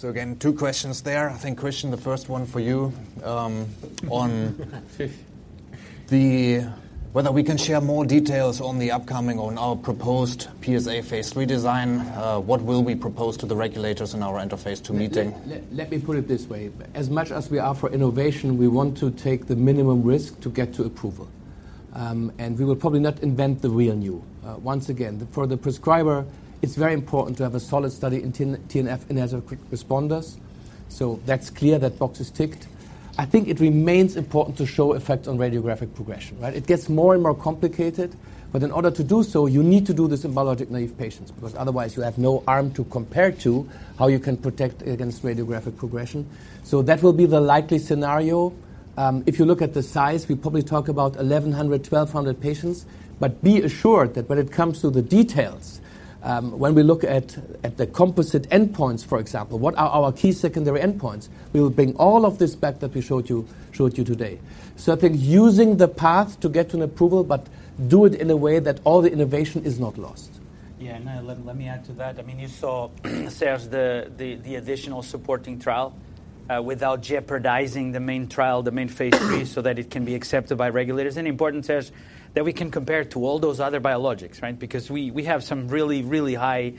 [SPEAKER 6] Thank you. Regarding your upcoming end of phase II for PsA, I think there's been 10 or 12 biologics approved for that indication. So what are you going to propose for your phase III plan, the usual treatment naive and anti-TNF responders? Or are you proposing something more innovative? And then secondly, would a successful uptake of bimekizumab in psoriasis push you to revisit your own plan in psoriasis?
[SPEAKER 2] Again, two questions there. I think, Kristian, the first one for you on whether we can share more details on the upcoming or on our proposed PsA phase III design. What will we propose to the regulators in our end-of-phase II meeting?
[SPEAKER 4] Let me put it this way. As much as we are for innovation, we want to take the minimum risk to get to approval. We will probably not invent the real new. Once again, for the prescriber, it's very important to have a solid study in TNF inadequate responders. That's clear. That box is ticked. I think it remains important to show effects on radiographic progression, right? It gets more and more complicated. In order to do so, you need to do this in biologic naive patients because, otherwise, you have no arm to compare to how you can protect against radiographic progression. That will be the likely scenario. If you look at the size, we probably talk about 1,100-1,200 patients. Be assured that, when it comes to the details, when we look at the composite endpoints, for example, what are our key secondary endpoints, we will bring all of this back that we showed you today. I think, using the path to get to an approval, but do it in a way that all the innovation is not lost.
[SPEAKER 2] Yeah. And let me add to that. I mean, you saw, say, as the additional supporting trial without jeopardizing the main trial, the main phase III, so that it can be accepted by regulators. And important, say, as that we can compare it to all those other biologics, right? Because we have some really, really high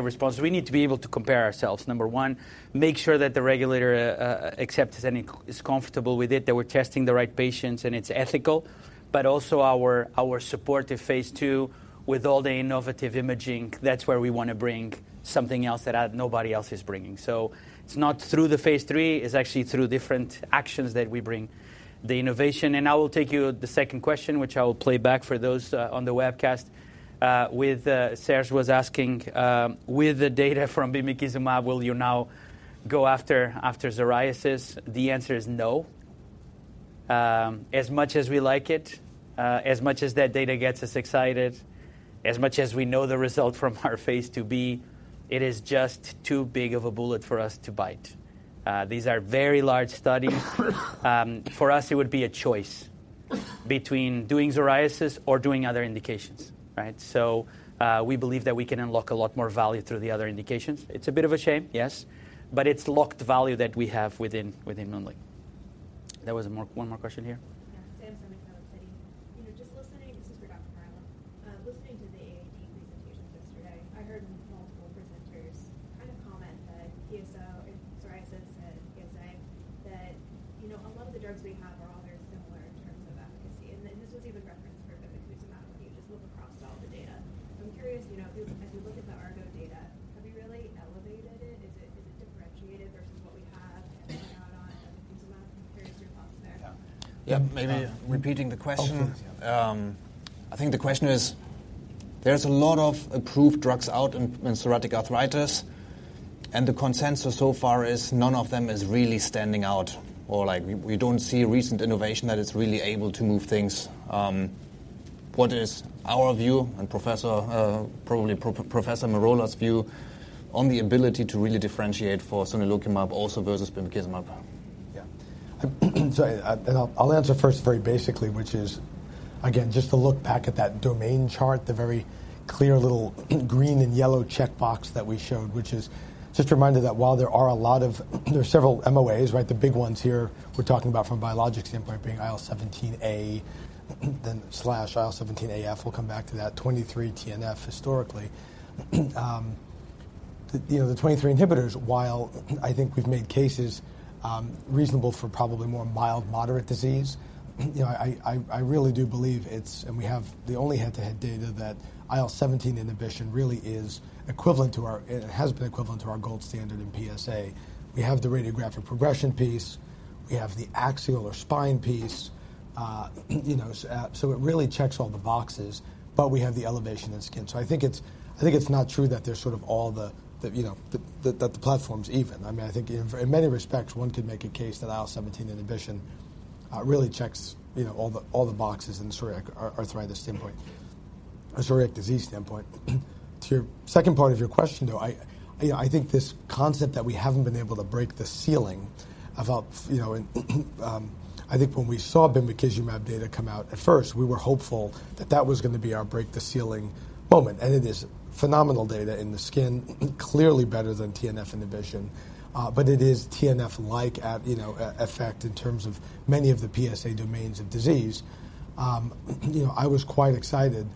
[SPEAKER 2] responses. We need to be able to compare ourselves, number one, make sure that the regulator accepts it and is comfortable with it, that we're testing the right patients, and it's ethical. But also, our supportive phase II, with all the innovative imaging, that's where we want to bring something else that nobody else is bringing. So it's not through the phase III. It's actually through different actions that we bring the innovation. And I will take you to the second question, which I will play back for those on the webcast. So, as was asking, with the data from bimekizumab, will you now go after psoriasis? The answer is no. As much as we like it, as much as that data gets us excited, as much as we know the result from our phase IIB, it is just too big of a bullet for us to bite. These are very large studies. For us, it would be a choice between doing psoriasis or doing other indications, right? So we believe that we can unlock a lot more value through the other indications. It's a bit of a shame, yes. But it's locked value that we have within MoonLake. There was one more question here.
[SPEAKER 6] bimekizumab?
[SPEAKER 3] Sorry. I'll answer first very basically, which is, again, just to look back at that domain chart, the very clear little green and yellow checkbox that we showed, which is just a reminder that, while there are several MOAs, right, the big ones here we're talking about from a biologic standpoint being IL-17A, then slash IL-17A/F. We'll come back to that. IL-23, TNF, historically. The IL-23 inhibitors, while I think we've made cases reasonable for probably more mild, moderate disease, I really do believe it's and we have the only head-to-head data that IL-17 inhibition really is equivalent to our and has been equivalent to our gold standard in PsA. We have the radiographic progression piece. We have the axial or spine piece. So it really checks all the boxes. But we have the elevation in skin. So I think it's not true that the platform's even. I mean, I think, in many respects, one could make a case that IL-17 inhibition really checks all the boxes in the psoriatic arthritis standpoint, a psoriatic disease standpoint. To your second part of your question, though, I think this concept that we haven't been able to break the ceiling. I think, when we saw bimekizumab data come out at first, we were hopeful that that was going to be our break the ceiling moment. And it is phenomenal data in the skin, clearly better than TNF inhibition. But it is TNF-like effect in terms of many of the PsA domains of disease. I was quite excited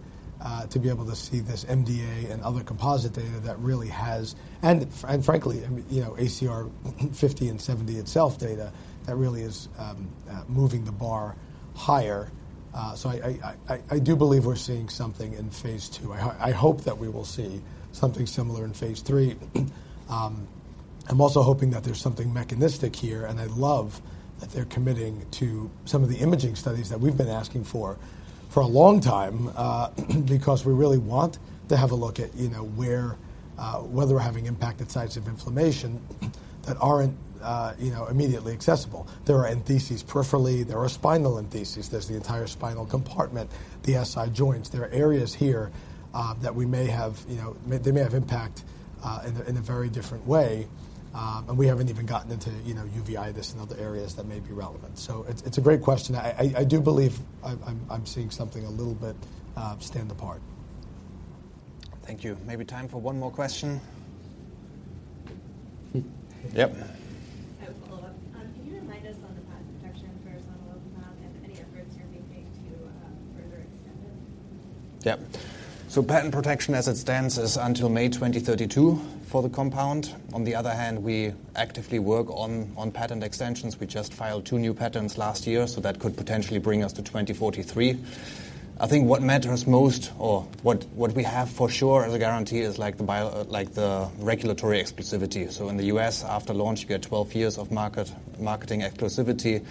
[SPEAKER 3] to be able to see this MDA and other composite data that really has and frankly, ACR 50 and 70 itself data that really is moving the bar higher. So I do believe we're seeing something in phase II. I hope that we will see something similar in phase III. I'm also hoping that there's something mechanistic here. And I love that they're committing to some of the imaging studies that we've been asking for a long time because we really want to have a look at whether we're having impacted sites of inflammation that aren't immediately accessible. There are entheses peripherally. There are spinal entheses. There's the entire spinal compartment, the SI joints. There are areas here that they may have impact in a very different way. And we haven't even gotten into uveitis and other areas that may be relevant. It's a great question. I do believe I'm seeing something a little bit stand apart.
[SPEAKER 2] Thank you. Maybe time for one more question.
[SPEAKER 6] I have a follow-up. Can you remind us on the patent protection for sonelokimab and any efforts you're making to further extend it?
[SPEAKER 2] Yep. So patent protection, as it stands, is until May 2032 for the compound. On the other hand, we actively work on patent extensions. We just filed two new patents last year. So that could potentially bring us to 2043. I think what matters most or what we have for sure as a guarantee is the regulatory exclusivity. So in the U.S., after launch, you get 12 years of marketing exclusivity.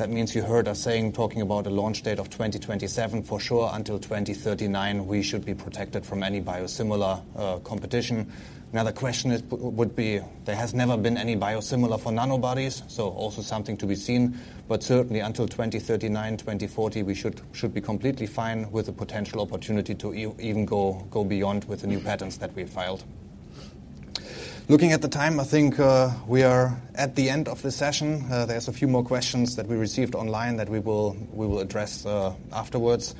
[SPEAKER 2] That means you heard us talking about a launch date of 2027 for sure. Until 2039, we should be protected from any biosimilar competition. Another question would be, there has never been any biosimilar for Nanobodies. So also something to be seen. But certainly, until 2039, 2040, we should be completely fine with the potential opportunity to even go beyond with the new patents that we filed. Looking at the time, I think we are at the end of this session. There's a few more questions that we received online that we will address afterwards.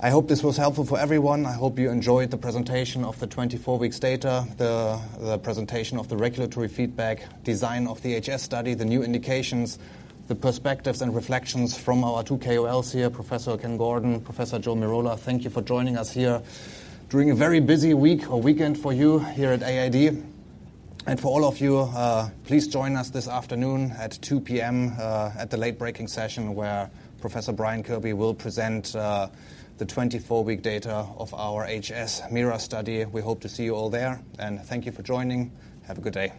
[SPEAKER 2] I hope this was helpful for everyone. I hope you enjoyed the presentation of the 24-week data, the presentation of the regulatory feedback, design of the HS study, the new indications, the perspectives, and reflections from our two KOLs here, Professor Ken Gordon, Professor Joseph Merola. Thank you for joining us here during a very busy week or weekend for you here at AAD. And for all of you, please join us this afternoon at 2:00 P.M. at the late-breaking session, where Professor Brian Kirby will present the 24-week data of our HS MIRA study. We hope to see you all there. And thank you for joining. Have a good day.